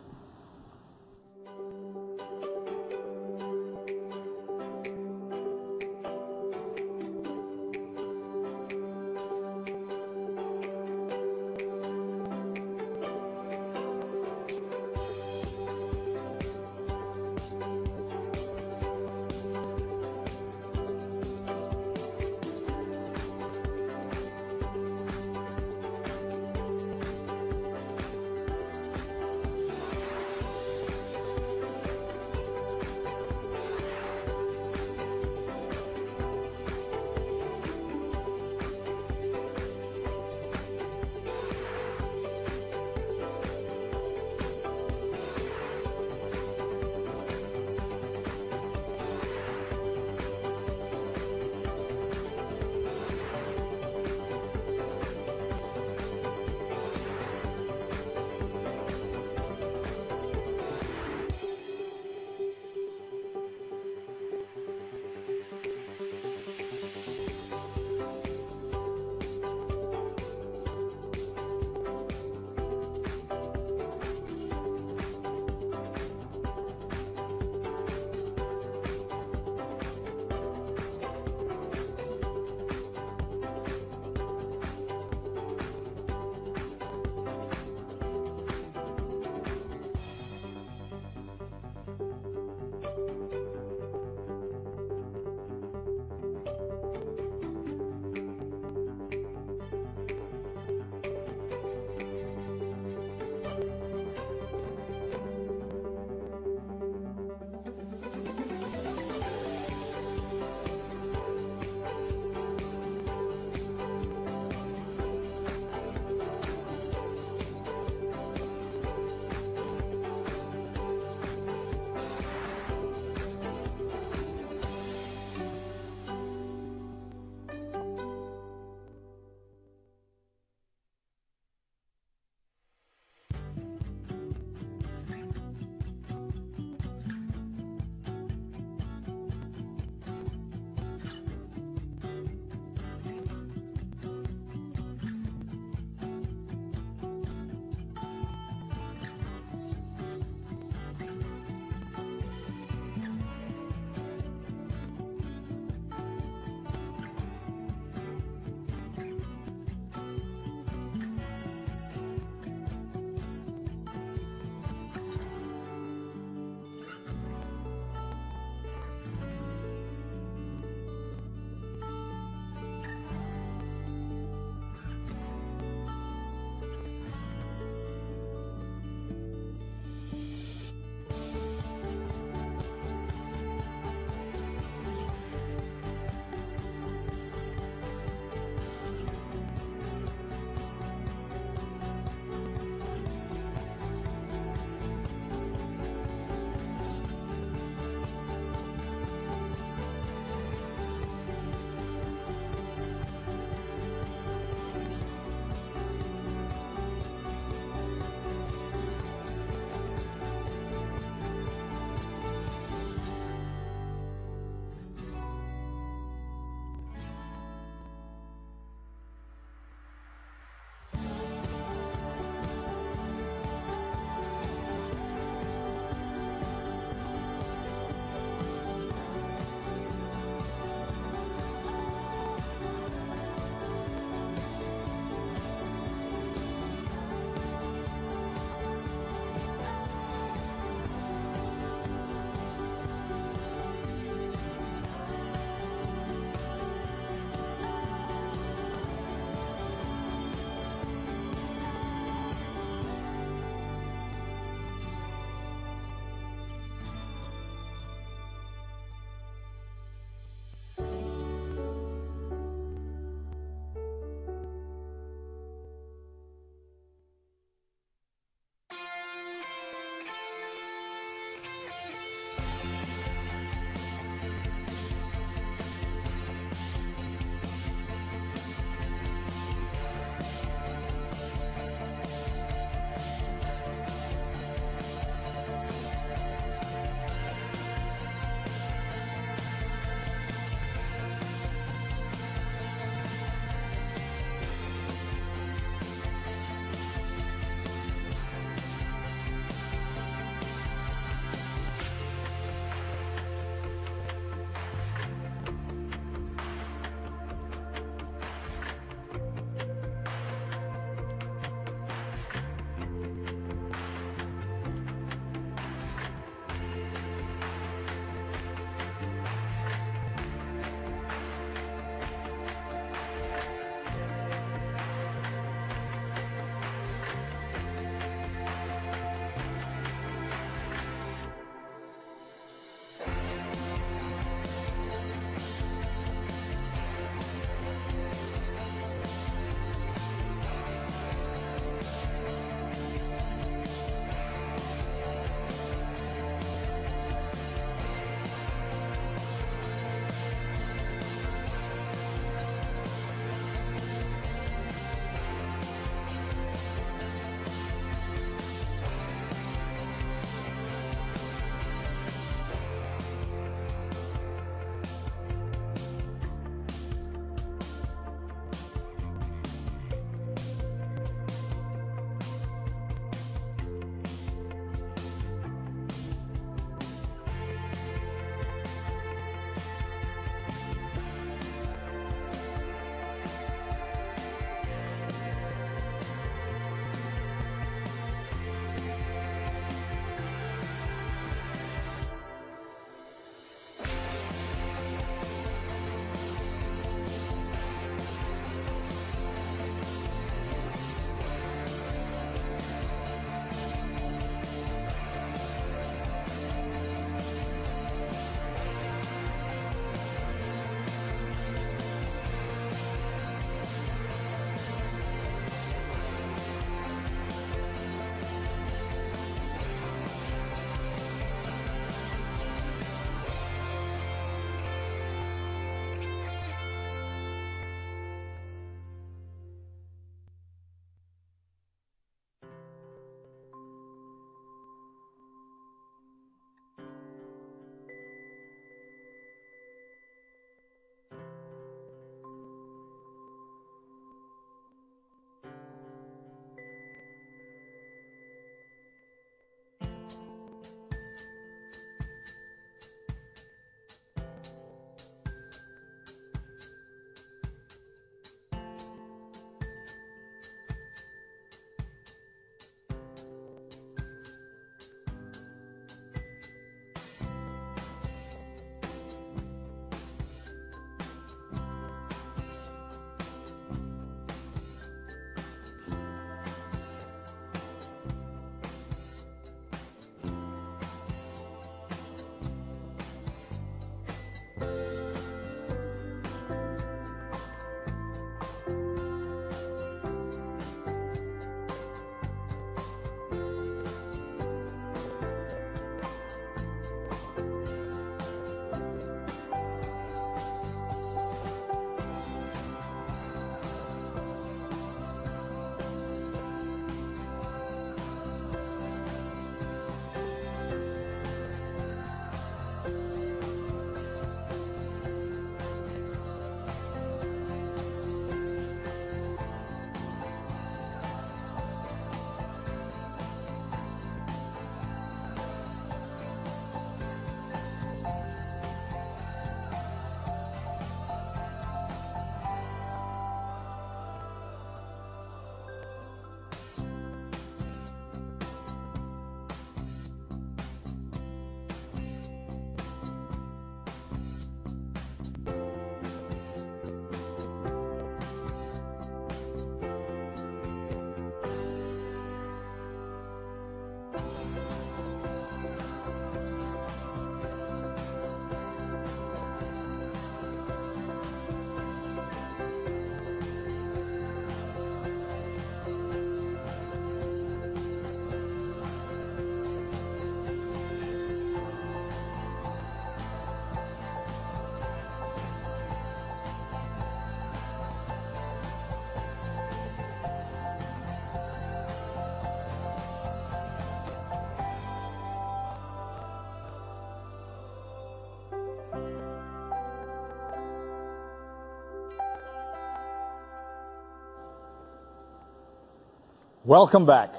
Welcome back.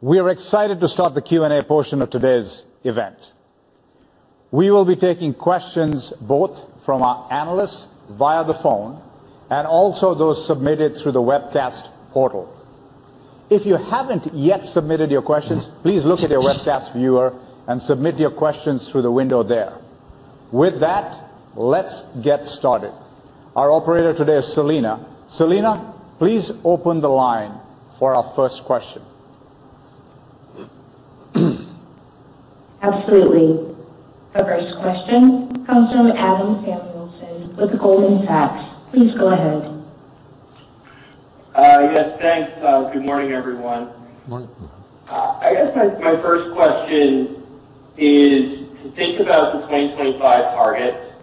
We are excited to start the Q&A portion of today's event. We will be taking questions both from our analysts via the phone and also those submitted through the webcast portal. If you haven't yet submitted your questions, please look at your webcast viewer and submit your questions through the window there. With that, let's get started. Our operator today is Selena. Selena, please open the line for our first question. Absolutely. Our first question comes from Adam Samuelson with Goldman Sachs. Please go ahead. Yes, thanks. Good morning, everyone. Morning. I guess my first question is to think about the 2025 targets,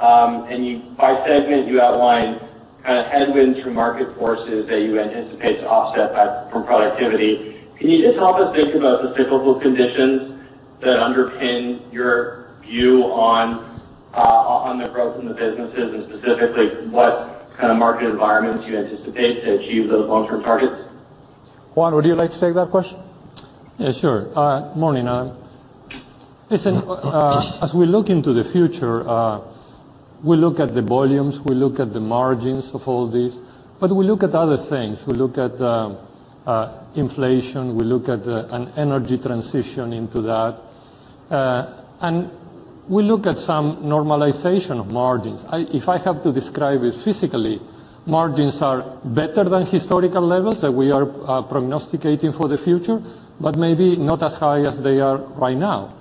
and by segment, you outlined kind of headwinds from market forces that you anticipate to offset that from productivity. Can you just help us think about the typical conditions that underpin your view on the growth in the businesses, and specifically what kind of market environments you anticipate to achieve those long-term targets? Juan, would you like to take that question? Yeah, sure. Good morning. Listen, as we look into the future, we look at the volumes, we look at the margins of all this, but we look at other things. We look at inflation, we look at an energy transition into that. We look at some normalization of margins. If I have to describe it fiscally, margins are better than historical levels that we are prognosticating for the future, but maybe not as high as they are right now,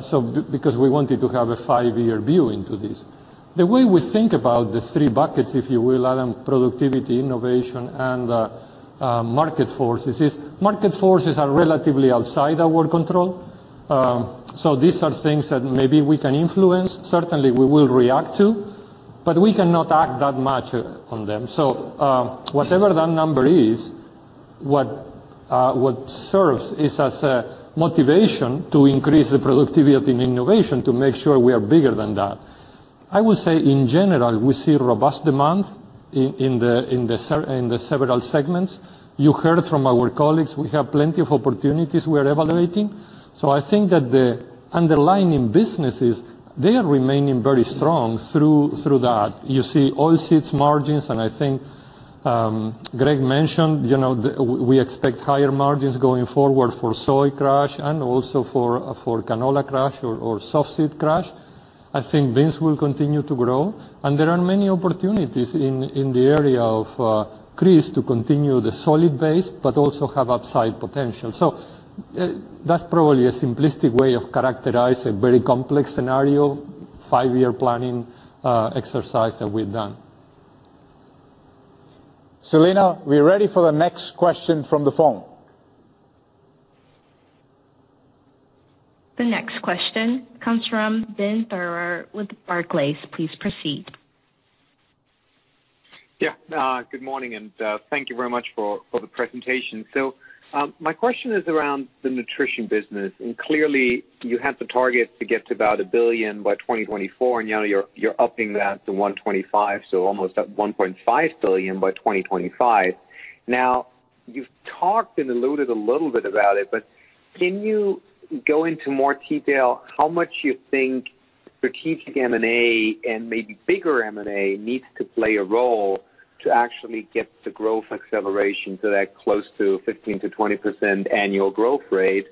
so because we wanted to have a five-year view into this. The way we think about the three buckets, if you will, Adam, productivity, innovation and market forces, is market forces are relatively outside our control. These are things that maybe we can influence, certainly we will react to, but we cannot act that much on them. Whatever that number is, what serves as a motivation to increase the productivity and innovation to make sure we are bigger than that. I would say, in general, we see robust demand in the several segments. You heard from our colleagues, we have plenty of opportunities we're evaluating. I think that the underlying businesses, they are remaining very strong through that. You see Oilseeds margins, and I think, Greg mentioned, you know, the. We expect higher margins going forward for soy crush and also for canola crush or softseed crush. I think beans will continue to grow. There are many opportunities in the area of increase to continue the solid base, but also have upside potential. That's probably a simplistic way to characterize a very complex scenario, five-year planning exercise that we've done. Selena, we're ready for the next question from the phone. The next question comes from Ben Theurer with Barclays. Please proceed. Good morning, and thank you very much for the presentation. My question is around the nutrition business. Clearly you had the target to get to about $1 billion by 2024, and now you're upping that to 1.25, so almost at $1.5 billion by 2025. You've talked and alluded a little bit about it, but can you go into more detail how much you think strategic M&A and maybe bigger M&A needs to play a role to actually get the growth acceleration to that close to 15%-20% annual growth rate,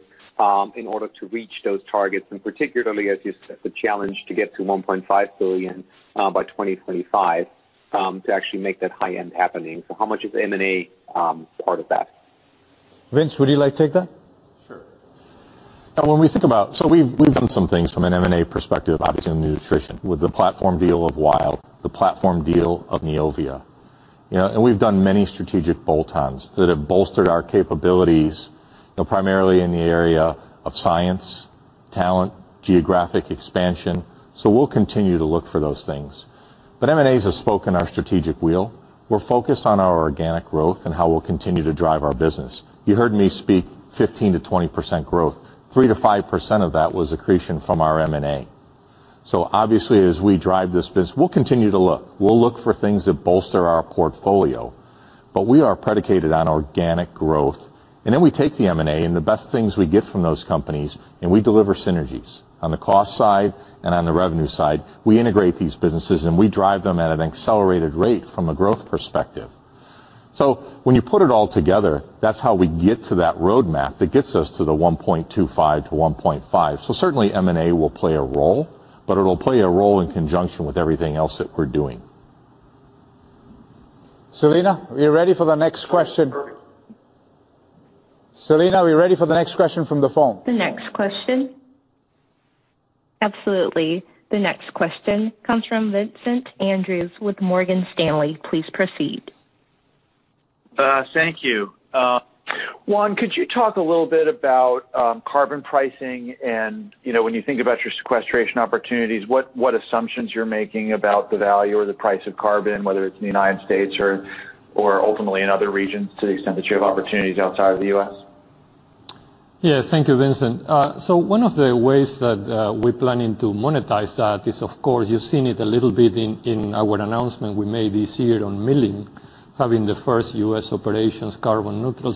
in order to reach those targets, and particularly as you set the challenge to get to $1.5 billion by 2025, to actually make that high end happening? How much is M&A part of that? Vince, would you like to take that? Sure. Now when we think about, we've done some things from an M&A perspective, obviously in nutrition, with the platform deal of Wild, the platform deal of Neovia. You know, we've done many strategic bolt-ons that have bolstered our capabilities, you know, primarily in the area of science, talent, geographic expansion. We'll continue to look for those things. M&A is a spoke in our strategic wheel. We're focused on our organic growth and how we'll continue to drive our business. You heard me speak 15%-20% growth. 3%-5% of that was accretion from our M&A. Obviously, as we drive this business, we'll continue to look. We'll look for things that bolster our portfolio, but we are predicated on organic growth. Then we take the M&A and the best things we get from those companies, and we deliver synergies. On the cost side and on the revenue side, we integrate these businesses, and we drive them at an accelerated rate from a growth perspective. When you put it all together, that's how we get to that roadmap that gets us to the 1.25%-1.5%. Certainly M&A will play a role, but it'll play a role in conjunction with everything else that we're doing. Selena, are we ready for the next question from the phone? The next question. Absolutely. The next question comes from Vincent Andrews with Morgan Stanley. Please proceed. Thank you. Juan, could you talk a little bit about carbon pricing and, you know, when you think about your sequestration opportunities, what assumptions you're making about the value or the price of carbon, whether it's in the United States or ultimately in other regions to the extent that you have opportunities outside of the U.S.? Thank you, Vincent. One of the ways that we're planning to monetize that is, of course, you've seen it a little bit in our announcement we made this year on milling, having the first U.S. operations carbon neutral.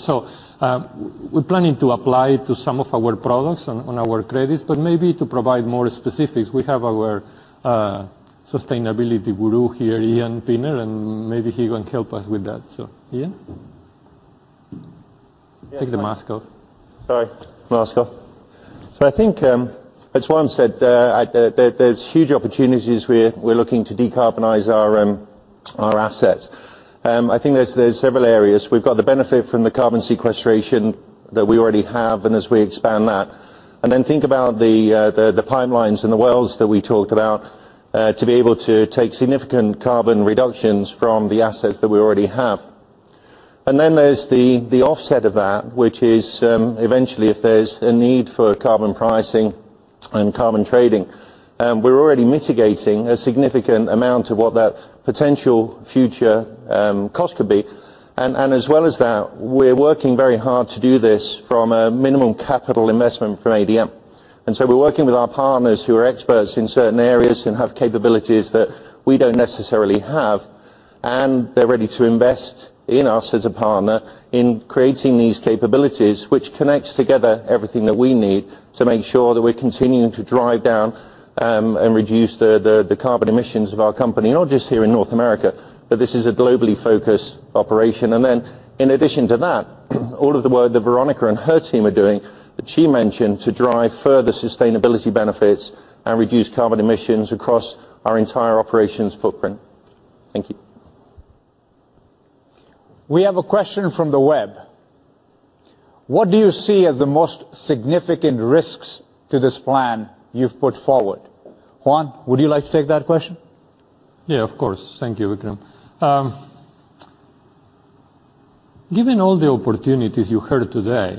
We're planning to apply to some of our products on our credits, but maybe to provide more specifics, we have our sustainability guru here, Ian Pinner, and maybe he can help us with that. Ian? Take the mask off. Sorry. Mask off. I think, as Juan said, there's huge opportunities where we're looking to decarbonize our assets. I think there's several areas. We've got the benefit from the carbon sequestration that we already have, and as we expand that. Think about the pipelines and the wells that we talked about to be able to take significant carbon reductions from the assets that we already have. There's the offset of that, which is eventually if there's a need for carbon pricing and carbon trading, we're already mitigating a significant amount of what that potential future cost could be. As well as that, we're working very hard to do this from a minimum capital investment from ADM. We're working with our partners who are experts in certain areas and have capabilities that we don't necessarily have, and they're ready to invest in us as a partner in creating these capabilities, which connects together everything that we need to make sure that we're continuing to drive down and reduce the carbon emissions of our company. Not just here in North America, but this is a globally focused operation. In addition to that, all of the work that Veronica and her team are doing, that she mentioned, to drive further sustainability benefits and reduce carbon emissions across our entire operations footprint. Thank you. We have a question from the web. What do you see as the most significant risks to this plan you've put forward? Juan, would you like to take that question? Yeah, of course. Thank you, Vikram. Given all the opportunities you heard today,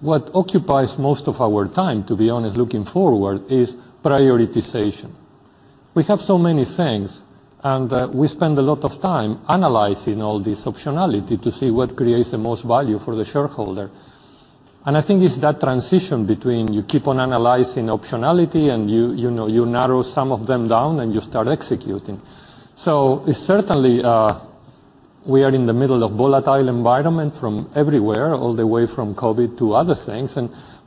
what occupies most of our time, to be honest, looking forward, is prioritization. We have so many things, and we spend a lot of time analyzing all this optionality to see what creates the most value for the shareholder. I think it's that transition between you keep on analyzing optionality and you know you narrow some of them down and you start executing. Certainly, we are in the middle of volatile environment from everywhere, all the way from COVID to other things.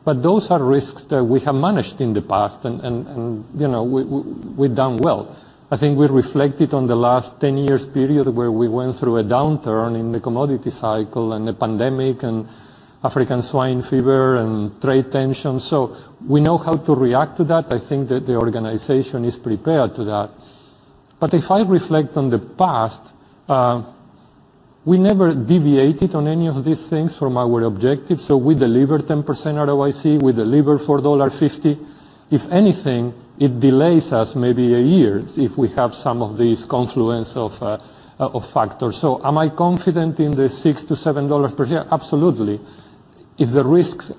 Those are risks that we have managed in the past and, you know, we've done well. I think we reflected on the last 10 years period where we went through a downturn in the commodity cycle and the pandemic and African swine fever and trade tensions. We know how to react to that. I think that the organization is prepared to that. If I reflect on the past, we never deviated on any of these things from our objectives. We delivered 10% ROIC, we delivered $4.50. If anything, it delays us maybe a year if we have some of these confluence of factors. Am I confident in the $6-$7 per share? Absolutely. If the risks,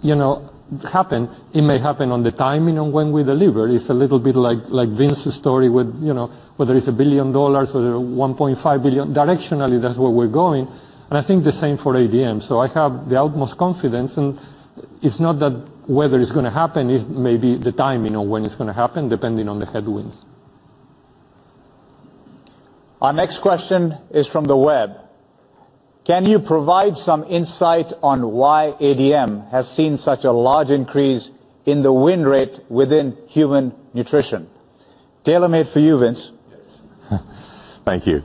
you know, happen, it may happen on the timing on when we deliver. It's a little bit like Vince's story with, you know, whether it's a billion dollars or $1.5 billion. Directionally, that's where we're going. I think the same for ADM. I have the utmost confidence, and it's not that whether it's gonna happen, it's maybe the timing or when it's gonna happen, depending on the headwinds. Our next question is from the web. Can you provide some insight on why ADM has seen such a large increase in the win rate within human nutrition? Tailor-made for you, Vince. Yes. Thank you.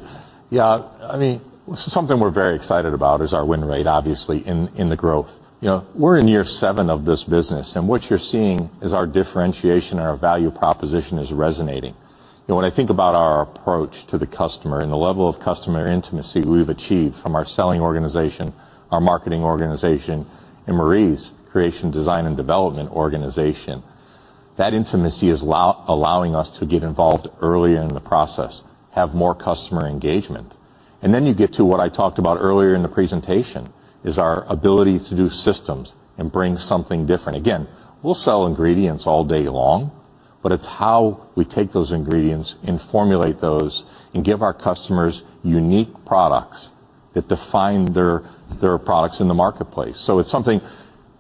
Yeah, I mean, something we're very excited about is our win rate, obviously, in the growth. You know, we're in year seven of this business, and what you're seeing is our differentiation, our value proposition is resonating. When I think about our approach to the customer and the level of customer intimacy we've achieved from our selling organization, our marketing organization, and Marie's Creation, Design & Development organization, that intimacy is allowing us to get involved earlier in the process, have more customer engagement. You get to what I talked about earlier in the presentation, is our ability to do systems and bring something different. Again, we'll sell ingredients all day long. It's how we take those ingredients and formulate those and give our customers unique products that define their products in the marketplace. It's something,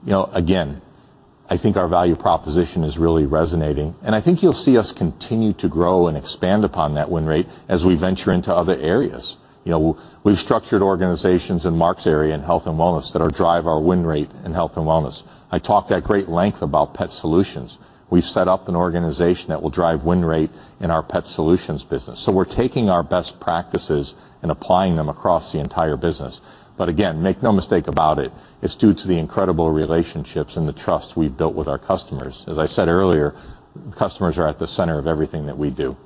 you know, again, I think our value proposition is really resonating, and I think you'll see us continue to grow and expand upon that win rate as we venture into other areas. You know, we've structured organizations in Mark's area, in Health and Wellness that drive our win rate in Health and Wellness. I talked at great length about pet solutions. We've set up an organization that will drive win rate in our pet solutions business. We're taking our best practices and applying them across the entire business. Again, make no mistake about it's due to the incredible relationships and the trust we've built with our customers. As I said earlier, customers are at the center of everything that we do.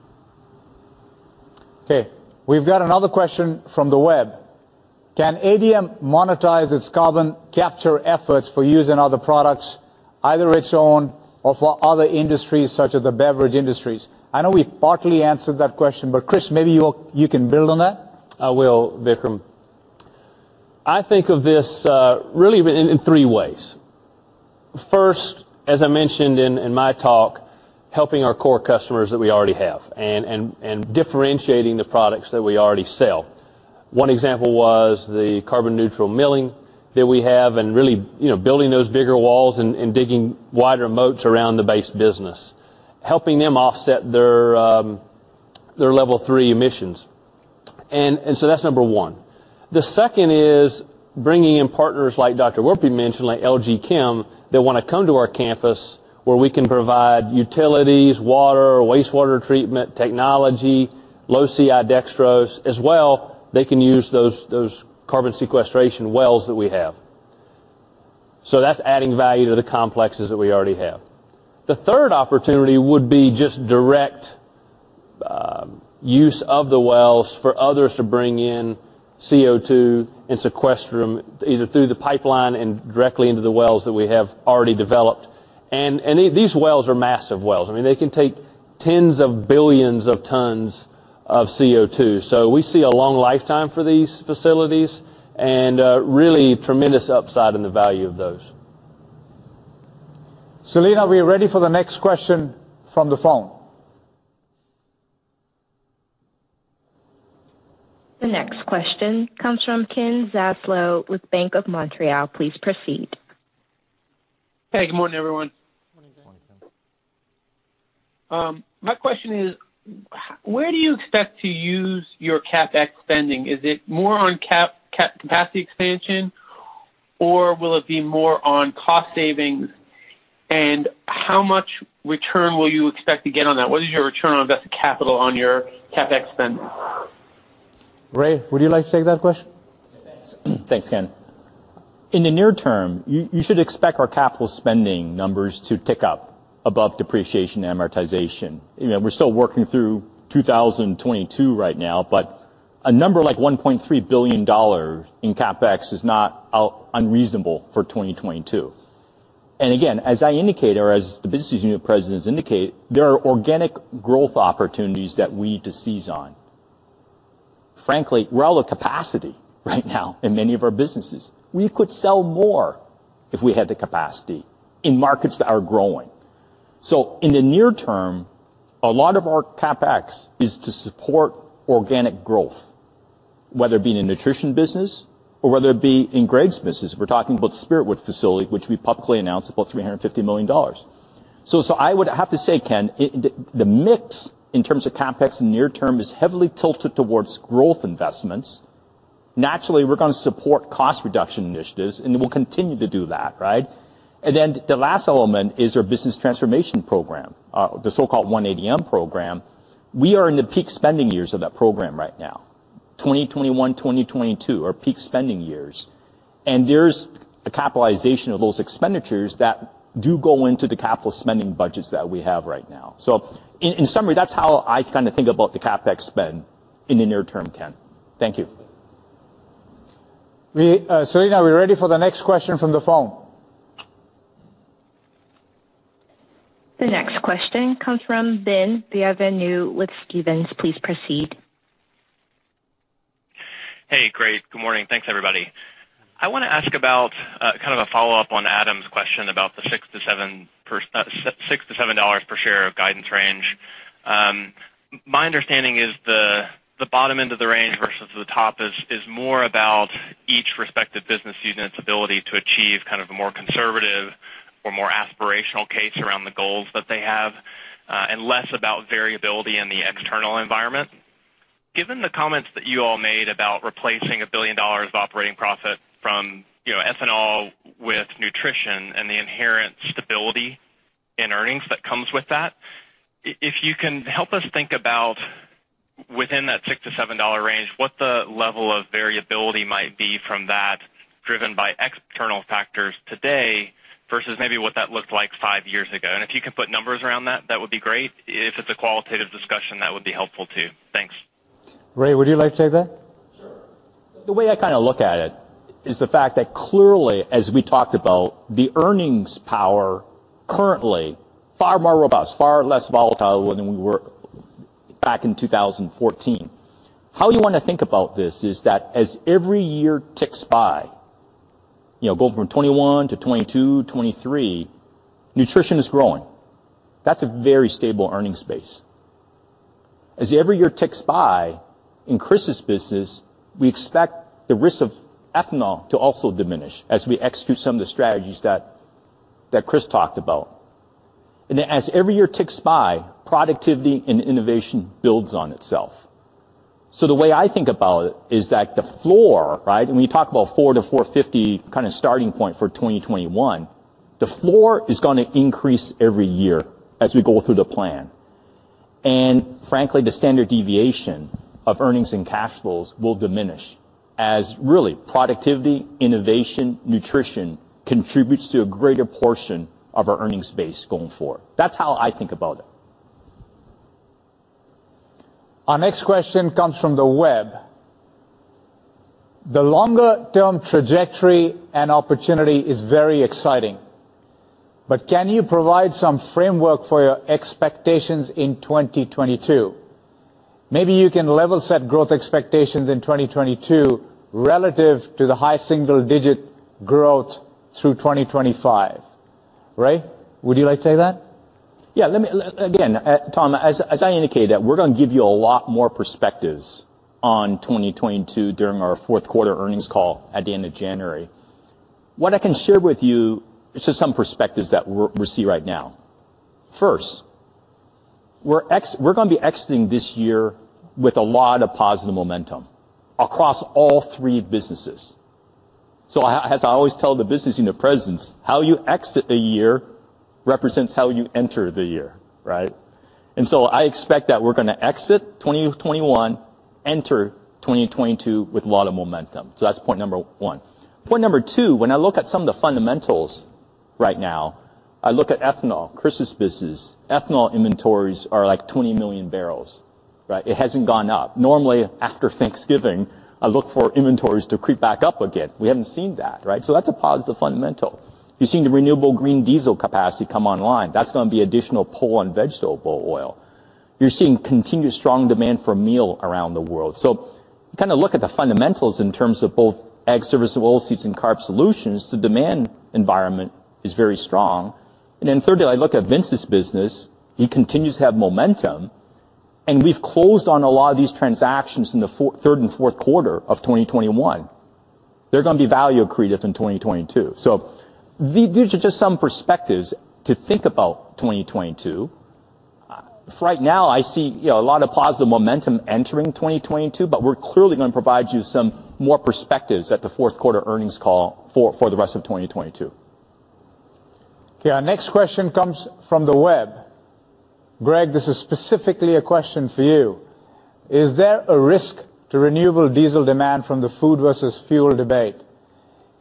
Okay, we've got another question from the web. Can ADM monetize its carbon capture efforts for use in other products, either its own or for other industries such as the beverage industries? I know we partly answered that question, but Chris, maybe you can build on that. I will, Vikram. I think of this really in three ways. First, as I mentioned in my talk, helping our core customers that we already have and differentiating the products that we already sell. One example was the carbon neutral milling that we have and really building those bigger walls and digging wider moats around the base business, helping them offset their Scope 3 emissions. That's number one. The second is bringing in partners like Dr. Werpy mentioned, like LG Chem, that wanna come to our campus where we can provide utilities, water, wastewater treatment, technology, low CI dextrose. As well, they can use those carbon sequestration wells that we have. That's adding value to the complexes that we already have. The third opportunity would be just direct use of the wells for others to bring in CO2 and sequester, either through the pipeline and directly into the wells that we have already developed. These wells are massive wells. I mean, they can take tens of billions of tons of CO2. We see a long lifetime for these facilities and really tremendous upside in the value of those. Selena, are we ready for the next question from the phone? The next question comes from Ken Zaslow with Bank of Montreal. Please proceed. Hey, good morning, everyone. My question is, where do you expect to use your CapEx spending? Is it more on capacity expansion, or will it be more on cost savings? How much return will you expect to get on that? What is your return on invested capital on your CapEx spend? Ray, would you like to take that question? Thanks, Ken. In the near term, you should expect our capital spending numbers to tick up above depreciation and amortization. You know, we're still working through 2022 right now, but a number like $1.3 billion in CapEx is not unreasonable for 2022. Again, as I indicate, or as the business unit presidents indicate, there are organic growth opportunities that we need to seize on. Frankly, we're out of capacity right now in many of our businesses. We could sell more if we had the capacity in markets that are growing. In the near term, a lot of our CapEx is to support organic growth, whether it be in the Nutrition business or whether it be in Greg's business. We're talking about the Spiritwood facility, which we publicly announced, about $350 million. I would have to say, Ken, the mix in terms of CapEx in the near term is heavily tilted towards growth investments. Naturally, we're gonna support cost reduction initiatives, and we'll continue to do that, right? The last element is our business transformation program, the so-called One ADM program. We are in the peak spending years of that program right now. 2021, 2022 are peak spending years. There's a capitalization of those expenditures that do go into the capital spending budgets that we have right now. In summary, that's how I kind of think about the CapEx spend in the near term, Ken. Thank you. We, Selena, are we ready for the next question from the phone? The next question comes from Ben Bienvenu with Stephens. Please proceed. Hey, great. Good morning. Thanks, everybody. I wanna ask about kind of a follow-up on Adam's question about the $6-$7 per share guidance range. My understanding is the bottom end of the range versus the top is more about each respective business unit's ability to achieve kind of a more conservative or more aspirational case around the goals that they have and less about variability in the external environment. Given the comments that you all made about replacing $1 billion of operating profit from, you know, ethanol with nutrition and the inherent stability in earnings that comes with that, if you can help us think about, within that $6-$7 range, what the level of variability might be from that driven by external factors today versus maybe what that looked like five years ago. If you can put numbers around that would be great. If it's a qualitative discussion, that would be helpful too. Thanks. Ray, would you like to take that? Sure. The way I kinda look at it is the fact that clearly, as we talked about, the earnings power currently far more robust, far less volatile than we were back in 2014. How you wanna think about this is that as every year ticks by. You know, going from 2021 to 2022, 2023, Nutrition is growing. That's a very stable earnings space. As every year ticks by, in Chris's business, we expect the risk of ethanol to also diminish as we execute some of the strategies that Chris talked about. As every year ticks by, productivity and innovation builds on itself. The way I think about it is that the floor, right? When you talk about $4-$4.50 kind of starting point for 2021, the floor is gonna increase every year as we go through the plan. Frankly, the standard deviation of earnings and cash flows will diminish as really productivity, innovation, nutrition contributes to a greater portion of our earnings base going forward. That's how I think about it. Our next question comes from the web: The longer-term trajectory and opportunity is very exciting, but can you provide some framework for your expectations in 2022? Maybe you can level set growth expectations in 2022 relative to the high single-digit growth through 2025. Ray, would you like to take that? Tom, as I indicated, we're gonna give you a lot more perspectives on 2022 during our fourth quarter earnings call at the end of January. What I can share with you is just some perspectives that we see right now. First, we're gonna be exiting this year with a lot of positive momentum across all three businesses. As I always tell the business unit presidents, how you exit a year represents how you enter the year, right? I expect that we're gonna exit 2021, enter 2022 with a lot of momentum. That's point number one. Point number two, when I look at some of the fundamentals right now, I look at ethanol, Chris's business. Ethanol inventories are like 20 million barrels, right? It hasn't gone up. Normally, after Thanksgiving, I look for inventories to creep back up again. We haven't seen that, right? That's a positive fundamental. You're seeing the renewable green diesel capacity come online. That's gonna be additional pull on vegetable oil. You're seeing continued strong demand for meal around the world. You kind of look at the fundamentals in terms of both Ag Services, Oilseeds, and Carbohydrate Solutions, the demand environment is very strong. Thirdly, I look at Vince's business. He continues to have momentum, and we've closed on a lot of these transactions in the third and fourth quarter of 2021. They're gonna be value accretive in 2022. These are just some perspectives to think about 2022. Right now I see, you know, a lot of positive momentum entering 2022, but we're clearly gonna provide you some more perspectives at the fourth quarter earnings call for the rest of 2022. Okay. Our next question comes from the web. Greg, this is specifically a question for you. Is there a risk to renewable diesel demand from the food versus fuel debate?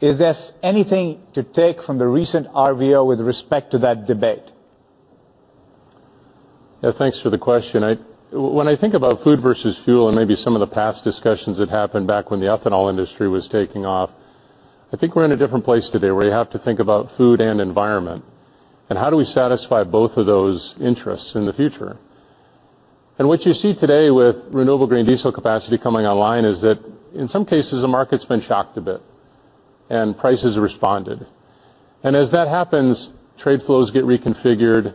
Is there anything to take from the recent RVO with respect to that debate? Yeah. Thanks for the question. When I think about food versus fuel and maybe some of the past discussions that happened back when the ethanol industry was taking off, I think we're in a different place today where you have to think about food and environment and how do we satisfy both of those interests in the future. What you see today with renewable green diesel capacity coming online is that in some cases, the market's been shocked a bit, and prices have responded. As that happens, trade flows get reconfigured,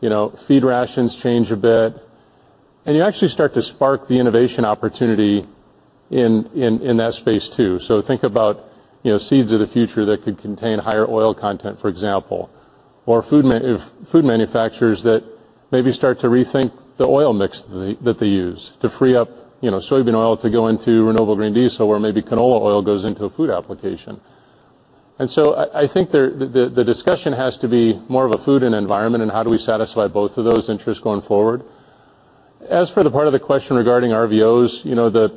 you know, feed rations change a bit. You actually start to spark the innovation opportunity in that space too. Think about, you know, seeds of the future that could contain higher oil content, for example, or food manufacturers that maybe start to rethink the oil mix that they use to free up, you know, soybean oil to go into renewable green diesel, where maybe canola oil goes into a food application. I think the discussion has to be more of a food and environment and how do we satisfy both of those interests going forward. As for the part of the question regarding RVOs, you know, the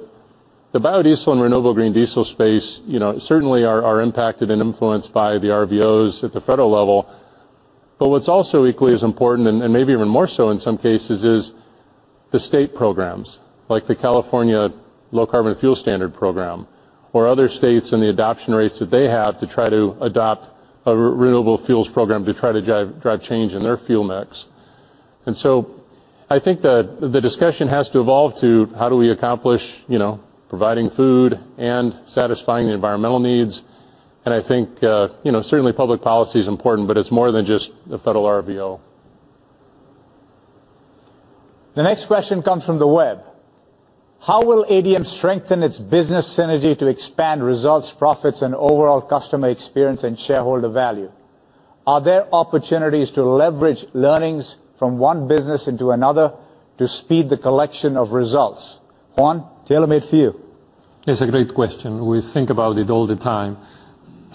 biodiesel and renewable green diesel space, you know, certainly are impacted and influenced by the RVOs at the federal level. What's also equally as important, and maybe even more so in some cases, is the state programs, like the California Low Carbon Fuel Standard program or other states and the adoption rates that they have to try to adopt a renewable fuels program to try to drive change in their fuel mix. I think the discussion has to evolve to how do we accomplish, you know, providing food and satisfying the environmental needs. I think, you know, certainly public policy is important, but it's more than just the federal RVO. The next question comes from the web: How will ADM strengthen its business synergy to expand results, profits, and overall customer experience and shareholder value? Are there opportunities to leverage learnings from one business into another to speed the collection of results? Juan, tailor-made for you. It's a great question. We think about it all the time.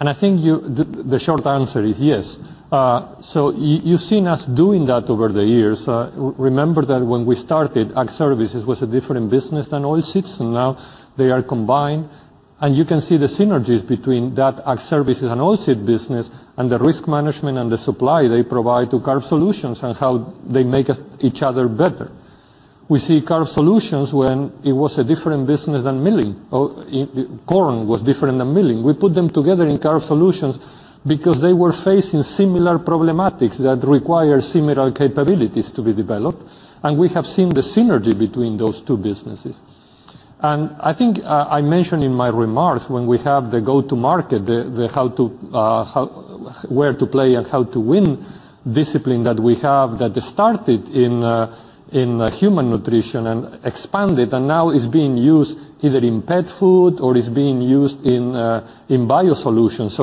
I think the short answer is yes. You've seen us doing that over the years. Remember that when we started, Ag Services was a different business than Oilseeds, and now they are combined. You can see the synergies between that Ag Services and Oilseed business and the risk management and the supply they provide to Carbohydrate Solutions and how they make each other better. We see Carbohydrate Solutions when it was a different business than Milling. Corn was different than Milling. We put them together in Carbohydrate Solutions because they were facing similar problematics that require similar capabilities to be developed, and we have seen the synergy between those two businesses. I think I mentioned in my remarks when we have the go-to market, the where to play and how to win discipline that we have, that started in human nutrition and expanded and now is being used either in pet food or is being used in BioSolutions.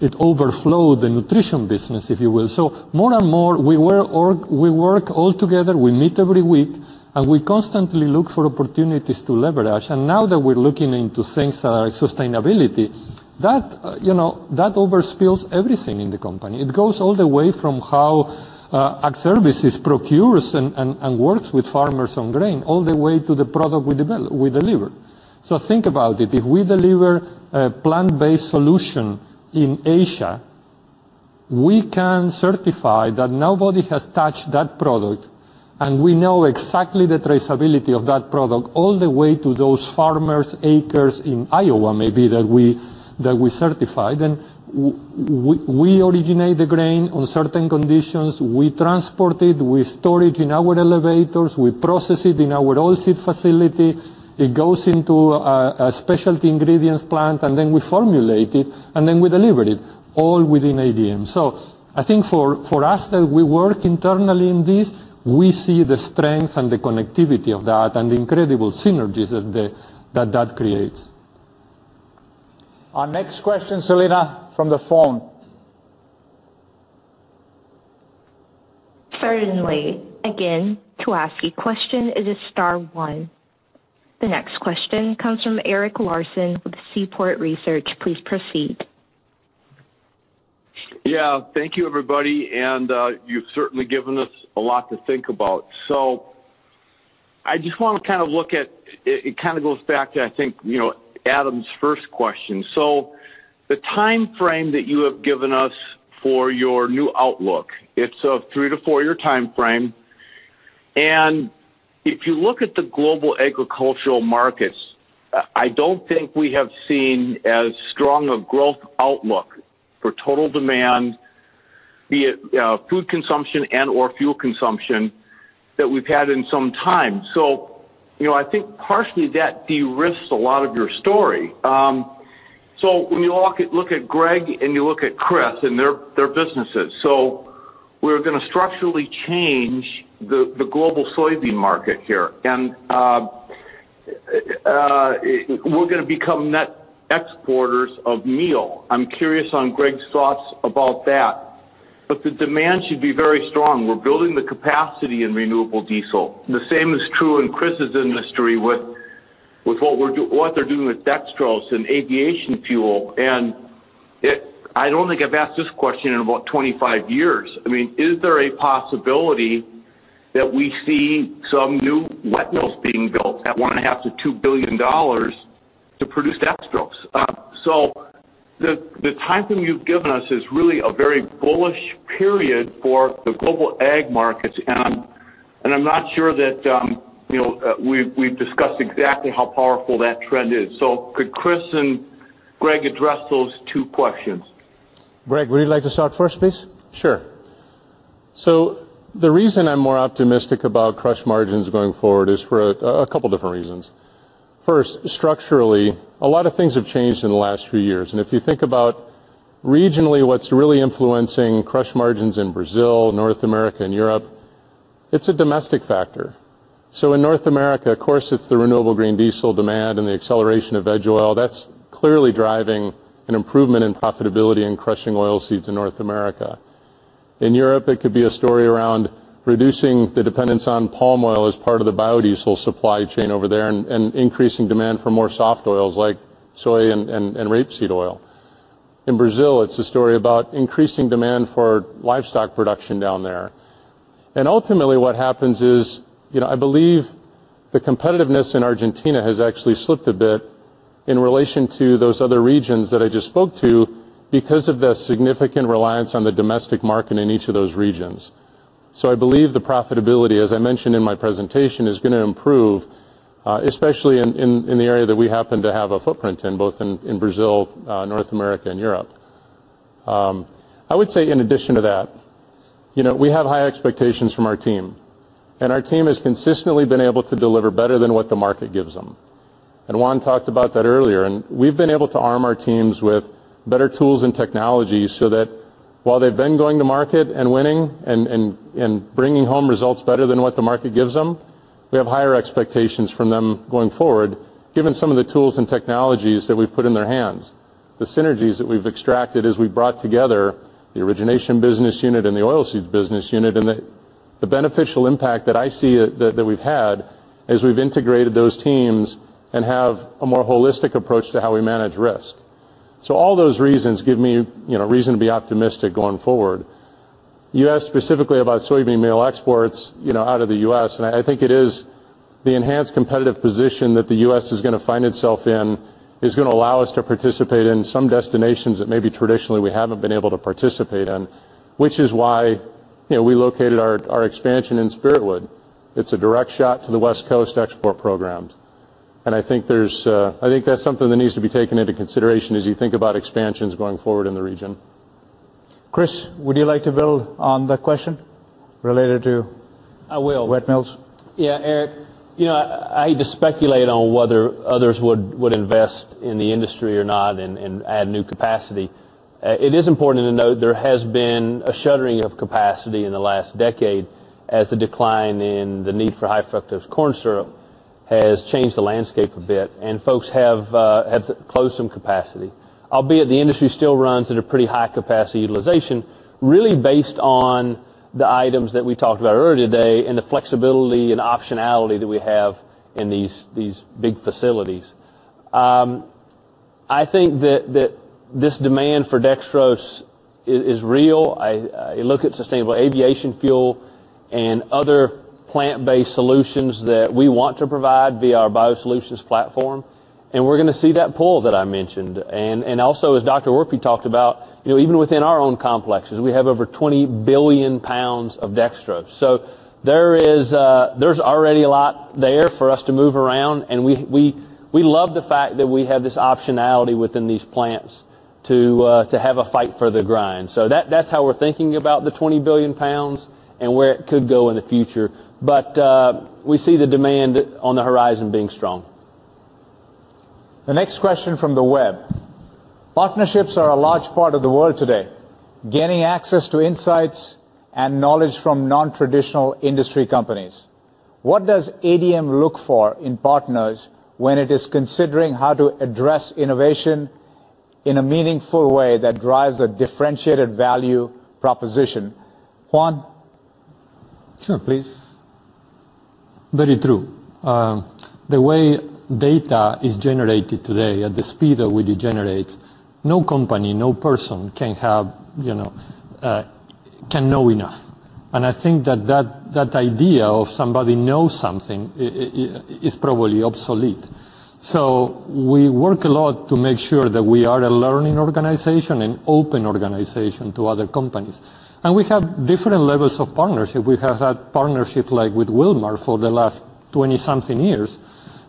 It overflowed the Nutrition business, if you will. More and more we work all together, we meet every week, and we constantly look for opportunities to leverage. Now that we're looking into things like sustainability, you know, that overspills everything in the company. It goes all the way from how Ag Services procures and works with Farmers on grain, all the way to the product we deliver. Think about it. If we deliver a plant-based solution in Asia, we can certify that nobody has touched that product, and we know exactly the traceability of that product all the way to those Farmers' acres in Iowa, maybe that we certified. We originate the grain on certain conditions. We transport it. We store it in our elevators. We process it in our oilseed facility. It goes into a specialty ingredients plant, and then we formulate it, and then we deliver it, all within ADM. I think for us that we work internally in this, we see the strength and the connectivity of that and the incredible synergies that that creates. Our next question, Selena, from the phone. Certainly. Again, to ask a question, it is star one. The next question comes from Eric Larson with Seaport Research. Please proceed. Yeah. Thank you, everybody. You've certainly given us a lot to think about. I just wanna kind of look at it. It kind of goes back to, I think, you know, Adam's first question. The timeframe that you have given us for your new outlook, it's a three to four year timeframe, and if you look at the global agricultural markets, I don't think we have seen as strong a growth outlook for total demand, be it food consumption and/or fuel consumption that we've had in some time. You know, I think partially that de-risks a lot of your story. When you look at Greg and you look at Chris and their businesses. We're gonna structurally change the global soybean market here. We're gonna become net exporters of meal. I'm curious on Greg's thoughts about that. The demand should be very strong. We're building the capacity in renewable diesel. The same is true in Chris's industry with what they're doing with dextrose and aviation fuel. I don't think I've asked this question in about 25 years. I mean, is there a possibility that we see some new wet mills being built at $1.5 billion-$2 billion to produce dextrose? The timing you've given us is really a very bullish period for the global ag markets, and I'm not sure that, you know, we've discussed exactly how powerful that trend is. Could Chris and Greg address those two questions? Greg, would you like to start first, please? Sure. The reason I'm more optimistic about crush margins going forward is for a couple different reasons. First, structurally, a lot of things have changed in the last few years. If you think about regionally what's really influencing crush margins in Brazil, North America and Europe, it's a domestic factor. In North America, of course, it's the renewable green diesel demand and the acceleration of veg oil. That's clearly driving an improvement in profitability and crushing oil seeds in North America. In Europe, it could be a story around reducing the dependence on palm oil as part of the biodiesel supply chain over there and increasing demand for more soft oils like soy and rapeseed oil. In Brazil, it's a story about increasing demand for livestock production down there. Ultimately what happens is, you know, I believe the competitiveness in Argentina has actually slipped a bit in relation to those other regions that I just spoke to because of the significant reliance on the domestic market in each of those regions. I believe the profitability, as I mentioned in my presentation, is gonna improve, especially in the area that we happen to have a footprint in, both in Brazil, North America and Europe. I would say in addition to that, you know, we have high expectations from our team, and our team has consistently been able to deliver better than what the market gives them. Juan talked about that earlier. We've been able to arm our teams with better tools and technologies so that while they've been going to market and winning and bringing home results better than what the market gives them, we have higher expectations from them going forward, given some of the tools and technologies that we've put in their hands, the synergies that we've extracted as we brought together the origination business unit and the Oilseeds business unit, and the beneficial impact that I see that we've had as we've integrated those teams and have a more holistic approach to how we manage risk. All those reasons give me, you know, reason to be optimistic going forward. You asked specifically about soybean meal exports, you know, out of the U.S., and I think it is the enhanced competitive position that the U.S. is gonna find itself in, is gonna allow us to participate in some destinations that maybe traditionally we haven't been able to participate in, which is why, you know, we located our expansion in Spirit Wood. It's a direct shot to the West Coast export programs. I think there's, I think that's something that needs to be taken into consideration as you think about expansions going forward in the region. Chris, would you like to build on that question related to? I will wet mills? Yeah, Eric, you know, I hesitate to speculate on whether others would invest in the industry or not and add new capacity. It is important to note there has been a shuttering of capacity in the last decade as the decline in the need for high fructose corn syrup has changed the landscape a bit, and folks have closed some capacity. Albeit the industry still runs at a pretty high capacity utilization, really based on the items that we talked about earlier today and the flexibility and optionality that we have in these big facilities. I think that this demand for dextrose is real. I look at sustainable aviation fuel and other plant-based solutions that we want to provide via our BioSolutions platform, and we're gonna see that pull that I mentioned. Also as Dr. Dr. Werpy talked about, you know, even within our own complexes, we have over 20 billion pounds of dextrose. There is, there's already a lot there for us to move around, and we love the fact that we have this optionality within these plants to have a fight for the grind. That, that's how we're thinking about the 20 billion pounds and where it could go in the future. We see the demand on the horizon being strong. The next question from the web: Partnerships are a large part of the world today, gaining access to insights and knowledge from non-traditional industry companies. What does ADM look for in partners when it is considering how to address innovation in a meaningful way that drives a differentiated value proposition? Juan. Sure. Please. Very true. The way data is generated today at the speed that we generate, no company, no person can have, you know, can know enough. I think that idea of somebody knows something is probably obsolete. We work a lot to make sure that we are a learning organization, an open organization to other companies. We have different levels of partnership. We have had partnership like with Wilmar for the last 20-something years.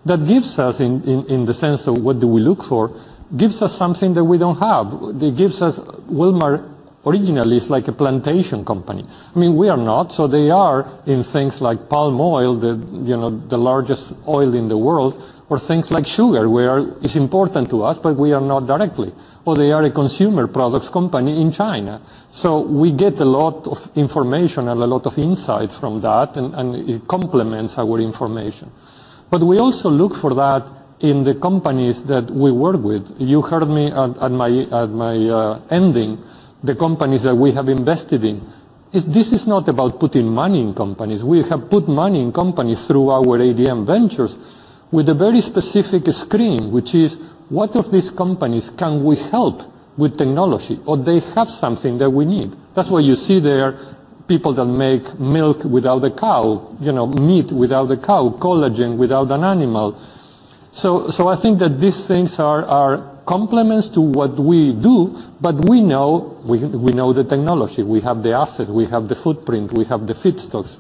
That gives us in the sense of what do we look for, gives us something that we don't have. It gives us. Wilmar originally is like a plantation company. I mean, we are not, so they are in things like palm oil, you know, the largest oil in the world, or things like sugar, where it's important to us, but we are not directly. They are a consumer products company in China. We get a lot of information and a lot of insight from that and it complements our information. We also look for that in the companies that we work with. You heard me at my opening, the companies that we have invested in. This is not about putting money in companies. We have put money in companies through our ADM Ventures with a very specific screen, which is which of these companies can we help with technology or they have something that we need? That's why you see their people that make milk without a cow, you know, meat without a cow, collagen without an animal. I think that these things are complements to what we do, but we know the technology. We have the assets, we have the footprint, we have the feedstocks.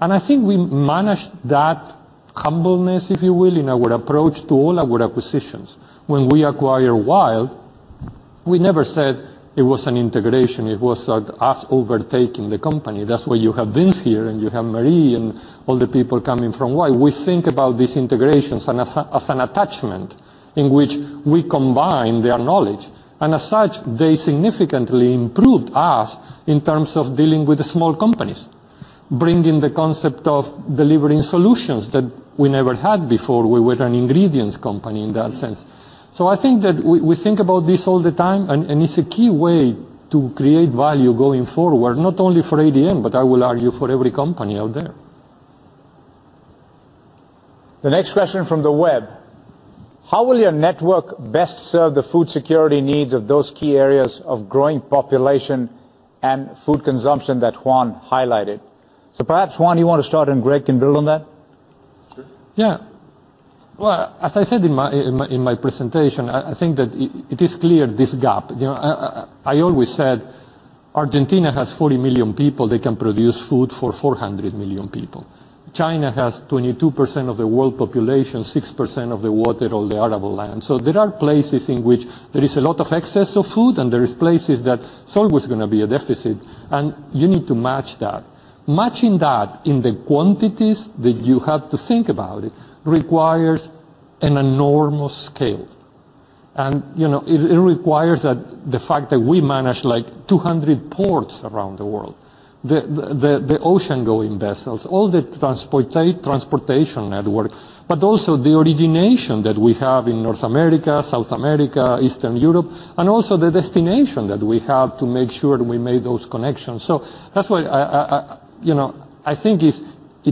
I think we manage that humbleness, if you will, in our approach to all our acquisitions. When we acquire WILD, we never said it was an integration, it was, like, us overtaking the company. That's why you have Vince here and you have Marie and all the people coming from WILD. We think about these integrations as an attachment in which we combine their knowledge. As such, they significantly improved us in terms of dealing with the small companies, bringing the concept of delivering solutions that we never had before. We were an ingredients company in that sense. I think that we think about this all the time and it's a key way to create value going forward, not only for ADM, but I will argue for every company out there. The next question from the web: How will your network best serve the food security needs of those key areas of growing population and food consumption that Juan highlighted? Perhaps, Juan, you want to start and Greg can build on that? Sure. Yeah. Well, as I said in my presentation, I always said Argentina has 40 million people. They can produce food for 400 million people. China has 22% of the world population, 6% of the water or the arable land. There are places in which there is a lot of excess of food, and there are places that it's always gonna be a deficit, and you need to match that. Matching that in the quantities that you have to think about it requires an enormous scale. You know, it requires that the fact that we manage like 200 ports around the world, the ocean-going vessels, all the transportation network, but also the origination that we have in North America, South America, Eastern Europe, and also the destination that we have to make sure that we make those connections. That's why I you know I think it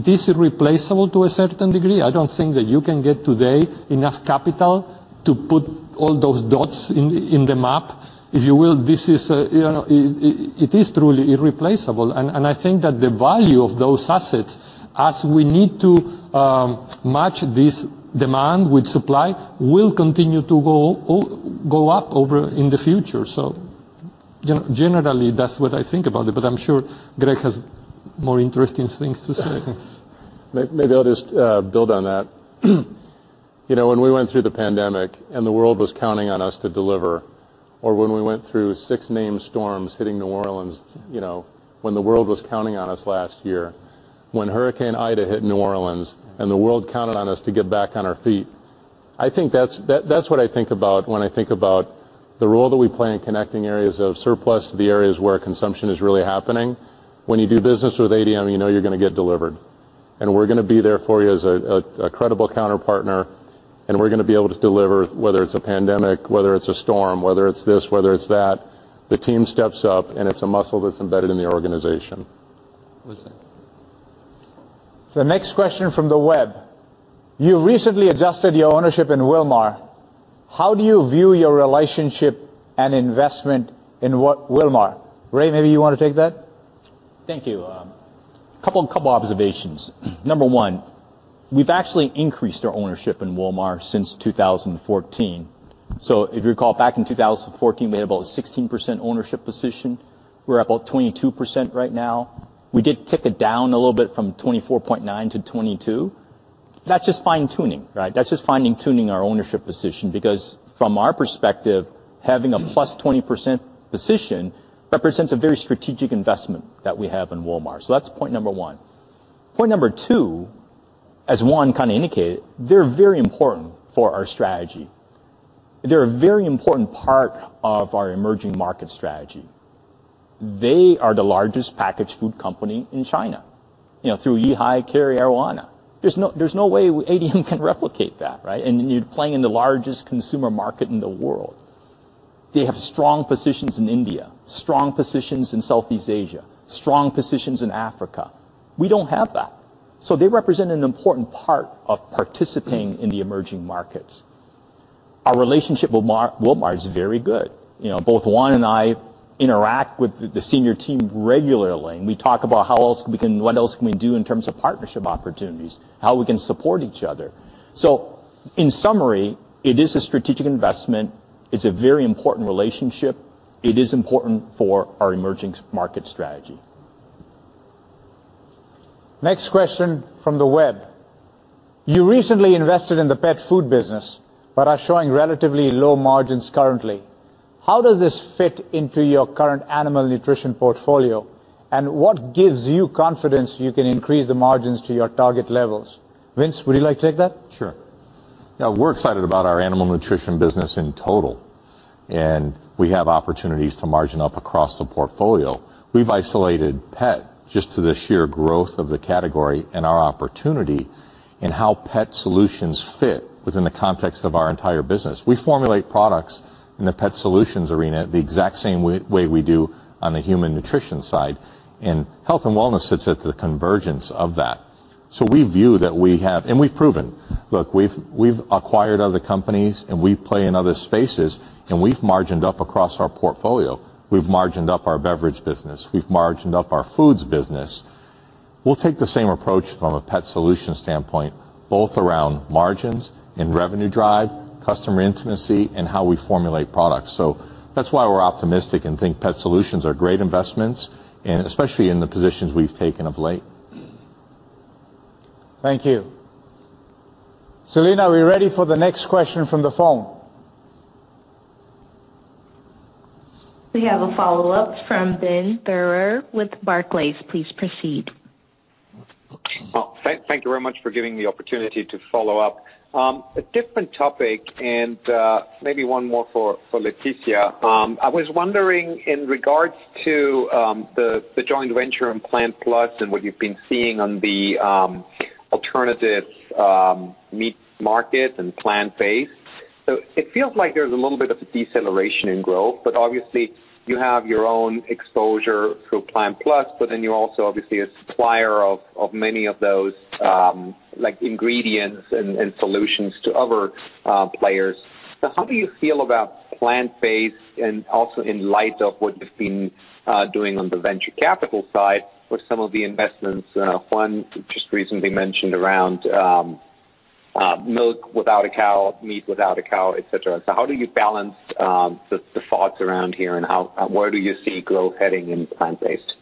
is irreplaceable to a certain degree. I don't think that you can get today enough capital to put all those dots in the map. If you will, this is you know it is truly irreplaceable. I think that the value of those assets as we need to match this demand with supply will continue to go up over time in the future. Generally, that's what I think about it, but I'm sure Greg has more interesting things to say. Maybe I'll just build on that. You know, when we went through the pandemic, and the world was counting on us to deliver, or when we went through six named storms hitting New Orleans, you know, when the world was counting on us last year, when Hurricane Ida hit New Orleans, and the world counted on us to get back on our feet, I think that's what I think about when I think about the role that we play in connecting areas of surplus to the areas where consumption is really happening. When you do business with ADM, you know you're gonna get delivered, and we're gonna be there for you as a credible counterparty, and we're gonna be able to deliver, whether it's a pandemic, whether it's a storm, whether it's this, whether it's that. The team steps up, and it's a muscle that's embedded in the organization. Listen. Next question from the web: You recently adjusted your ownership in Wilmar. How do you view your relationship and investment in Wilmar? Ray, maybe you wanna take that. Thank you. Couple observations. Number one, we've actually increased our ownership in Wilmar since 2014. If you recall back in 2014, we had about a 16% ownership position. We're about 22% right now. We did tick it down a little bit from 24.9%-22%. That's just fine-tuning, right? That's just fine-tuning our ownership position. Because from our perspective, having a +20% position represents a very strategic investment that we have in Wilmar. That's point number one. Point number two, as Juan kinda indicated, they're very important for our strategy. They're a very important part of our emerging market strategy. They are the largest packaged food company in China, you know, through Yihai Kerry Arawana. There's no way ADM can replicate that, right? You're playing in the largest consumer market in the world. They have strong positions in India, strong positions in Southeast Asia, strong positions in Africa. We don't have that. They represent an important part of participating in the emerging markets. Our relationship with Wilmar is very good. You know, both Juan and I interact with the senior team regularly, and we talk about what else we can do in terms of partnership opportunities, how we can support each other. In summary, it is a strategic investment. It's a very important relationship. It is important for our emerging market strategy. Next question from the web: You recently invested in the pet food business but are showing relatively low margins currently. How does this fit into your current animal nutrition portfolio, and what gives you confidence you can increase the margins to your target levels? Vince, would you like to take that? Sure. Yeah, we're excited about our animal nutrition business in total, and we have opportunities to margin up across the portfolio. We've isolated pet just to the sheer growth of the category and our opportunity and how pet solutions fit within the context of our entire business. We formulate products in the pet solutions arena the exact same way we do on the human nutrition side, and health and wellness sits at the convergence of that. We view that we have. We've proven. Look, we've acquired other companies, and we play in other spaces, and we've margined up across our portfolio. We've margined up our beverage business. We've margined up our foods business. We'll take the same approach from a pet solution standpoint, both around margins and revenue drive, customer intimacy, and how we formulate products. That's why we're optimistic and think pet solutions are great investments, and especially in the positions we've taken of late. Thank you. Selena, are we ready for the next question from the phone? We have a follow-up from Ben Theurer with Barclays. Please proceed. Well, thank you very much for giving me opportunity to follow up. A different topic and maybe one more for Leticia. I was wondering in regards to the joint venture in PlantPlus and what you've been seeing on the alternative meat market and plant-based. It feels like there's a little bit of a deceleration in growth, but obviously you have your own exposure through PlantPlus, but then you're also obviously a supplier of many of those like ingredients and solutions to other players. How do you feel about plant-based and also in light of what you've been doing on the venture capital side with some of the investments Juan just recently mentioned around milk without a cow, meat without a cow, et cetera. How do you balance the thoughts around here, and where do you see growth heading in plant-based?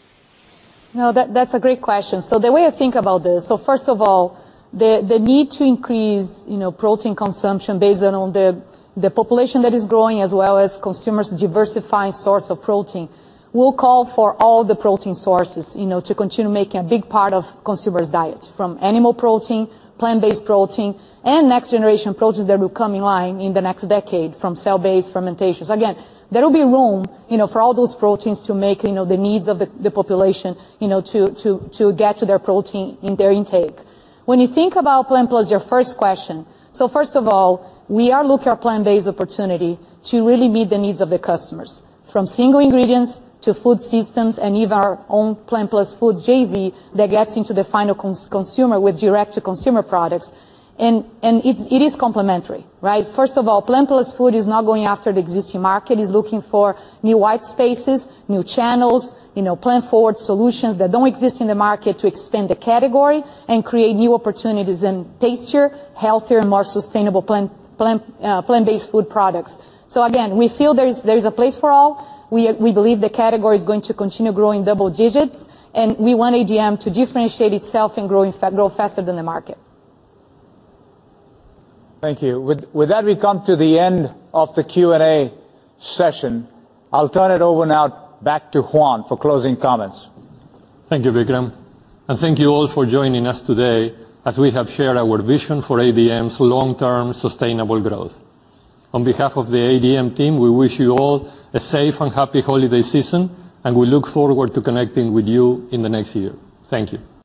No, that's a great question. The way I think about this, so first of all, the need to increase, you know, protein consumption based on the population that is growing as well as consumers diversifying source of protein will call for all the protein sources, you know, to continue making a big part of consumers' diet, from animal protein, plant-based protein, and next generation proteins that will come in line in the next decade from cell-based fermentations. Again, there will be room, you know, for all those proteins to make, you know, the needs of the population, you know, to get to their protein in their intake. When you think about PlantPlus Foods, your first question, first of all, we are looking at plant-based opportunity to really meet the needs of the customers, from single ingredients to food systems and even our own PlantPlus Foods JV that gets into the final consumer with direct to consumer products. It's complementary, right? First of all, PlantPlus Foods is not going after the existing market. It's looking for new white spaces, new channels, you know, plant forward solutions that don't exist in the market to expand the category and create new opportunities in tastier, healthier, and more sustainable plant plant-based food products. We feel there is a place for all. We believe the category is going to continue growing double digits, and we want ADM to differentiate itself in grow faster than the market. Thank you. With that, we come to the end of the Q&A session. I'll turn it over now back to Juan for closing comments. Thank you, Vikram, and thank you all for joining us today as we have shared our vision for ADM's long-term sustainable growth. On behalf of the ADM team, we wish you all a safe and happy holiday season, and we look forward to connecting with you in the next year. Thank you.